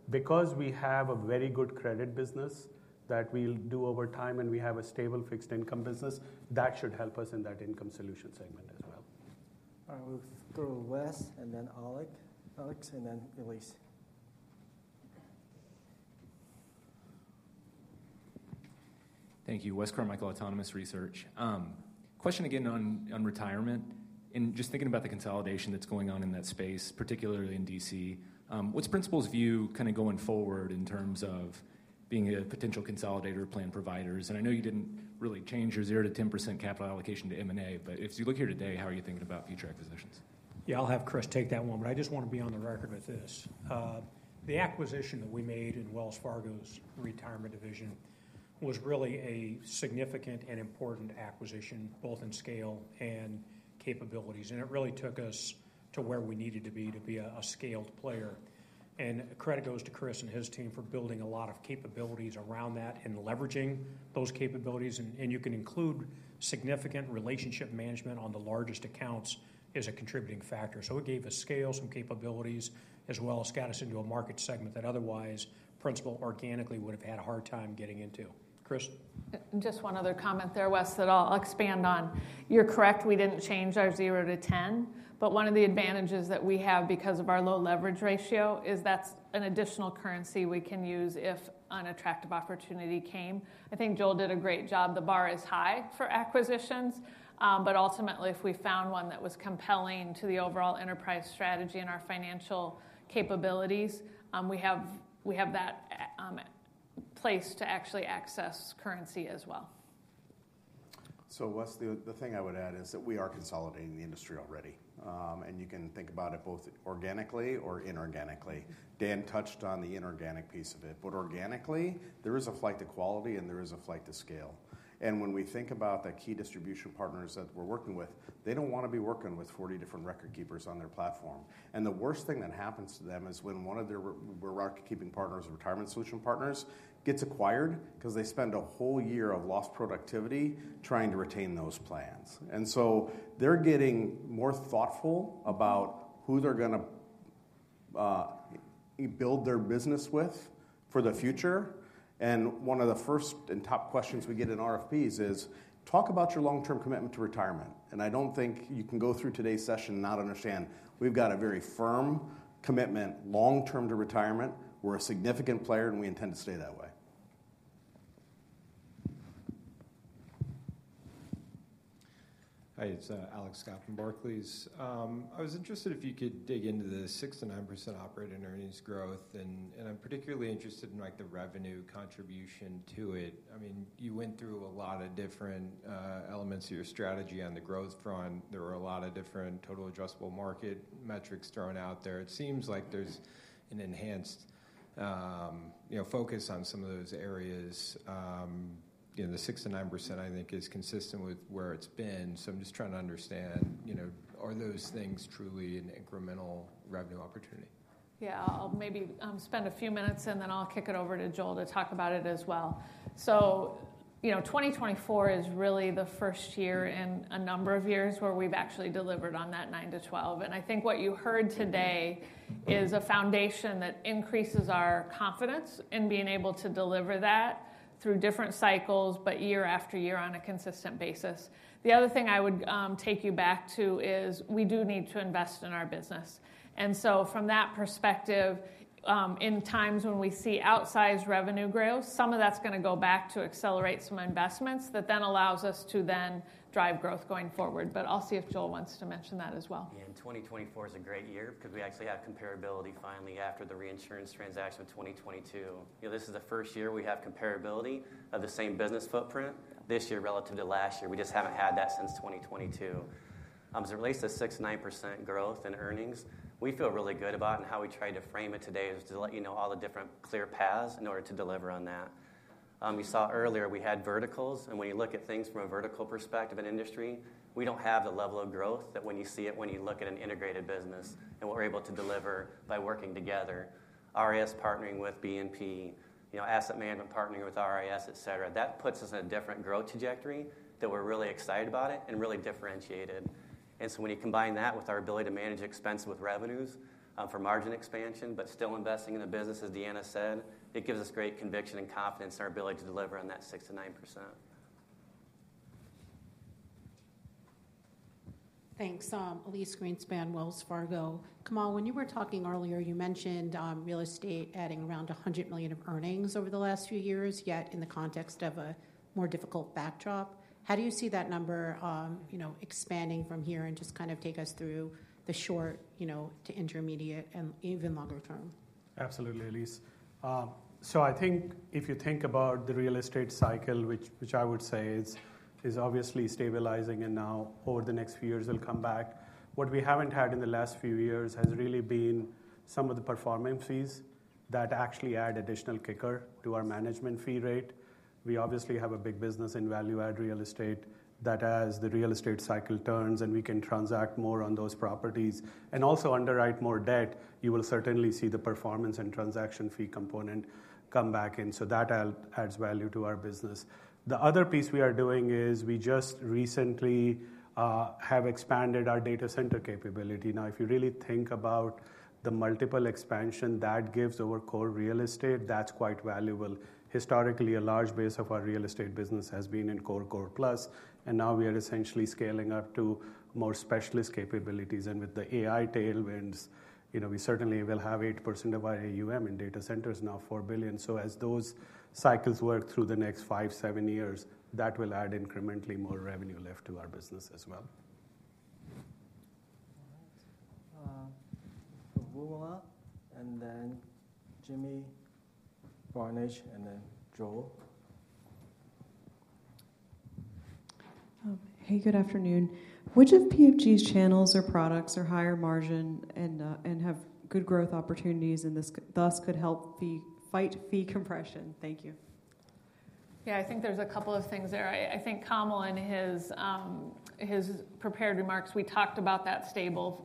Because we have a very good credit business that we'll do over time and we have a stable fixed income business, that should help us in that income solution segment as well. All right, we'll go to Wes and then Alex, and then Elyse. Thank you. Wes Carmichael, Autonomous Research. Question again on retirement, and just thinking about the consolidation that's going on in that space, particularly in DC, what's Principal's view kind of going forward in terms of being a potential consolidator of plan providers? And I know you didn't really change your 0%-10% capital allocation to M&A, but if you look here today, how are you thinking about future acquisitions? Yeah, I'll have Chris take that one, but I just want to be on the record with this. The acquisition that we made in Wells Fargo's retirement division was really a significant and important acquisition, both in scale and capabilities, and it really took us to where we needed to be to be a scaled player, and credit goes to Chris and his team for building a lot of capabilities around that and leveraging those capabilities. You can include significant relationship management on the largest accounts as a contributing factor. So it gave us scale, some capabilities, as well as got us into a market segment that otherwise Principal organically would have had a hard time getting into. Chris? Just one other comment there, Wes, that I'll expand on. You're correct, we didn't change our 0%-10%, but one of the advantages that we have because of our low leverage ratio is that's an additional currency we can use if an attractive opportunity came. I think Joel did a great job. The bar is high for acquisitions, but ultimately, if we found one that was compelling to the overall enterprise strategy and our financial capabilities, we have that place to actually access currency as well. So Wes, the thing I would add is that we are consolidating the industry already, and you can think about it both organically or inorganically. Dan touched on the inorganic piece of it, but organically, there is a flight to quality and there is a flight to scale. And when we think about the key distribution partners that we're working with, they don't want to be working with 40 different record keepers on their platform. And the worst thing that happens to them is when one of their record keeping partners, retirement solution partners, gets acquired because they spend a whole year of lost productivity trying to retain those plans. And so they're getting more thoughtful about who they're going to build their business with for the future. One of the first and top questions we get in RFPs is, "Talk about your long-term commitment to retirement." I don't think you can go through today's session and not understand we've got a very firm commitment long-term to retirement. We're a significant player and we intend to stay that way. Hi, it's Alex Scott from Barclays. I was interested if you could dig into the 6%-9% operating earnings growth, and I'm particularly interested in the revenue contribution to it. I mean, you went through a lot of different elements of your strategy on the growth front. There were a lot of different total addressable market metrics thrown out there. It seems like there's an enhanced focus on some of those areas. The 6%-9%, I think, is consistent with where it's been. I'm just trying to understand. Are those things truly an incremental revenue opportunity? Yeah, I'll maybe spend a few minutes and then I'll kick it over to Joel to talk about it as well. 2024 is really the first year in a number of years where we've actually delivered on that 9%-12%. I think what you heard today is a foundation that increases our confidence in being able to deliver that through different cycles, but year after year on a consistent basis. The other thing I would take you back to is we do need to invest in our business. From that perspective, in times when we see outsized revenue growth, some of that's going to go back to accelerate some investments that then allows us to then drive growth going forward. I'll see if Joel wants to mention that as well. Yeah, and 2024 is a great year because we actually have comparability finally after the reinsurance transaction of 2022. This is the first year we have comparability of the same business footprint this year relative to last year. We just haven't had that since 2022. As it relates to 6%-9% growth in earnings, we feel really good about it. And how we try to frame it today is to let you know all the different clear paths in order to deliver on that. You saw earlier we had verticals, and when you look at things from a vertical perspective in industry, we don't have the level of growth that when you see it when you look at an integrated business and what we're able to deliver by working together. RIS partnering with B&P, asset management partnering with RIS, et cetera. That puts us in a different growth trajectory that we're really excited about and really differentiated. And so when you combine that with our ability to manage expenses with revenues for margin expansion, but still investing in the business, as Deanna said, it gives us great conviction and confidence in our ability to deliver on that 6%-9%. Thanks. Elyse Greenspan, Wells Fargo. Kamal, when you were talking earlier, you mentioned real estate adding around $100 million of earnings over the last few years, yet in the context of a more difficult backdrop. How do you see that number expanding from here and just kind of take us through the short to intermediate and even longer term? Absolutely, Elyse. So I think if you think about the real estate cycle, which I would say is obviously stabilizing and now over the next few years will come back, what we haven't had in the last few years has really been some of the performances that actually add additional kicker to our management fee rate. We obviously have a big business in value-added real estate that as the real estate cycle turns and we can transact more on those properties and also underwrite more debt, you will certainly see the performance and transaction fee component come back in. So that adds value to our business. The other piece we are doing is we just recently have expanded our data center capability. Now, if you really think about the multiple expansion that gives over core real estate, that's quite valuable. Historically, a large base of our real estate business has been in Core, Core Plus, and now we are essentially scaling up to more specialist capabilities. With the AI tailwinds, we certainly will have 8% of our AUM in data centers now, $4 billion. So as those cycles work through the next five, seven years, that will add incrementally more revenue left to our business as well. All right. Wilma, and then Jimmy Bhullar, and then Joel. Hey, good afternoon. Which of PFG's channels or products are higher margin and have good growth opportunities and thus could help fight fee compression? Thank you. Yeah, I think there's a couple of things there. I think Kamal in his prepared remarks, we talked about that stable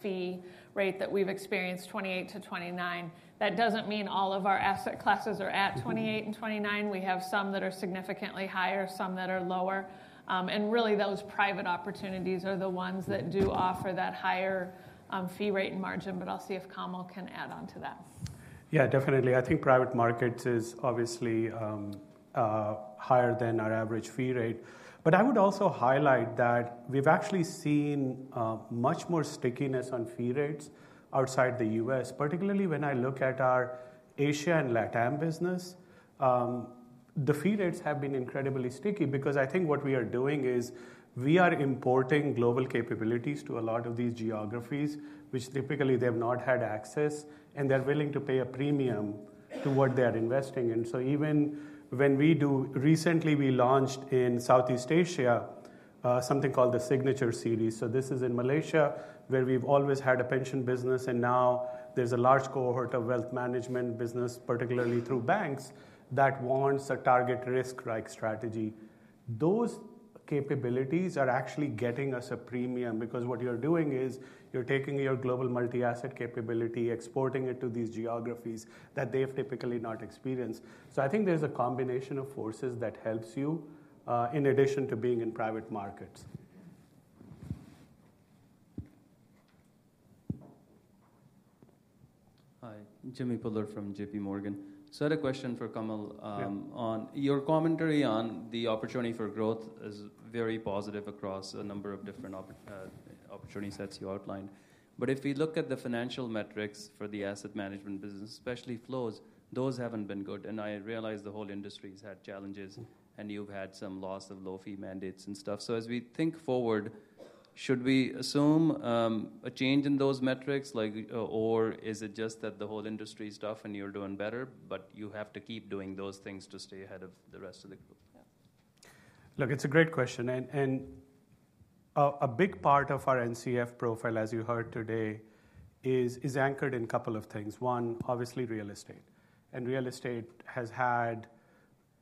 fee rate that we've experienced, 28%-29%. That doesn't mean all of our asset classes are at 28% and 29%. We have some that are significantly higher, some that are lower, and really those private opportunities are the ones that do offer that higher fee rate and margin, but I'll see if Kamal can add on to that. Yeah, definitely. I think private markets is obviously higher than our average fee rate, but I would also highlight that we've actually seen much more stickiness on fee rates outside the U.S., particularly when I look at our Asia and LATAM business. The fee rates have been incredibly sticky because I think what we are doing is we are importing global capabilities to a lot of these geographies, which typically they have not had access, and they're willing to pay a premium to what they are investing in, so even when we do, recently we launched in Southeast Asia something called the Signature Series. So this is in Malaysia where we've always had a pension business, and now there's a large cohort of wealth management business, particularly through banks, that wants a target risk-like strategy. Those capabilities are actually getting us a premium because what you're doing is you're taking your global multi-asset capability, exporting it to these geographies that they've typically not experienced. So I think there's a combination of forces that helps you in addition to being in private markets. Hi, Jimmy Bhullar from JPMorgan. So I had a question for Kamal on your commentary on the opportunity for growth is very positive across a number of different opportunity sets you outlined. But if we look at the financial metrics for the asset management business, especially flows, those haven't been good. And I realize the whole industry has had challenges, and you've had some loss of low fee mandates and stuff. So as we think forward, should we assume a change in those metrics, or is it just that the whole industry is tough and you're doing better, but you have to keep doing those things to stay ahead of the rest of the group? Look, it's a great question, and a big part of our NCF profile, as you heard today, is anchored in a couple of things: one, obviously real estate, and real estate has had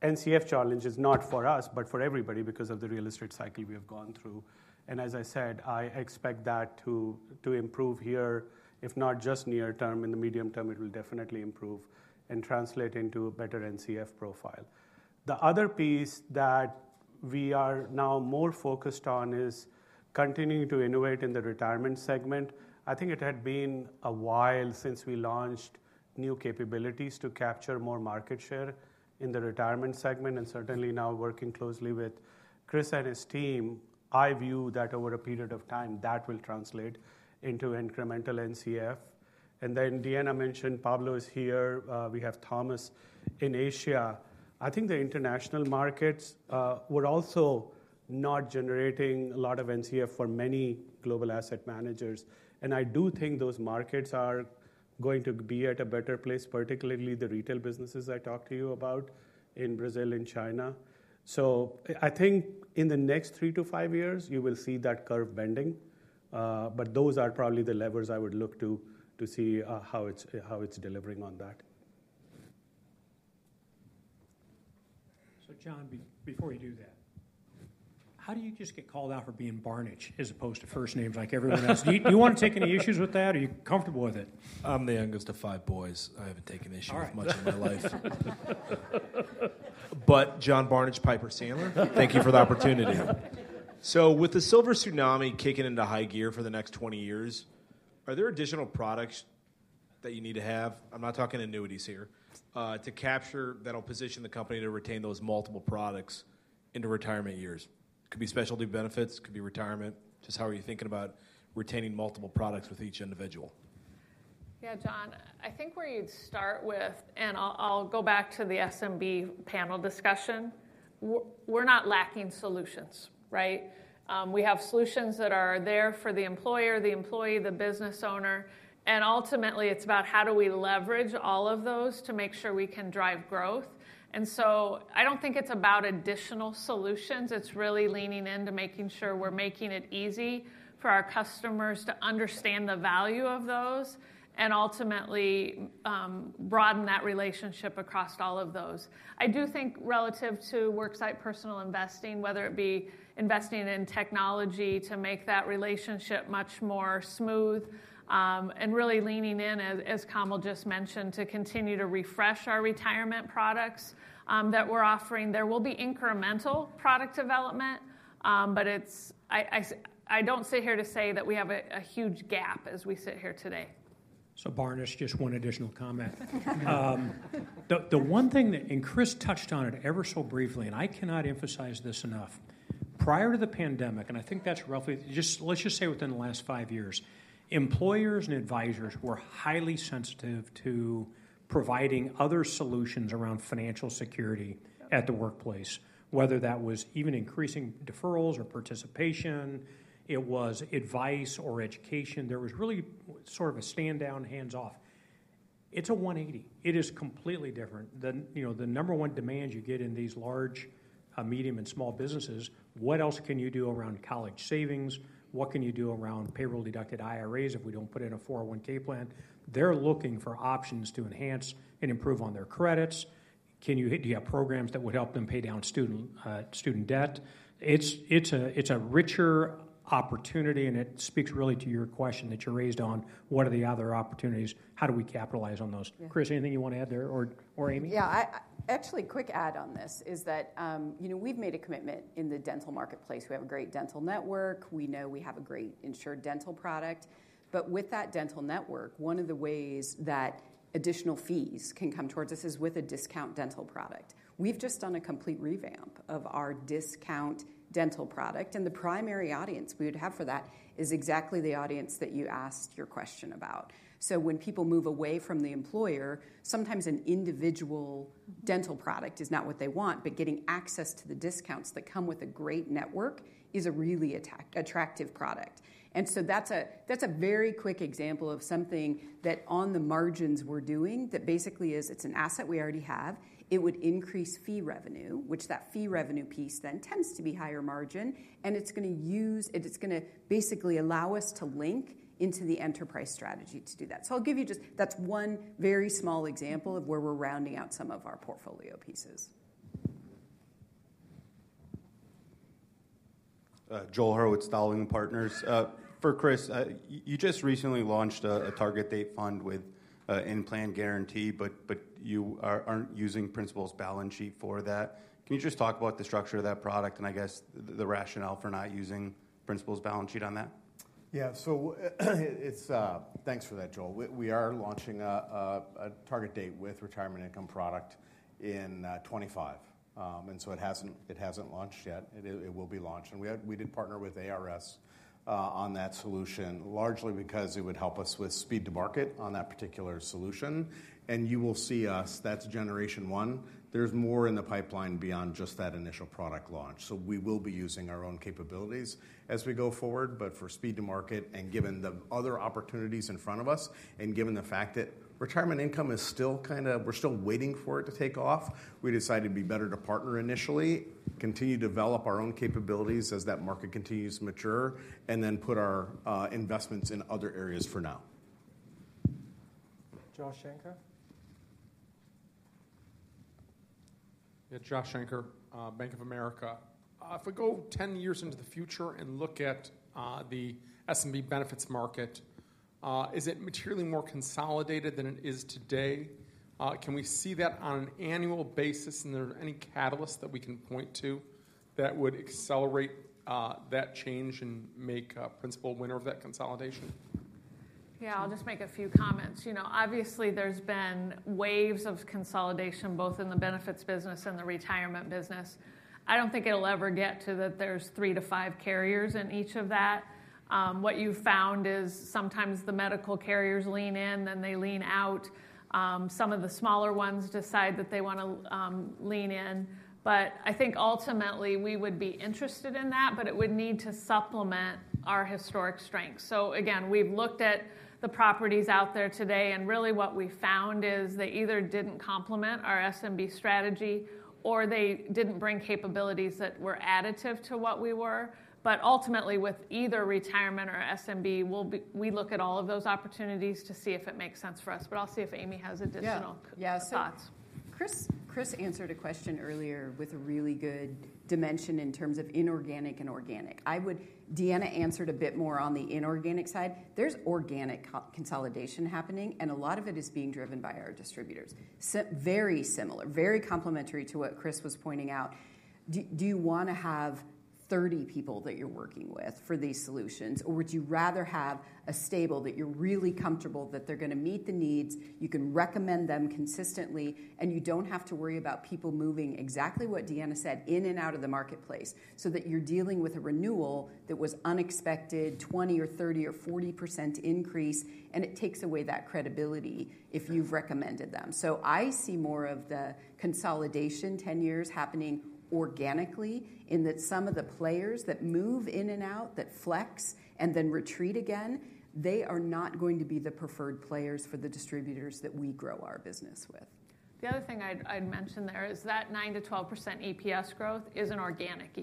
NCF challenges, not for us, but for everybody because of the real estate cycle we have gone through, and as I said, I expect that to improve here, if not just near term, in the medium term, it will definitely improve and translate into a better NCF profile. The other piece that we are now more focused on is continuing to innovate in the retirement segment. I think it had been a while since we launched new capabilities to capture more market share in the retirement segment, and certainly now working closely with Chris and his team, I view that over a period of time that will translate into incremental NCF. Then Deanna mentioned Pablo is here. We have Thomas in Asia. I think the international markets were also not generating a lot of NCF for many global asset managers. I do think those markets are going to be at a better place, particularly the retail businesses I talked to you about in Brazil and China, so I think in the next three to five years, you will see that curve bending. Those are probably the levers I would look to see how it's delivering on that. John, before you do that, how do you just get called out for being Barnidge as opposed to first name like everyone else? Do you want to take any issues with that or are you comfortable with it? I'm the youngest of five boys. I haven't taken issues much in my life. But John Barnidge, Piper Sandler, thank you for the opportunity. With the silver tsunami kicking into high gear for the next 20 years, are there additional products that you need to have? I'm not talking annuities here. To capture that will position the company to retain those multiple products into retirement years. It could be Specialty Benefits, it could be retirement. Just how are you thinking about retaining multiple products with each individual? Yeah, John, I think where you'd start with, and I'll go back to the SMB panel discussion, we're not lacking solutions, right? We have solutions that are there for the employer, the employee, the business owner. And ultimately, it's about how do we leverage all of those to make sure we can drive growth. And so I don't think it's about additional solutions. It's really leaning into making sure we're making it easy for our customers to understand the value of those and ultimately broaden that relationship across all of those. I do think relative to Worksite Personal Investing, whether it be investing in technology to make that relationship much more smooth and really leaning in, as Kamal just mentioned, to continue to refresh our retirement products that we're offering. There will be incremental product development, but I don't sit here to say that we have a huge gap as we sit here today. So Barnidge, just one additional comment. The one thing that, and Chris touched on it ever so briefly, and I cannot emphasize this enough, prior to the pandemic, and I think that's roughly, just let's just say within the last five years, employers and advisors were highly sensitive to providing other solutions around financial security at the workplace, whether that was even increasing deferrals or participation, it was advice or education. There was really sort of a stand down, hands off. It's a 180. It is completely different. The number one demand you get in these large, medium, and small businesses, what else can you do around college savings? What can you do around payroll deducted IRAs if we don't put in a 401(k) plan? They're looking for options to enhance and improve on their credits. Do you have programs that would help them pay down student debt? It's a richer opportunity, and it speaks really to your question that you raised on what are the other opportunities, how do we capitalize on those? Chris, anything you want to add there or Amy? Yeah, actually a quick add on this is that we've made a commitment in the dental marketplace. We have a great dental network. We know we have a great insured dental product. But with that dental network, one of the ways that additional fees can come towards us is with a discount dental product. We've just done a complete revamp of our discount dental product. And the primary audience we would have for that is exactly the audience that you asked your question about. So when people move away from the employer, sometimes an individual dental product is not what they want, but getting access to the discounts that come with a great network is a really attractive product. And so that's a very quick example of something that on the margins we're doing that basically is it's an asset we already have. It would increase fee revenue, which that fee revenue piece then tends to be higher margin, and it's going to use, it's going to basically allow us to link into the enterprise strategy to do that. So I'll give you just, that's one very small example of where we're rounding out some of our portfolio pieces. Joel Hurwitz, Dowling & Partners. For Chris, you just recently launched a target date fund with in-plan guarantee, but you aren't using Principal's balance sheet for that. Can you just talk about the structure of that product and I guess the rationale for not using Principal's balance sheet on that? Yeah, so thanks for that, Joel. We are launching a target date with retirement income product in 2025. And so it hasn't launched yet. It will be launched. And we did partner with IRIS on that solution, largely because it would help us with speed to market on that particular solution. And you will see us, that's generation one. There's more in the pipeline beyond just that initial product launch. So we will be using our own capabilities as we go forward. But for speed to market and given the other opportunities in front of us and given the fact that retirement income is still kind of, we're still waiting for it to take off, we decided it'd be better to partner initially, continue to develop our own capabilities as that market continues to mature, and then put our investments in other areas for now. Joshua Shanker. Yeah, Joshua Shanker, Bank of America. If we go 10 years into the future and look at the SMB benefits market, is it materially more consolidated than it is today? Can we see that on an annual basis? And are there any catalysts that we can point to that would accelerate that change and make Principal winner of that consolidation? Yeah, I'll just make a few comments. Obviously, there's been waves of consolidation both in the benefits business and the retirement business. I don't think it'll ever get to that there's three to five carriers in each of that. What you've found is sometimes the medical carriers lean in, then they lean out. Some of the smaller ones decide that they want to lean in. But I think ultimately we would be interested in that, but it would need to supplement our historic strengths. So again, we've looked at the properties out there today, and really what we found is they either didn't complement our SMB strategy or they didn't bring capabilities that were additive to what we were. But ultimately, with either retirement or SMB, we look at all of those opportunities to see if it makes sense for us. But I'll see if Amy has additional thoughts. Chris answered a question earlier with a really good dimension in terms of inorganic and organic. Deanna answered a bit more on the inorganic side. There's organic consolidation happening, and a lot of it is being driven by our distributors. Very similar, very complementary to what Chris was pointing out. Do you want to have 30 people that you're working with for these solutions, or would you rather have a stable that you're really comfortable that they're going to meet the needs, you can recommend them consistently, and you don't have to worry about people moving exactly what Deanna said in and out of the marketplace so that you're dealing with a renewal that was unexpected, 20% or 30% or 40% increase, and it takes away that credibility if you've recommended them. So I see more of the consolidation 10 years happening organically in that some of the players that move in and out, that flex and then retreat again, they are not going to be the preferred players for the distributors that we grow our business with. The other thing I'd mention there is that 9%-12% EPS growth is an organic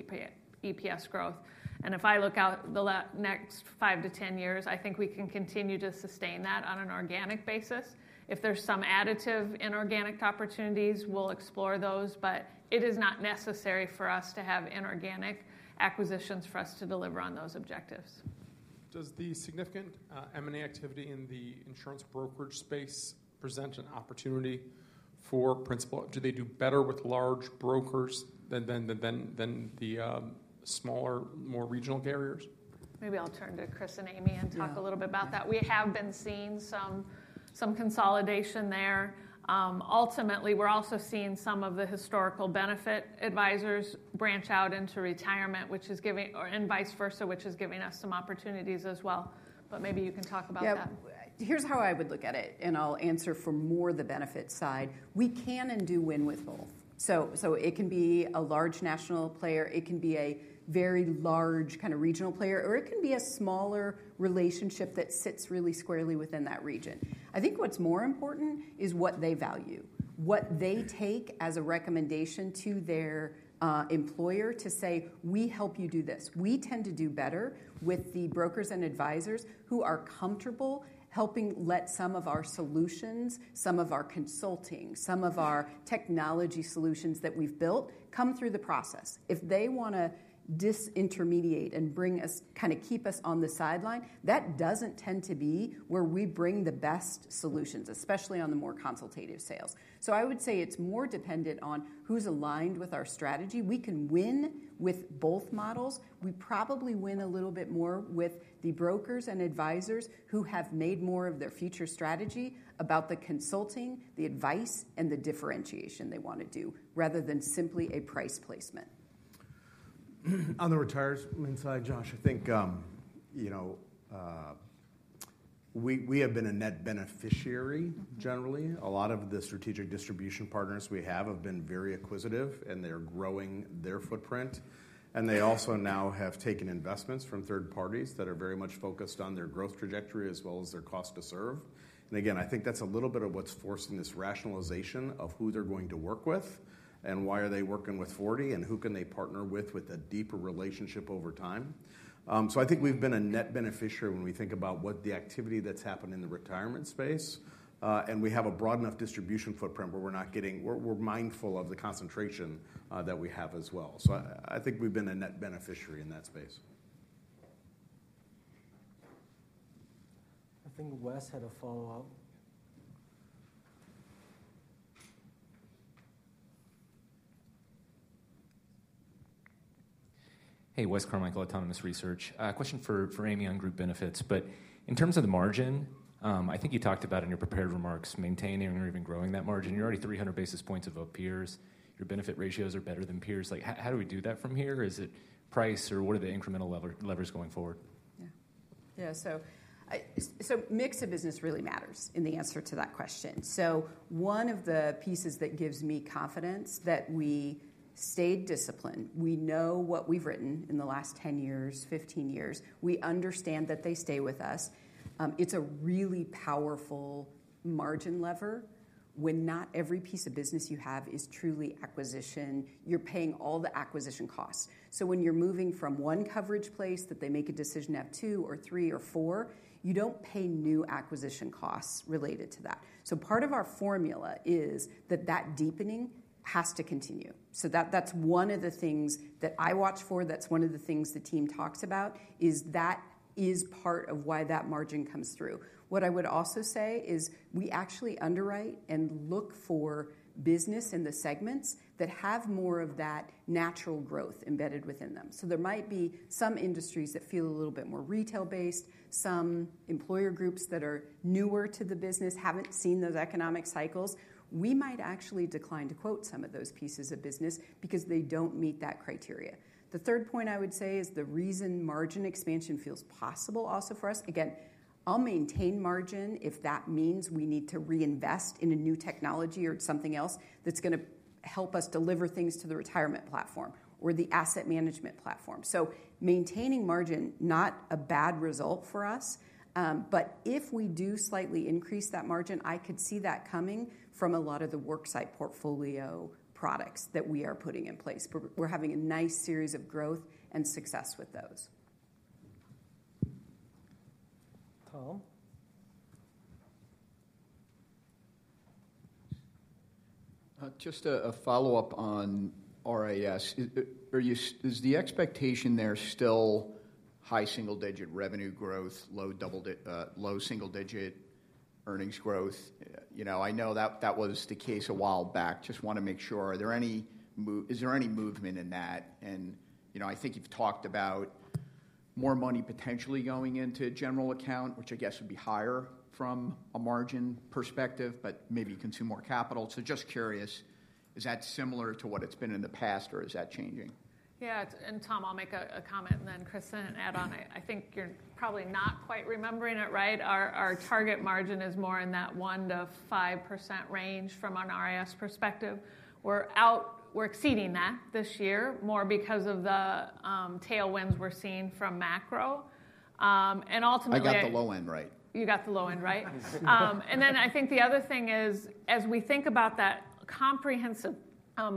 EPS growth. And if I look out the next 5-10 years, I think we can continue to sustain that on an organic basis. If there's some additive inorganic opportunities, we'll explore those, but it is not necessary for us to have inorganic acquisitions for us to deliver on those objectives. Does the significant M&A activity in the insurance brokerage space present an opportunity for Principal? Do they do better with large brokers than the smaller, more regional carriers? Maybe I'll turn to Chris and Amy and talk a little bit about that. We have been seeing some consolidation there. Ultimately, we're also seeing some of the historical benefit advisors branch out into retirement, which is giving, or vice versa, which is giving us some opportunities as well. But maybe you can talk about that. Here's how I would look at it, and I'll answer for more the benefit side. We can and do win with both. So it can be a large national player. It can be a very large kind of regional player, or it can be a smaller relationship that sits really squarely within that region. I think what's more important is what they value, what they take as a recommendation to their employer to say, "We help you do this. We tend to do better with the brokers and advisors who are comfortable helping let some of our solutions, some of our consulting, some of our technology solutions that we've built come through the process. If they want to disintermediate and bring us, kind of keep us on the sideline, that doesn't tend to be where we bring the best solutions, especially on the more consultative sales. So I would say it's more dependent on who's aligned with our strategy. We can win with both models. We probably win a little bit more with the brokers and advisors who have made more of their future strategy about the consulting, the advice, and the differentiation they want to do rather than simply a price placement. On the retirement side, Josh, I think we have been a net beneficiary generally. A lot of the strategic distribution partners we have been very acquisitive, and they're growing their footprint. And they also now have taken investments from third parties that are very much focused on their growth trajectory as well as their cost to serve. And again, I think that's a little bit of what's forcing this rationalization of who they're going to work with and why are they working with PFG and who can they partner with a deeper relationship over time. So I think we've been a net beneficiary when we think about what the activity that's happened in the retirement space. And we have a broad enough distribution footprint where we're not getting, we're mindful of the concentration that we have as well. So I think we've been a net beneficiary in that space. I think Wes had a follow-up. Hey, Wes Carmichael, Autonomous Research. Question for Amy on group benefits. But in terms of the margin, I think you talked about in your prepared remarks maintaining or even growing that margin. You're already 300 basis points above peers. Your benefit ratios are better than peers. How do we do that from here? Is it price or what are the incremental levers going forward? Yeah, so mix of business really matters in the answer to that question. So one of the pieces that gives me confidence that we stayed disciplined, we know what we've written in the last 10 years, 15 years. We understand that they stay with us. It's a really powerful margin lever when not every piece of business you have is truly acquisition. You're paying all the acquisition costs. So when you're moving from one coverage place that they make a decision to have two or three or four, you don't pay new acquisition costs related to that. So part of our formula is that that deepening has to continue. So that's one of the things that I watch for. That's one of the things the team talks about is that is part of why that margin comes through. What I would also say is we actually underwrite and look for business in the segments that have more of that natural growth embedded within them. So there might be some industries that feel a little bit more retail-based, some employer groups that are newer to the business, haven't seen those economic cycles. We might actually decline to quote some of those pieces of business because they don't meet that criteria. The third point I would say is the reason margin expansion feels possible also for us. Again, I'll maintain margin if that means we need to reinvest in a new technology or something else that's going to help us deliver things to the retirement platform or the asset management platform. So maintaining margin, not a bad result for us. But if we do slightly increase that margin, I could see that coming from a lot of the worksite portfolio products that we are putting in place. We're having a nice series of growth and success with those. Tom. Just a follow-up on RIS. Is the expectation there still high single-digit revenue growth, low single-digit earnings growth? I know that was the case a while back. Just want to make sure. Is there any movement in that? I think you've talked about more money potentially going into General Account, which I guess would be higher from a margin perspective, but maybe consume more capital. So just curious, is that similar to what it's been in the past or is that changing? Yeah, and Tom, I'll make a comment and then Chris add on it. I think you're probably not quite remembering it right. Our target margin is more in that 1%-5% range from an RAS perspective. We're exceeding that this year more because of the tailwinds we're seeing from macro. And ultimately. I got the low end right. You got the low end right. And then I think the other thing is, as we think about that comprehensive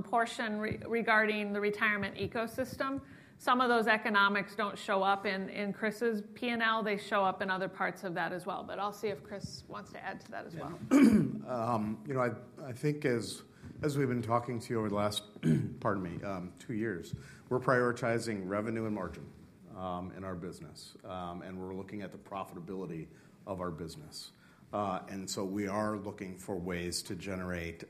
portion regarding the retirement ecosystem, some of those economics don't show up in Chris's P&L. They show up in other parts of that as well. But I'll see if Chris wants to add to that as well. I think as we've been talking to you over the last, pardon me, two years, we're prioritizing revenue and margin in our business, and we're looking at the profitability of our business. And so we are looking for ways to generate,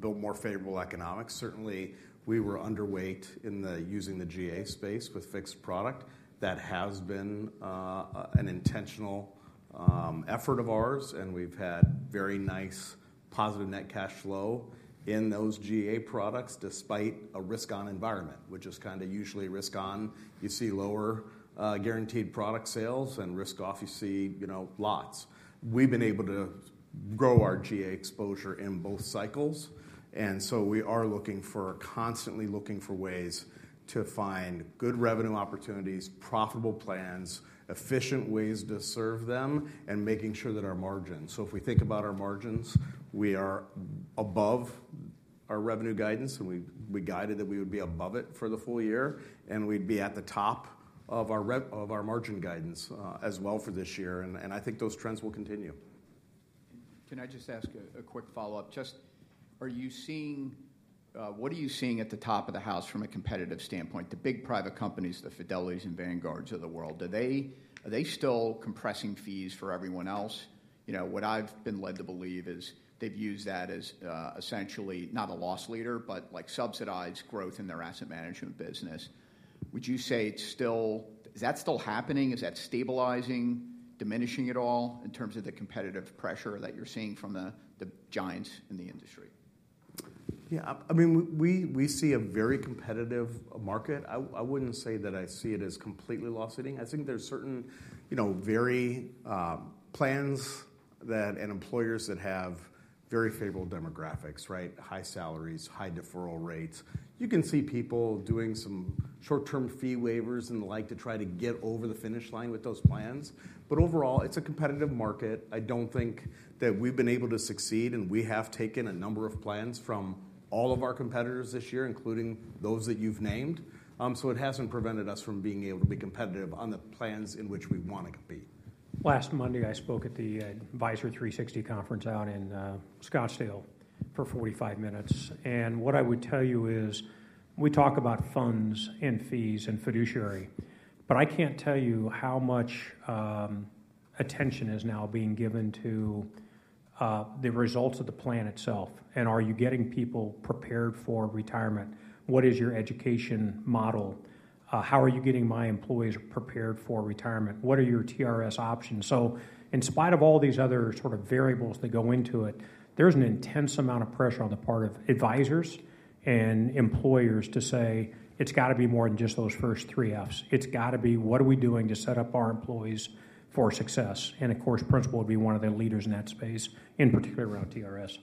build more favorable economics. Certainly, we were underweight in the using the GA space with fixed product. That has been an intentional effort of ours, and we've had very nice positive net cash flow in those GA products despite a risk-on environment, which is kind of usually risk-on. You see lower guaranteed product sales and risk-off, you see lots. We've been able to grow our GA exposure in both cycles. We are looking for, constantly looking for ways to find good revenue opportunities, profitable plans, efficient ways to serve them, and making sure that our margins. If we think about our margins, we are above our revenue guidance, and we guided that we would be above it for the full year, and we'd be at the top of our margin guidance as well for this year. I think those trends will continue. Can I just ask a quick follow-up? Just, are you seeing? What are you seeing at the top of the house from a competitive standpoint? The big private companies, the Fidelities and Vanguards of the world, are they still compressing fees for everyone else? What I've been led to believe is they've used that as essentially not a loss leader, but like subsidized growth in their asset management business. Would you say it's still, is that still happening? Is that stabilizing, diminishing at all in terms of the competitive pressure that you're seeing from the giants in the industry? Yeah, I mean, we see a very competitive market. I wouldn't say that I see it as completely loss-leading. I think there's certain very plans and employers that have very favorable demographics, right? High salaries, high deferral rates. You can see people doing some short-term fee waivers and the like to try to get over the finish line with those plans. But overall, it's a competitive market. I do think that we've been able to succeed, and we have taken a number of plans from all of our competitors this year, including those that you've named. So it hasn't prevented us from being able to be competitive on the plans in which we want to compete. Last Monday, I spoke at the Advisor360 conference out in Scottsdale for 45 minutes. And what I would tell you is we talk about funds and fees and fiduciary, but I can't tell you how much attention is now being given to the results of the plan itself. And are you getting people prepared for retirement? What is your education model? How are you getting my employees prepared for retirement? What are your TRS options? So in spite of all these other sort of variables that go into it, there's an intense amount of pressure on the part of advisors and employers to say, "It's got to be more than just those first three Fs. It's got to be, what are we doing to set up our employees for success?" And of course, Principal would be one of the leaders in that space, in particular around TRS.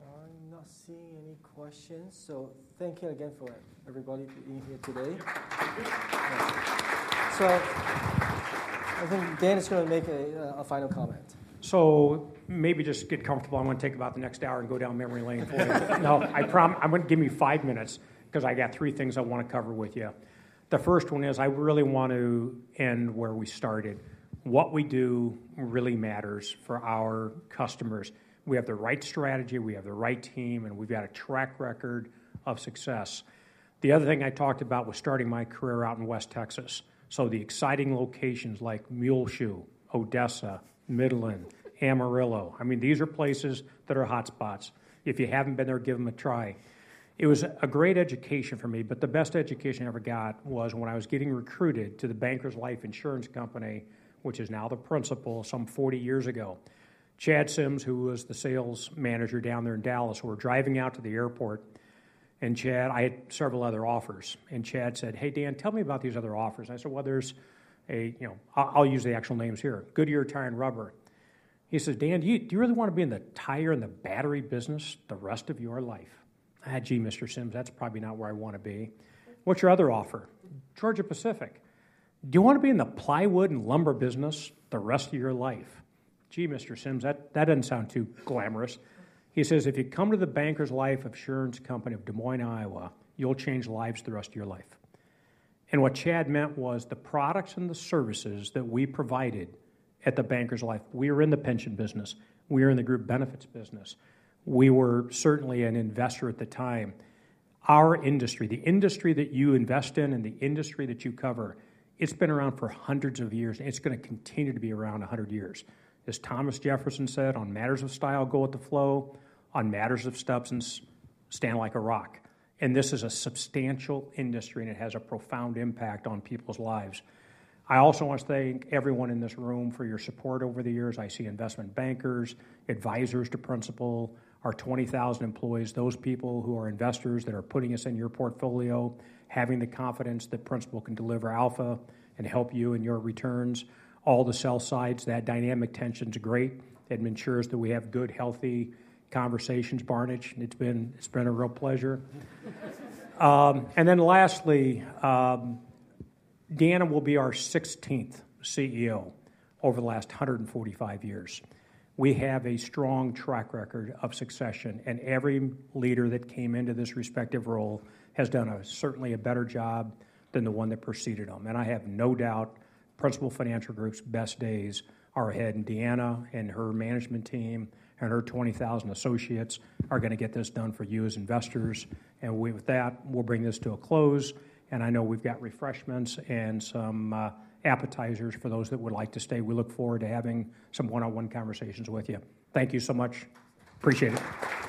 I'm not seeing any questions. So thank you again for everybody being here today. So I think Dan is going to make a final comment. So maybe just get comfortable. I'm going to talk about the next hour and go down memory lane. No, I promise. I'm going to take five minutes because I've got three things I want to cover with you. The first one is I really want to end where we started. What we do really matters for our customers. We have the right strategy. We have the right team, and we've got a track record of success. The other thing I talked about was starting my career out in West Texas. So the exciting locations like Muleshoe, Odessa, Midland, Amarillo. I mean, these are places that are hotspots. If you haven't been there, give them a try. It was a great education for me, but the best education I ever got was when I was getting recruited to the Bankers Life Insurance Company, which is now the Principal, some 40 years ago. Chad Sims, who was the sales manager down there in Dallas, we were driving out to the airport, and Chad. I had several other offers. Chad said, "Hey, Dan, tell me about these other offers." I said, "Well, there's a, I'll use the actual names here. Goodyear Tire and Rubber." He says, "Dan, do you really want to be in the tire and the battery business the rest of your life?" I had, "Gee, Mr. Sims, that's probably not where I want to be. What's your other offer? Georgia-Pacific. Do you want to be in the plywood and lumber business the rest of your life?" "Gee, Mr. Sims, that doesn't sound too glamorous. He says, "If you come to the Bankers Life Insurance Company of Des Moines, Iowa, you'll change lives the rest of your life." And what Chad meant was the products and the services that we provided at the Bankers Life. We were in the pension business. We were in the group benefits business. We were certainly an investor at the time. Our industry, the industry that you invest in and the industry that you cover, it's been around for hundreds of years, and it's going to continue to be around 100 years. As Thomas Jefferson said, "On matters of style, go with the flow. On matters of substance, stand like a rock." And this is a substantial industry, and it has a profound impact on people's lives. I also want to thank everyone in this room for your support over the years. I see investment bankers, advisors to Principal, our 20,000 employees, those people who are investors that are putting us in your portfolio, having the confidence that Principal can deliver alpha and help you in your returns. All the sell-side, that dynamic tension is great. It ensures that we have good, healthy conversations, Barnidge. It's been a real pleasure. And then lastly, Deanna will be our 16th CEO over the last 145 years. We have a strong track record of succession, and every leader that came into this respective role has done certainly a better job than the one that preceded them. And I have no doubt Principal Financial Group's best days are ahead. And Deanna and her management team and her 20,000 associates are going to get this done for you as investors. And with that, we'll bring this to a close. I know we've got refreshments and some appetizers for those that would like to stay. We look forward to having some one-on-one conversations with you. Thank you so much. Appreciate it.